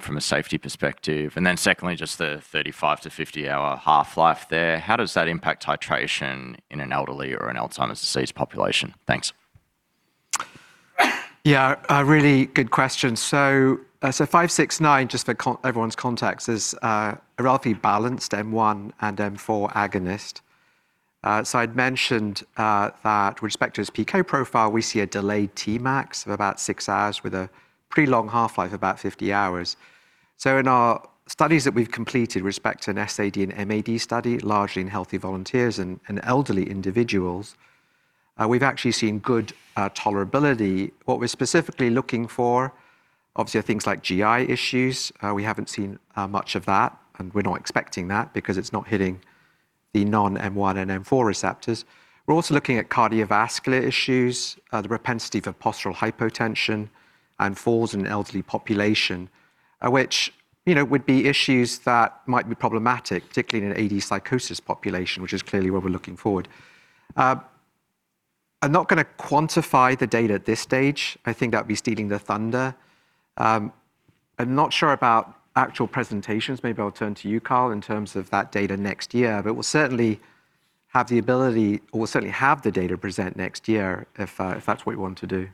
from a safety perspective? And then secondly, just the 35-50-hour half-life there, how does that impact titration in an elderly or an Alzheimer's disease population? Thanks. Yeah, really good question. So NBI-'569, just for everyone's context, is a relatively balanced M1 and M4 agonist. So I'd mentioned that with respect to its PK profile, we see a delayed Tmax of about six hours with a pretty long half-life, about 50 hours. So in our studies that we've completed with respect to an SAD and MAD study, largely in healthy volunteers and elderly individuals, we've actually seen good tolerability. What we're specifically looking for, obviously, are things like GI issues. We haven't seen much of that, and we're not expecting that because it's not hitting the non-M1 and M4 receptors. We're also looking at cardiovascular issues, the propensity for postural hypotension, and falls in an elderly population, which would be issues that might be problematic, particularly in an AD psychosis population, which is clearly where we're looking forward. I'm not going to quantify the data at this stage. I think that'd be stealing the thunder. I'm not sure about actual presentations. Maybe I'll turn to you, Kyle, in terms of that data next year, but we'll certainly have the ability, or we'll certainly have the data present next year if that's what you want to do.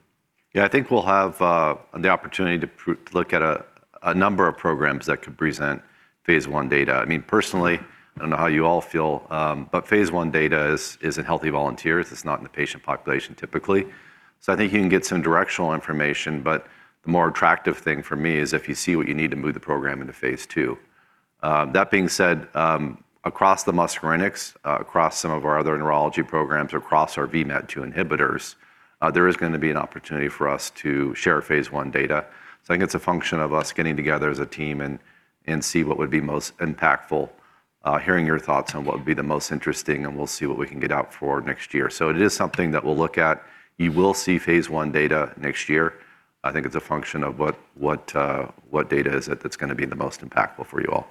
Yeah, I think we'll have the opportunity to look at a number of programs that could present phase I data. I mean, personally, I don't know how you all feel, but phase I data is in healthy volunteers. It's not in the patient population typically. So I think you can get some directional information, but the more attractive thing for me is if you see what you need to move the program into phase II. That being said, across the muscarinics, across some of our other neurology programs, across our VMAT2 inhibitors, there is going to be an opportunity for us to share phase I data. So I think it's a function of us getting together as a team and see what would be most impactful, hearing your thoughts on what would be the most interesting, and we'll see what we can get out for next year. So it is something that we'll look at. You will see phase I data next year. I think it's a function of what data it is that's going to be the most impactful for you all.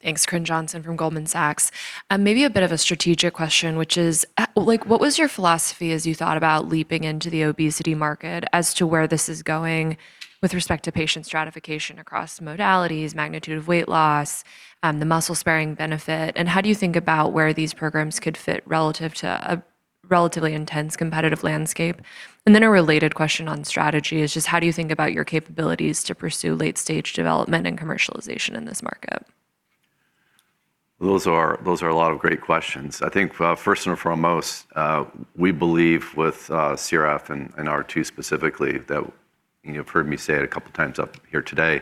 Yep. Thanks, Corinne Johnson from Goldman Sachs. Maybe a bit of a strategic question, which is, what was your philosophy as you thought about leaping into the obesity market as to where this is going with respect to patient stratification across modalities, magnitude of weight loss, the muscle sparing benefit? And how do you think about where these programs could fit relative to a relatively intense competitive landscape? And then a related question on strategy is just how do you think about your capabilities to pursue late-stage development and commercialization in this market? Those are a lot of great questions. I think first and foremost, we believe with CRF and CRF2 specifically, that you've heard me say it a couple of times up here today,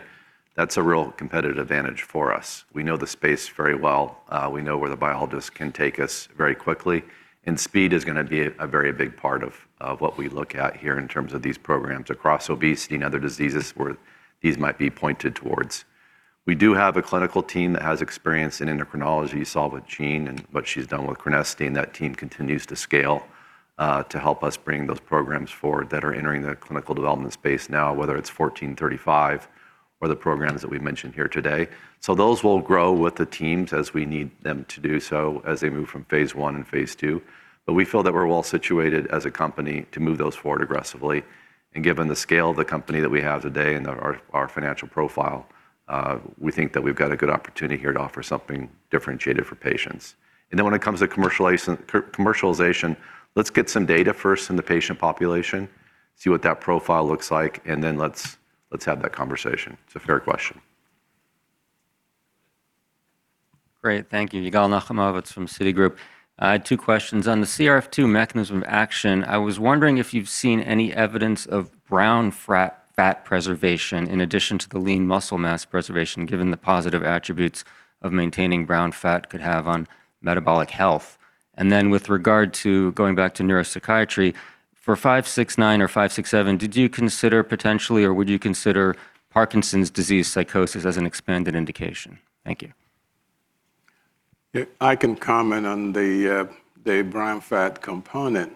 that's a real competitive advantage for us. We know the space very well. We know where the biologists can take us very quickly. And speed is going to be a very big part of what we look at here in terms of these programs across obesity and other diseases where these might be pointed towards. We do have a clinical team that has experience in endocrinology, along with Gene, and what she's done with Crenessity. That team continues to scale to help us bring those programs forward that are entering the clinical development space now, whether it's NBIP-'1435 or the programs that we mentioned here today. So those will grow with the teams as we need them to do so as they move from phase I and phase II. But we feel that we're well situated as a company to move those forward aggressively. And given the scale of the company that we have today and our financial profile, we think that we've got a good opportunity here to offer something differentiated for patients. And then when it comes to commercialization, let's get some data first in the patient population, see what that profile looks like, and then let's have that conversation. It's a fair question. Great. Thank you. Yigal Nochomovitz from Citigroup. Two questions. On the CRF2 mechanism of action, I was wondering if you've seen any evidence of brown fat preservation in addition to the lean muscle mass preservation, given the positive attributes of maintaining brown fat could have on metabolic health. With regard to going back to neuropsychiatry, for NBI-'569 or NBI-'567, did you consider potentially, or would you consider Parkinson's disease psychosis as an expanded indication? Thank you. I can comment on the brown fat component.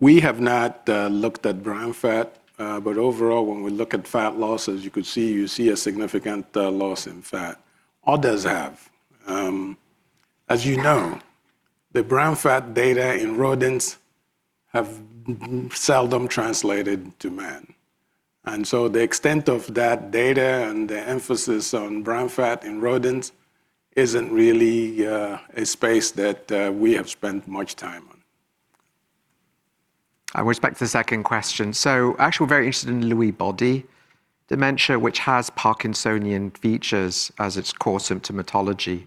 We have not looked at brown fat, but overall, when we look at fat loss, as you could see, you see a significant loss in fat. Others have. As you know, the brown fat data in rodents have seldom translated to man. The extent of that data and the emphasis on brown fat in rodents isn't really a space that we have spent much time on. With respect to the second question, so actually we're very interested in Lewy body dementia, which has parkinsonian features as its core symptomatology.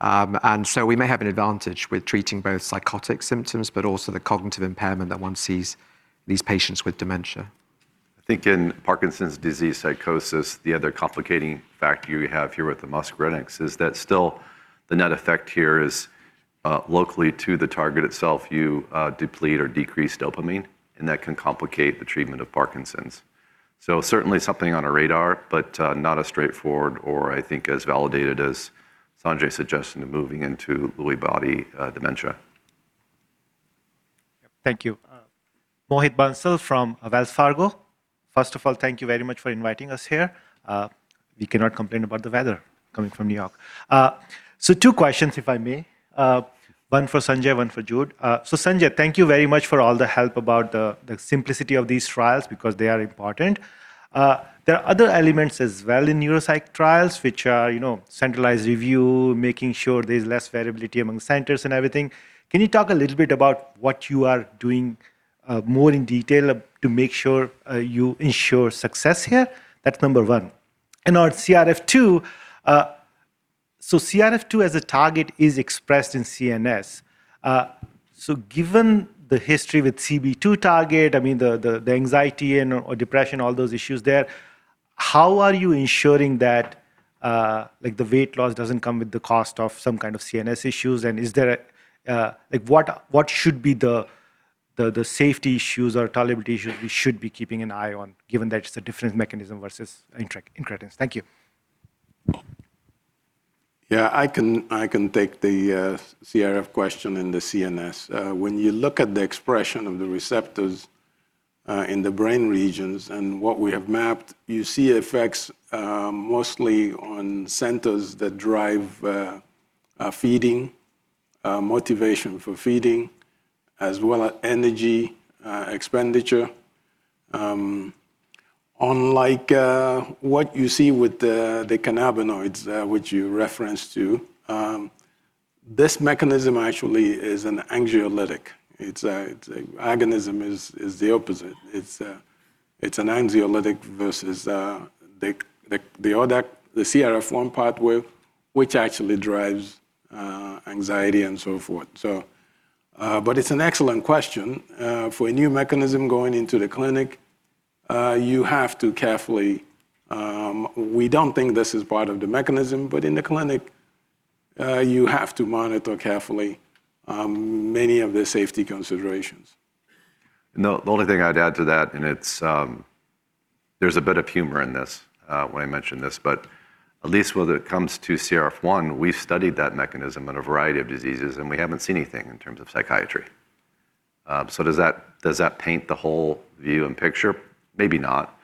And so we may have an advantage with treating both psychotic symptoms, but also the cognitive impairment that one sees in these patients with dementia. I think in Parkinson's disease psychosis, the other complicating factor you have here with the muscarinics is that still the net effect here is locally to the target itself. You deplete or decrease dopamine, and that can complicate the treatment of Parkinson's. So certainly something on a radar, but not as straightforward or I think as validated as Sanjay suggested moving into Lewy body dementia. Thank you. Mohit Bansal from Wells Fargo. First of all, thank you very much for inviting us here. We cannot complain about the weather coming from New York. So two questions, if I may. One for Sanjay, one for Jude. So Sanjay, thank you very much for all the help about the simplicity of these trials because they are important. There are other elements as well in neuropsych trials, which are centralized review, making sure there's less variability among centers and everything. Can you talk a little bit about what you are doing more in detail to make sure you ensure success here? That's number one. And our CRF2, so CRF2 as a target is expressed in CNS. So given the history with CB2 target, I mean, the anxiety and/or depression, all those issues there, how are you ensuring that the weight loss doesn't come with the cost of some kind of CNS issues? And what should be the safety issues or tolerability issues we should be keeping an eye on, given that it's a different mechanism versus incretins? Thank you. Yeah, I can take the CRF question and the CNS. When you look at the expression of the receptors in the brain regions and what we have mapped, you see effects mostly on centers that drive feeding, motivation for feeding, as well as energy expenditure. Unlike what you see with the cannabinoids, which you referenced to, this mechanism actually is an anxiolytic. Its agonism is the opposite. It's an anxiolytic versus the CRF1 pathway, which actually drives anxiety and so forth. But it's an excellent question. For a new mechanism going into the clinic, you have to carefully, we don't think this is part of the mechanism, but in the clinic, you have to monitor carefully many of the safety considerations. The only thing I'd add to that, and there's a bit of humor in this when I mention this, but at least when it comes to CRF1, we've studied that mechanism in a variety of diseases, and we haven't seen anything in terms of psychiatry. So does that paint the whole view and picture? Maybe not.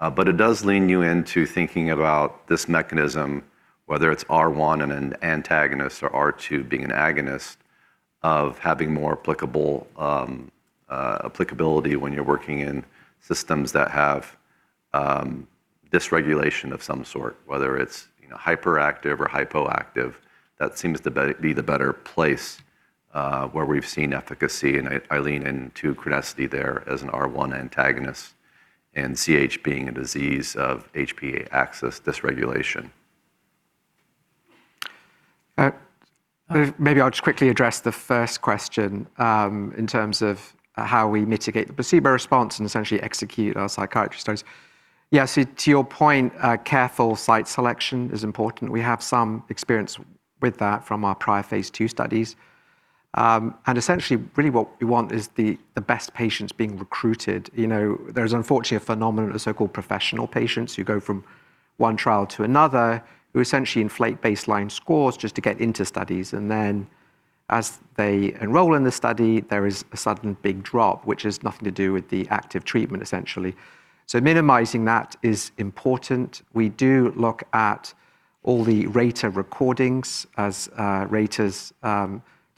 But it does lean you into thinking about this mechanism, whether it's R1 an antagonist or R2 being an agonist, of having more applicability when you're working in systems that have dysregulation of some sort, whether it's hyperactive or hypoactive. That seems to be the better place where we've seen efficacy. And I lean into Crenessity there as an R1 antagonist and CAH being a disease of HPA axis dysregulation. Maybe I'll just quickly address the first question in terms of how we mitigate the placebo response and essentially execute our psychiatry studies. Yeah, so to your point, careful site selection is important. We have some experience with that from our prior phase II studies. And essentially, really what we want is the best patients being recruited. There's unfortunately a phenomenon of so-called professional patients who go from one trial to another, who essentially inflate baseline scores just to get into studies. And then as they enroll in the study, there is a sudden big drop, which has nothing to do with the active treatment, essentially. So minimizing that is important. We do look at all the rater recordings as raters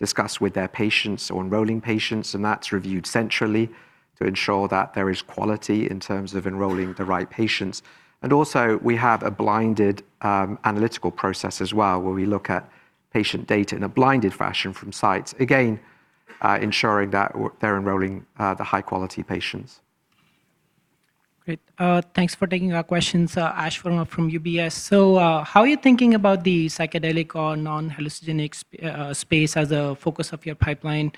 discuss with their patients or enrolling patients, and that's reviewed centrally to ensure that there is quality in terms of enrolling the right patients. Also, we have a blinded analytical process as well, where we look at patient data in a blinded fashion from sites, again, ensuring that they're enrolling the high-quality patients. Great. Thanks for taking our questions, Ash Verma from UBS. So how are you thinking about the psychedelic or non-hallucinogenic space as a focus of your pipeline?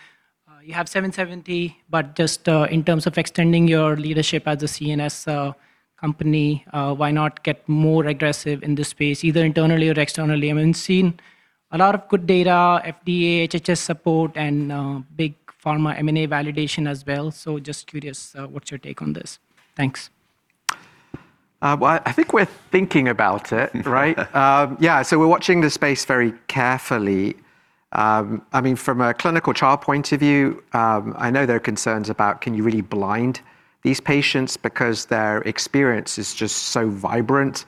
You have 770, but just in terms of extending your leadership as a CNS company, why not get more aggressive in this space, either internally or externally? I mean, I've seen a lot of good data, FDA, HHS support, and big pharma M&A validation as well. So just curious, what's your take on this? Thanks. Well, I think we're thinking about it, right? Yeah, so we're watching the space very carefully. I mean, from a clinical trial point of view, I know there are concerns about can you really blind these patients because their experience is just so vibrant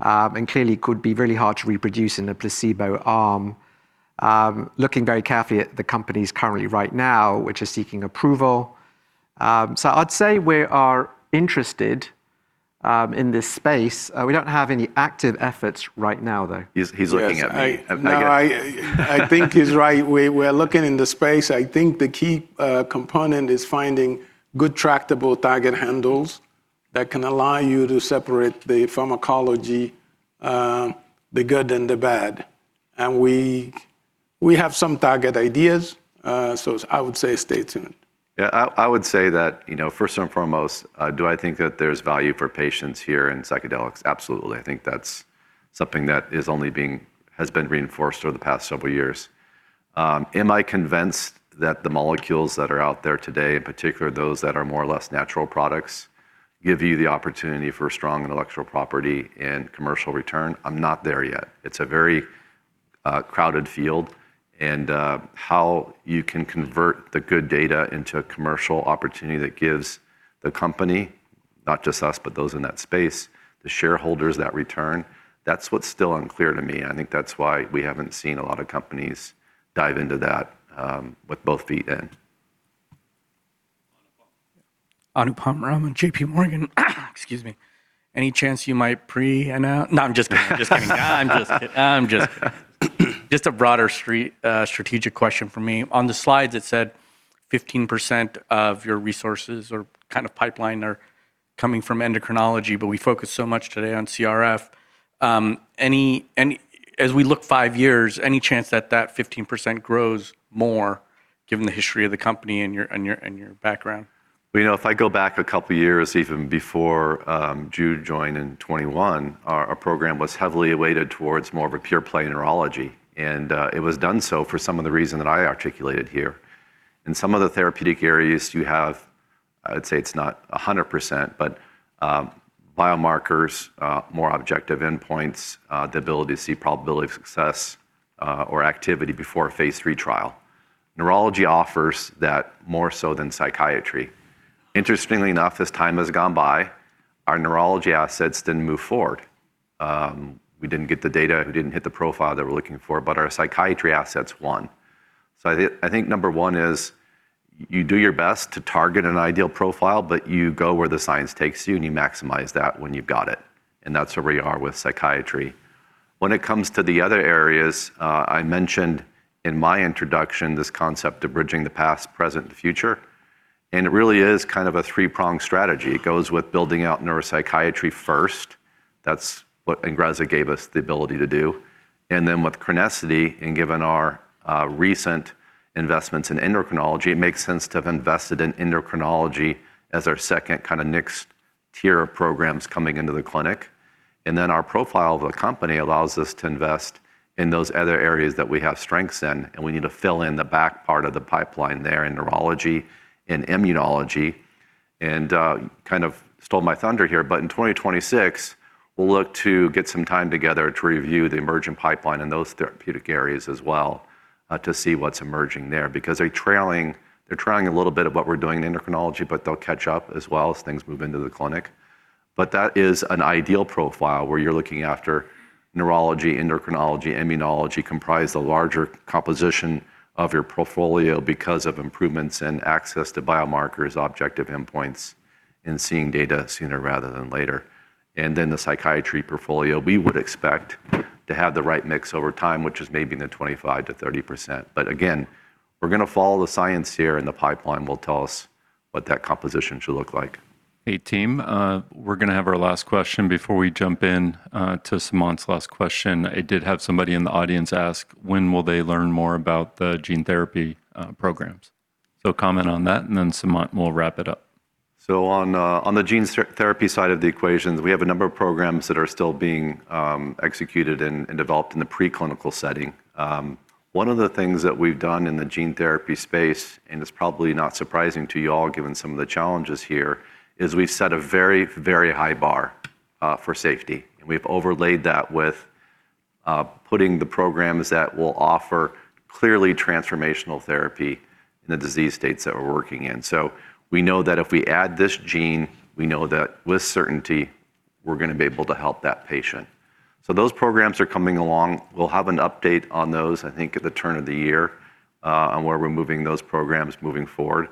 and clearly could be really hard to reproduce in a placebo arm. Looking very carefully at the companies currently right now, which are seeking approval. So I'd say we are interested in this space. We don't have any active efforts right now, though. He's looking at me. I think he's right. We're looking in the space. I think the key component is finding good tractable target handles that can allow you to separate the pharmacology, the good and the bad, and we have some target ideas, so I would say stay tuned. Yeah, I would say that first and foremost, do I think that there's value for patients here in psychedelics? Absolutely. I think that's something that has been reinforced over the past several years. Am I convinced that the molecules that are out there today, in particular those that are more or less natural products, give you the opportunity for strong intellectual property and commercial return? I'm not there yet. It's a very crowded field, and how you can convert the good data into a commercial opportunity that gives the company, not just us, but those in that space, the shareholders that return, that's what's still unclear to me. I think that's why we haven't seen a lot of compani dive into that with both feet in. Anupam Rama, JPMorgan. Excuse me. Any chance you might pre-announce? No, I'm just kidding. Just a broader strategic question for me. On the slides, it said 15% of your resources or kind of pipeline are coming from endocrinology, but we focus so much today on CRF. As we look five years, any chance that that 15% grows more given the history of the company and your background? You know, if I go back a couple of years, even before Jude joined in 2021, our program was heavily weighted towards more of a pure-play neurology. And it was done so for some of the reasons that I articulated here. In some of the therapeutic areas, you have, I'd say it's not 100%, but biomarkers, more objective endpoints, the ability to see probability of success or activity before a phase III trial. Neurology offers that more so than psychiatry. Interestingly enough, as time has gone by, our neurology assets didn't move forward. We didn't get the data. We didn't hit the profile that we're looking for, but our psychiatry assets won. So I think number one is you do your best to target an ideal profile, but you go where the science takes you, and you maximize that when you've got it. And that's where we are with psychiatry. When it comes to the other areas, I mentioned in my introduction this concept of bridging the past, present, and future. And it really is kind of a three-pronged strategy. It goes with building out neuropsychiatry first. That's what Ingrezza gave us the ability to do. And then with Crenessity, and given our recent investments in endocrinology, it makes sense to have invested in endocrinology as our second kind of next tier of programs coming into the clinic. And then our profile of the company allows us to invest in those other areas that we have strengths in. And we need to fill in the back part of the pipeline there in neurology and immunology. And kind of stole my thunder here, but in 2026, we'll look to get some time together to review the emerging pipeline in those therapeutic areas as well to see what's emerging there because they're trailing a little bit of what we're doing in endocrinology, but they'll catch up as well as things move into the clinic. But that is an ideal profile where you're looking after neurology, endocrinology, immunology comprise the larger composition of your portfolio because of improvements in access to biomarkers, objective endpoints, and seeing data sooner rather than later. And then the psychiatry portfolio, we would expect to have the right mix over time, which is maybe in the 25%-30%. But again, we're going to follow the science here in the pipeline. Well, tell us what that composition should look like. Hey, team. We're going to have our last question before we jump into Sumant's last question. I did have somebody in the audience ask when will they learn more about the gene therapy programs. So comment on that, and then Sumant will wrap it up. So on the gene therapy side of the equations, we have a number of programs that are still being executed and developed in the preclinical setting. One of the things that we've done in the gene therapy space, and it's probably not surprising to you all given some of the challenges here, is we've set a very, very high bar for safety, and we've overlaid that with putting the programs that will offer clearly transformational therapy in the disease states that we're working in. So we know that if we add this gene, we know that with certainty, we're going to be able to help that patient. So those programs are coming along. We'll have an update on those, I think, at the turn of the year on where we're moving those programs moving forward.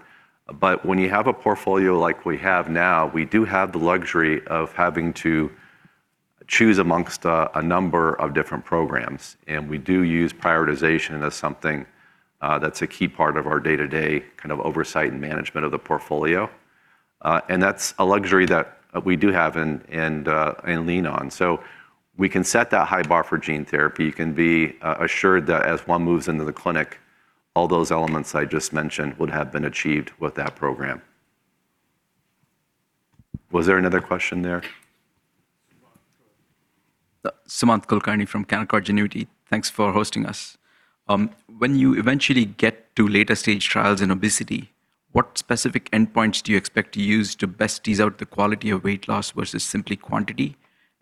But when you have a portfolio like we have now, we do have the luxury of having to choose among a number of different programs. And we do use prioritization as something that's a key part of our day-to-day kind of oversight and management of the portfolio. And that's a luxury that we do have and lean on. So we can set that high bar for gene therapy. You can be assured that as one moves into the clinic, all those elements I just mentioned would have been achieved with that program. Was there another question there? Sumant Kulkarni from Canaccord Genuity. Thanks for hosting us. When you eventually get to later stage trials in obesity, what specific endpoints do you expect to use to best tease out the quality of weight loss versus simply quantity?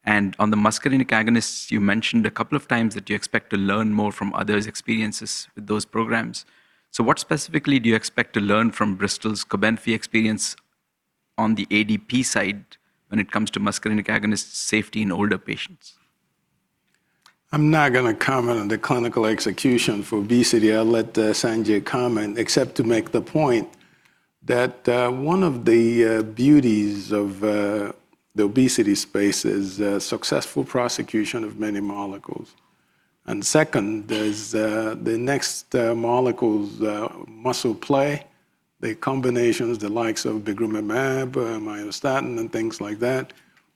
And on the muscarinic agonists, you mentioned a couple of times that you expect to learn more from others' experiences with those programs. So what specifically do you expect to learn from Bristol's Cobenfy experience on the ADP side when it comes to muscarinic agonist safety in older patients? I'm not going to comment on the clinical execution for obesity. I'll let Sanjay comment, except to make the point that one of the beauties of the obesity space is successful prosecution of many molecules. And second, the next molecules, muscle play, the combinations, the likes of bimagrumab, myostatin, and things like that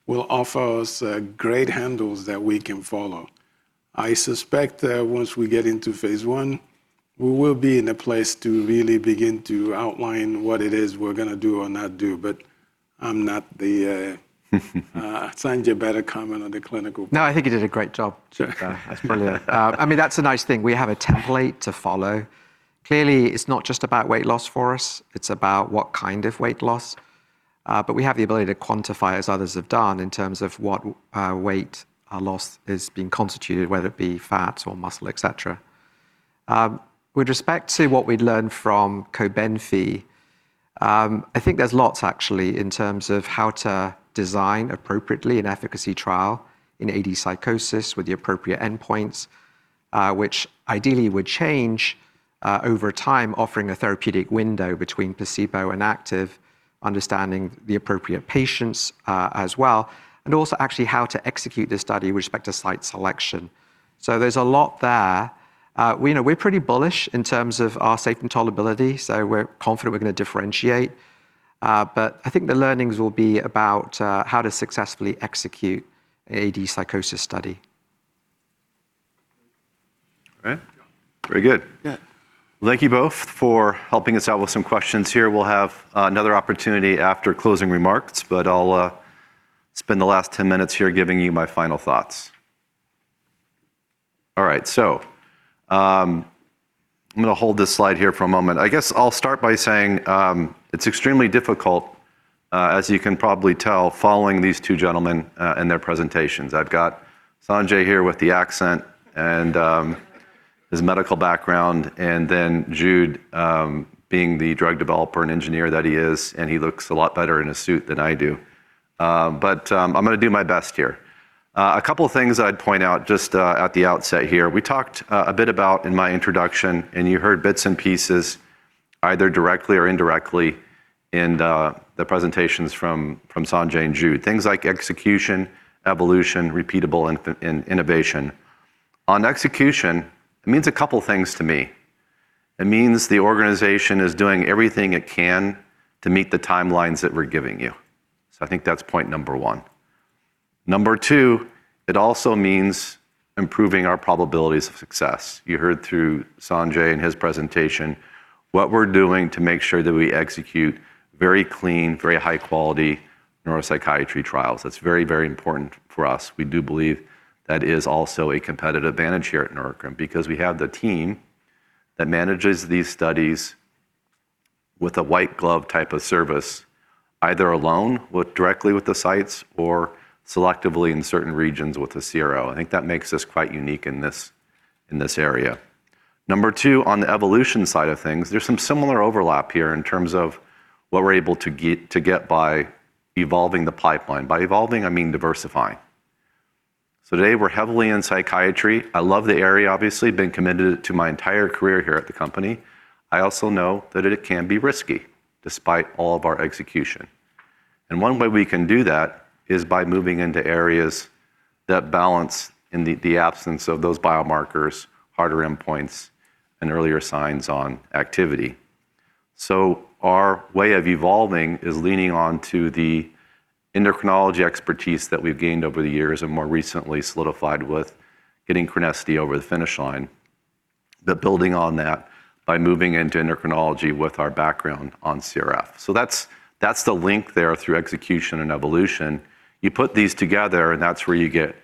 will offer us great handles that we can follow. I suspect, once we get into phase I, we will be in a place to really begin to outline what it is we're going to do or not do. But I'm not. Sanjay can better comment on the clinical. No, I think he did a great job. That's brilliant. I mean, that's a nice thing. We have a template to follow. Clearly, it's not just about weight loss for us. It's about what kind of weight loss. But we have the ability to quantify, as others have done, in terms of what weight loss is being constituted, whether it be fat or muscle, et cetera. With respect to what we'd learned from Cobenfy, I think there's lots, actually, in terms of how to design appropriately an efficacy trial in AD psychosis with the appropriate endpoints, which ideally would change over time, offering a therapeutic window between placebo and active, understanding the appropriate patients as well, and also actually how to execute this study with respect to site selection. So there's a lot there. We're pretty bullish in terms of our safety and tolerability. So we're confident we're going to differentiate. But I think the learnings will be about how to successfully execute an AD psychosis study. All right. Very good. Thank you both for helping us out with some questions here. We'll have another opportunity after closing remarks, but I'll spend the last 10 minutes here giving you my final thoughts. All right. So I'm going to hold this slide here for a moment. I guess I'll start by saying it's extremely difficult, as you can probably tell, following these two gentlemen and their presentations. I've got Sanjay here with the accent and his medical background, and then Jude being the drug developer and engineer that he is. And he looks a lot better in a suit than I do. But I'm going to do my best here. A couple of things I'd point out just at the outset here. We talked a bit about in my introduction, and you heard bits and pieces either directly or indirectly in the presentations from Sanjay and Jude, things like execution, evolution, repeatable innovation. On execution, it means a couple of things to me. It means the organization is doing everything it can to meet the timelines that we're giving you. So I think that's point number one. Number two, it also means improving our probabilities of success. You heard through Sanjay and his presentation what we're doing to make sure that we execute very clean, very high-quality neuropsychiatry trials. That's very, very important for us. We do believe that is also a competitive advantage here at Neurocrine because we have the team that manages these studies with a white glove type of service, either alone directly with the sites or selectively in certain regions with the CRO. I think that makes us quite unique in this area. Number two, on the evolution side of things, there's some similar overlap here in terms of what we're able to get by evolving the pipeline. By evolving, I mean diversifying. So today, we're heavily in psychiatry. I love the area, obviously, been committed to my entire career here at the company. I also know that it can be risky despite all of our execution. And one way we can do that is by moving into areas that balance in the absence of those biomarkers, harder endpoints, and earlier signs on activity. So our way of evolving is leaning on to the endocrinology expertise that we've gained over the years and more recently solidified with getting Crenessity over the finish line, but building on that by moving into endocrinology with our background on CRF. So that's the link there through execution and evolution. You put these together, and that's where you get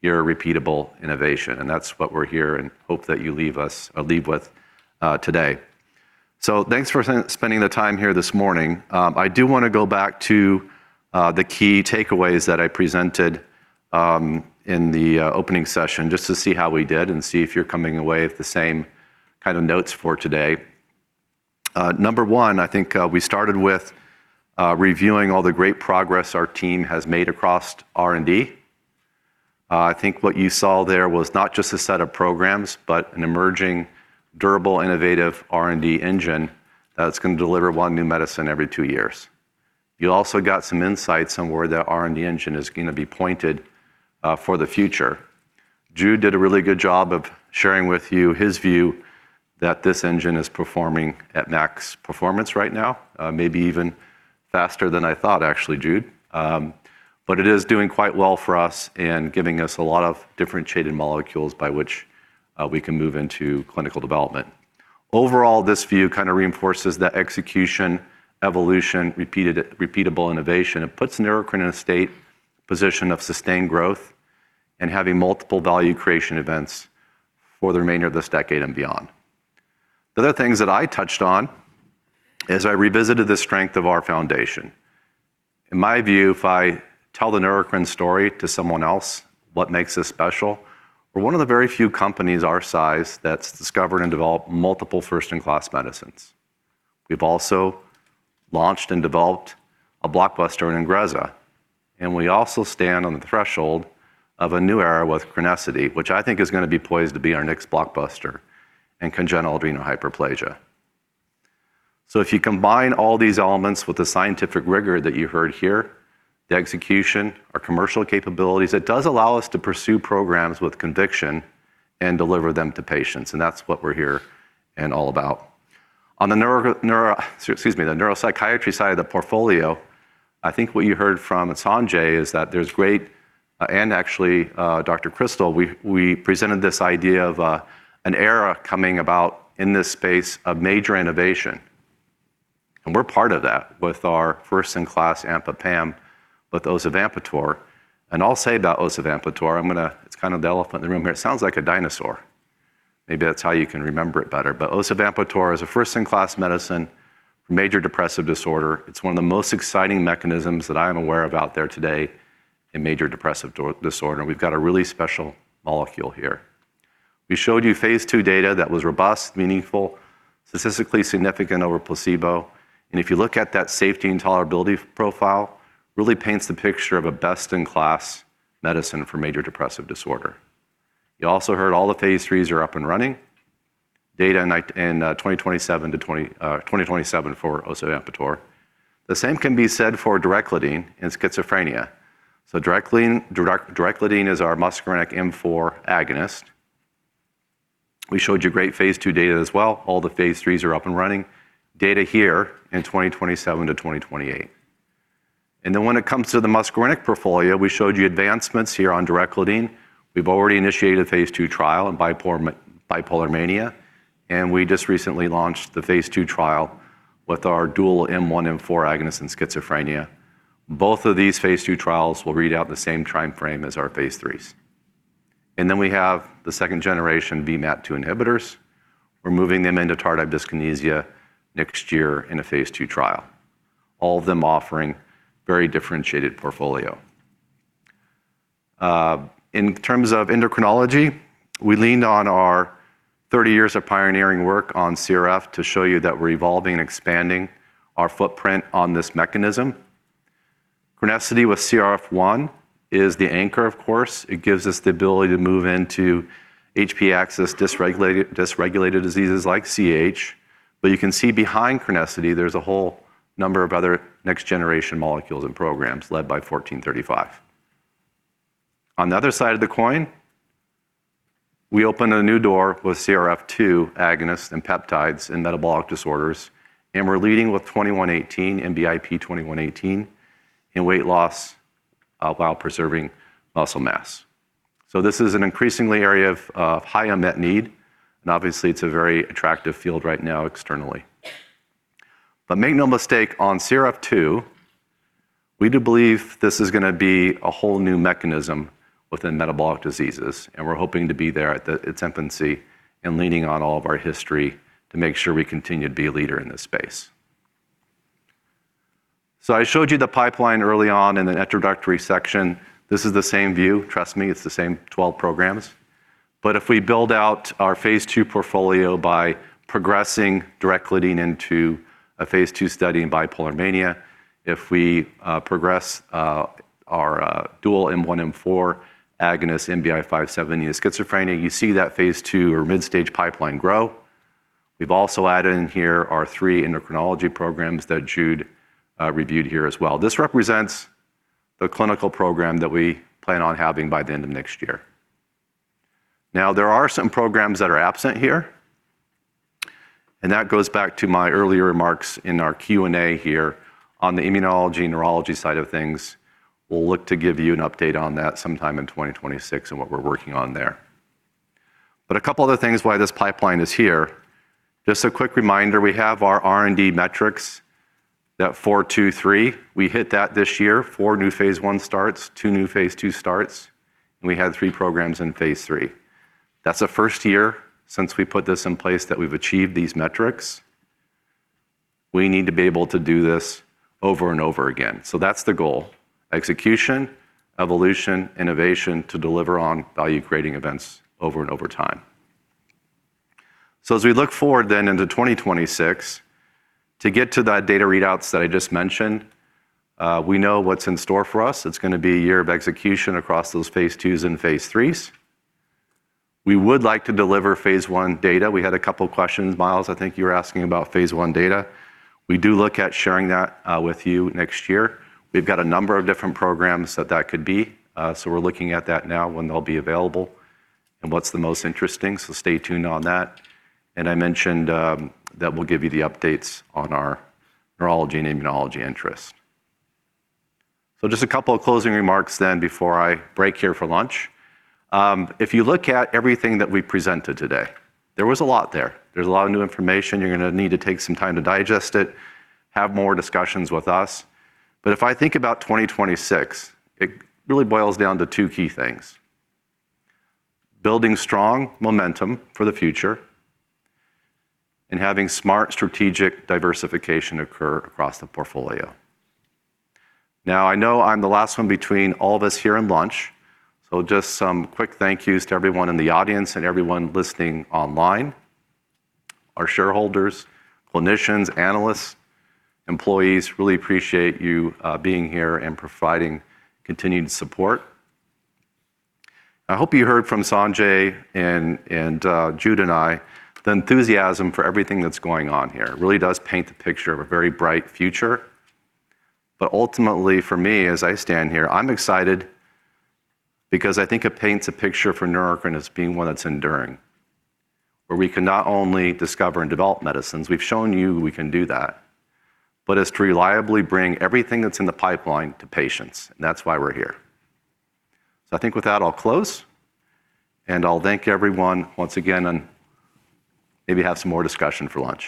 your repeatable innovation. And that's what we're here and hope that you leave with today. So thanks for spending the time here this morning. I do want to go back to the key takeaways that I presented in the opening session just to see how we did and see if you're coming away with the same kind of notes for today. Number one, I think we started with reviewing all the great progress our team has made across R&D. I think what you saw there was not just a set of programs, but an emerging durable, innovative R&D engine that's going to deliver one new medicine every two years. You also got some insights on where the R&D engine is going to be pointed for the future. Jude did a really good job of sharing with you his view that this engine is performing at max performance right now, maybe even faster than I thought, actually, Jude. But it is doing quite well for us and giving us a lot of differentiated molecules by which we can move into clinical development. Overall, this view kind of reinforces that execution, evolution, repeatable innovation. It puts Neurocrine in a strong position of sustained growth and having multiple value creation events for the remainder of this decade and beyond. The other things that I touched on is I revisited the strength of our foundation. In my view, if I tell the Neurocrine story to someone else, what makes us special? We're one of the very few companies our size that's discovered and developed multiple first-in-class medicines. We've also launched and developed a blockbuster in Ingrezza. And we also stand on the threshold of a new era with Crenessity, which I think is going to be poised to be our next blockbuster in congenital adrenal hyperplasia. So if you combine all these elements with the scientific rigor that you heard here, the execution, our commercial capabilities, it does allow us to pursue programs with conviction and deliver them to patients. And that's what we're here and all about. On the neuropsychiatry side of the portfolio, I think what you heard from Sanjay is that there's great and actually, Dr. Krystal, we presented this idea of an era coming about in this space of major innovation. And we're part of that with our first-in-class AMPA PAM with Osavampator. And I'll say about Osavampator, it's kind of the elephant in the room here. It sounds like a dinosaur. Maybe that's how you can remember it better. But Osavampator is a first-in-class medicine for major depressive disorder. It's one of the most exciting mechanisms that I'm aware of out there today in major depressive disorder. We've got a really special molecule here. We showed you phase two data that was robust, meaningful, statistically significant over placebo, and if you look at that safety and tolerability profile, it really paints the picture of a best-in-class medicine for major depressive disorder. You also heard all the phase IIIs are up and running data in 2027-2027 for Osavampator. The same can be said for Direclidine in schizophrenia, so Direclidine is our muscarinic M4 agonist. We showed you great phase II data as well. All the phase IIIs are up and running data here in 2027-2028, and then when it comes to the muscarinic portfolio, we showed you advancements here on Direclidine. We've already initiated a phase II trial in bipolar mania, and we just recently launched the phase II trial with our dual M1, M4 agonist in schizophrenia. Both of these phase II trials will read out the same time frame as our phase IIIs. And then we have the second generation VMAT2 inhibitors. We're moving them into tardive dyskinesia next year in a phase II trial, all of them offering very differentiated portfolio. In terms of endocrinology, we leaned on our 30 years of pioneering work on CRF to show you that we're evolving and expanding our footprint on this mechanism. Crenessity with CRF1 is the anchor, of course. It gives us the ability to move into HPA axis, dysregulated diseases like CAH. But you can see behind Crenessity, there's a whole number of other next-generation molecules and programs led by NBIP-'1435. On the other side of the coin, we opened a new door with CRF2 agonists and peptides in metabolic disorders. And we're leading with NBIP-'2118 and NBIP-'2118 in weight loss while preserving muscle mass. This is an increasingly area of high unmet need. And obviously, it's a very attractive field right now externally. But make no mistake, on CRF2, we do believe this is going to be a whole new mechanism within metabolic diseases. And we're hoping to be there at its infancy and leaning on all of our history to make sure we continue to be a leader in this space. So I showed you the pipeline early on in the introductory section. This is the same view. Trust me, it's the same 12 programs. But if we build out our phase two portfolio by progressing Direclidine into a phase two study in bipolar mania, if we progress our dual M1, M4 agonist in NBI-'570 schizophrenia, you see that phase II or mid-stage pipeline grow. We've also added in here our three endocrinology programs that Jude reviewed here as well. This represents the clinical program that we plan on having by the end of next year. Now, there are some programs that are absent here, and that goes back to my earlier remarks in our Q&A here on the immunology neurology side of things. We'll look to give you an update on that sometime in 2026 and what we're working on there. But a couple of other things, why this pipeline is here. Just a quick reminder, we have our R&D metrics that 423. We hit that this year. Four new phase I starts, two new phase II starts, and we had three programs in phase III. That's the first year since we put this in place that we've achieved these metrics. We need to be able to do this over and over again. That's the goal: execution, evolution, innovation to deliver on value creating events over and over time. As we look forward then into 2026, to get to that data readouts that I just mentioned, we know what's in store for us. It's going to be a year of execution across those phase IIs and phase IIIs. We would like to deliver phase I data. We had a couple of questions, Miles. I think you were asking about phase I data. We do look at sharing that with you next year. We've got a number of different programs that could be. So we're looking at that now when they'll be available and what's the most interesting. So stay tuned on that. And I mentioned that we'll give you the updates on our neurology and immunology interest. Just a couple of closing remarks, then, before I break here for lunch. If you look at everything that we presented today, there was a lot there. There's a lot of new information. You're going to need to take some time to digest it, have more discussions with us. But if I think about 2026, it really boils down to two key things: building strong momentum for the future and having smart strategic diversification occur across the portfolio. Now, I know I'm the last one before all of us here for lunch. So just some quick thank yous to everyone in the audience and everyone listening online. Our shareholders, clinicians, analysts, employees really appreciate you being here and providing continued support. I hope you heard from Sanjay and Jude and I the enthusiasm for everything that's going on here. It really does paint the picture of a very bright future. But ultimately, for me, as I stand here, I'm excited because I think it paints a picture for Neurocrine as being one that's enduring, where we can not only discover and develop medicines. We've shown you we can do that, but it's to reliably bring everything that's in the pipeline to patients. And that's why we're here. So I think with that, I'll close. And I'll thank everyone once again and maybe have some more discussion for lunch.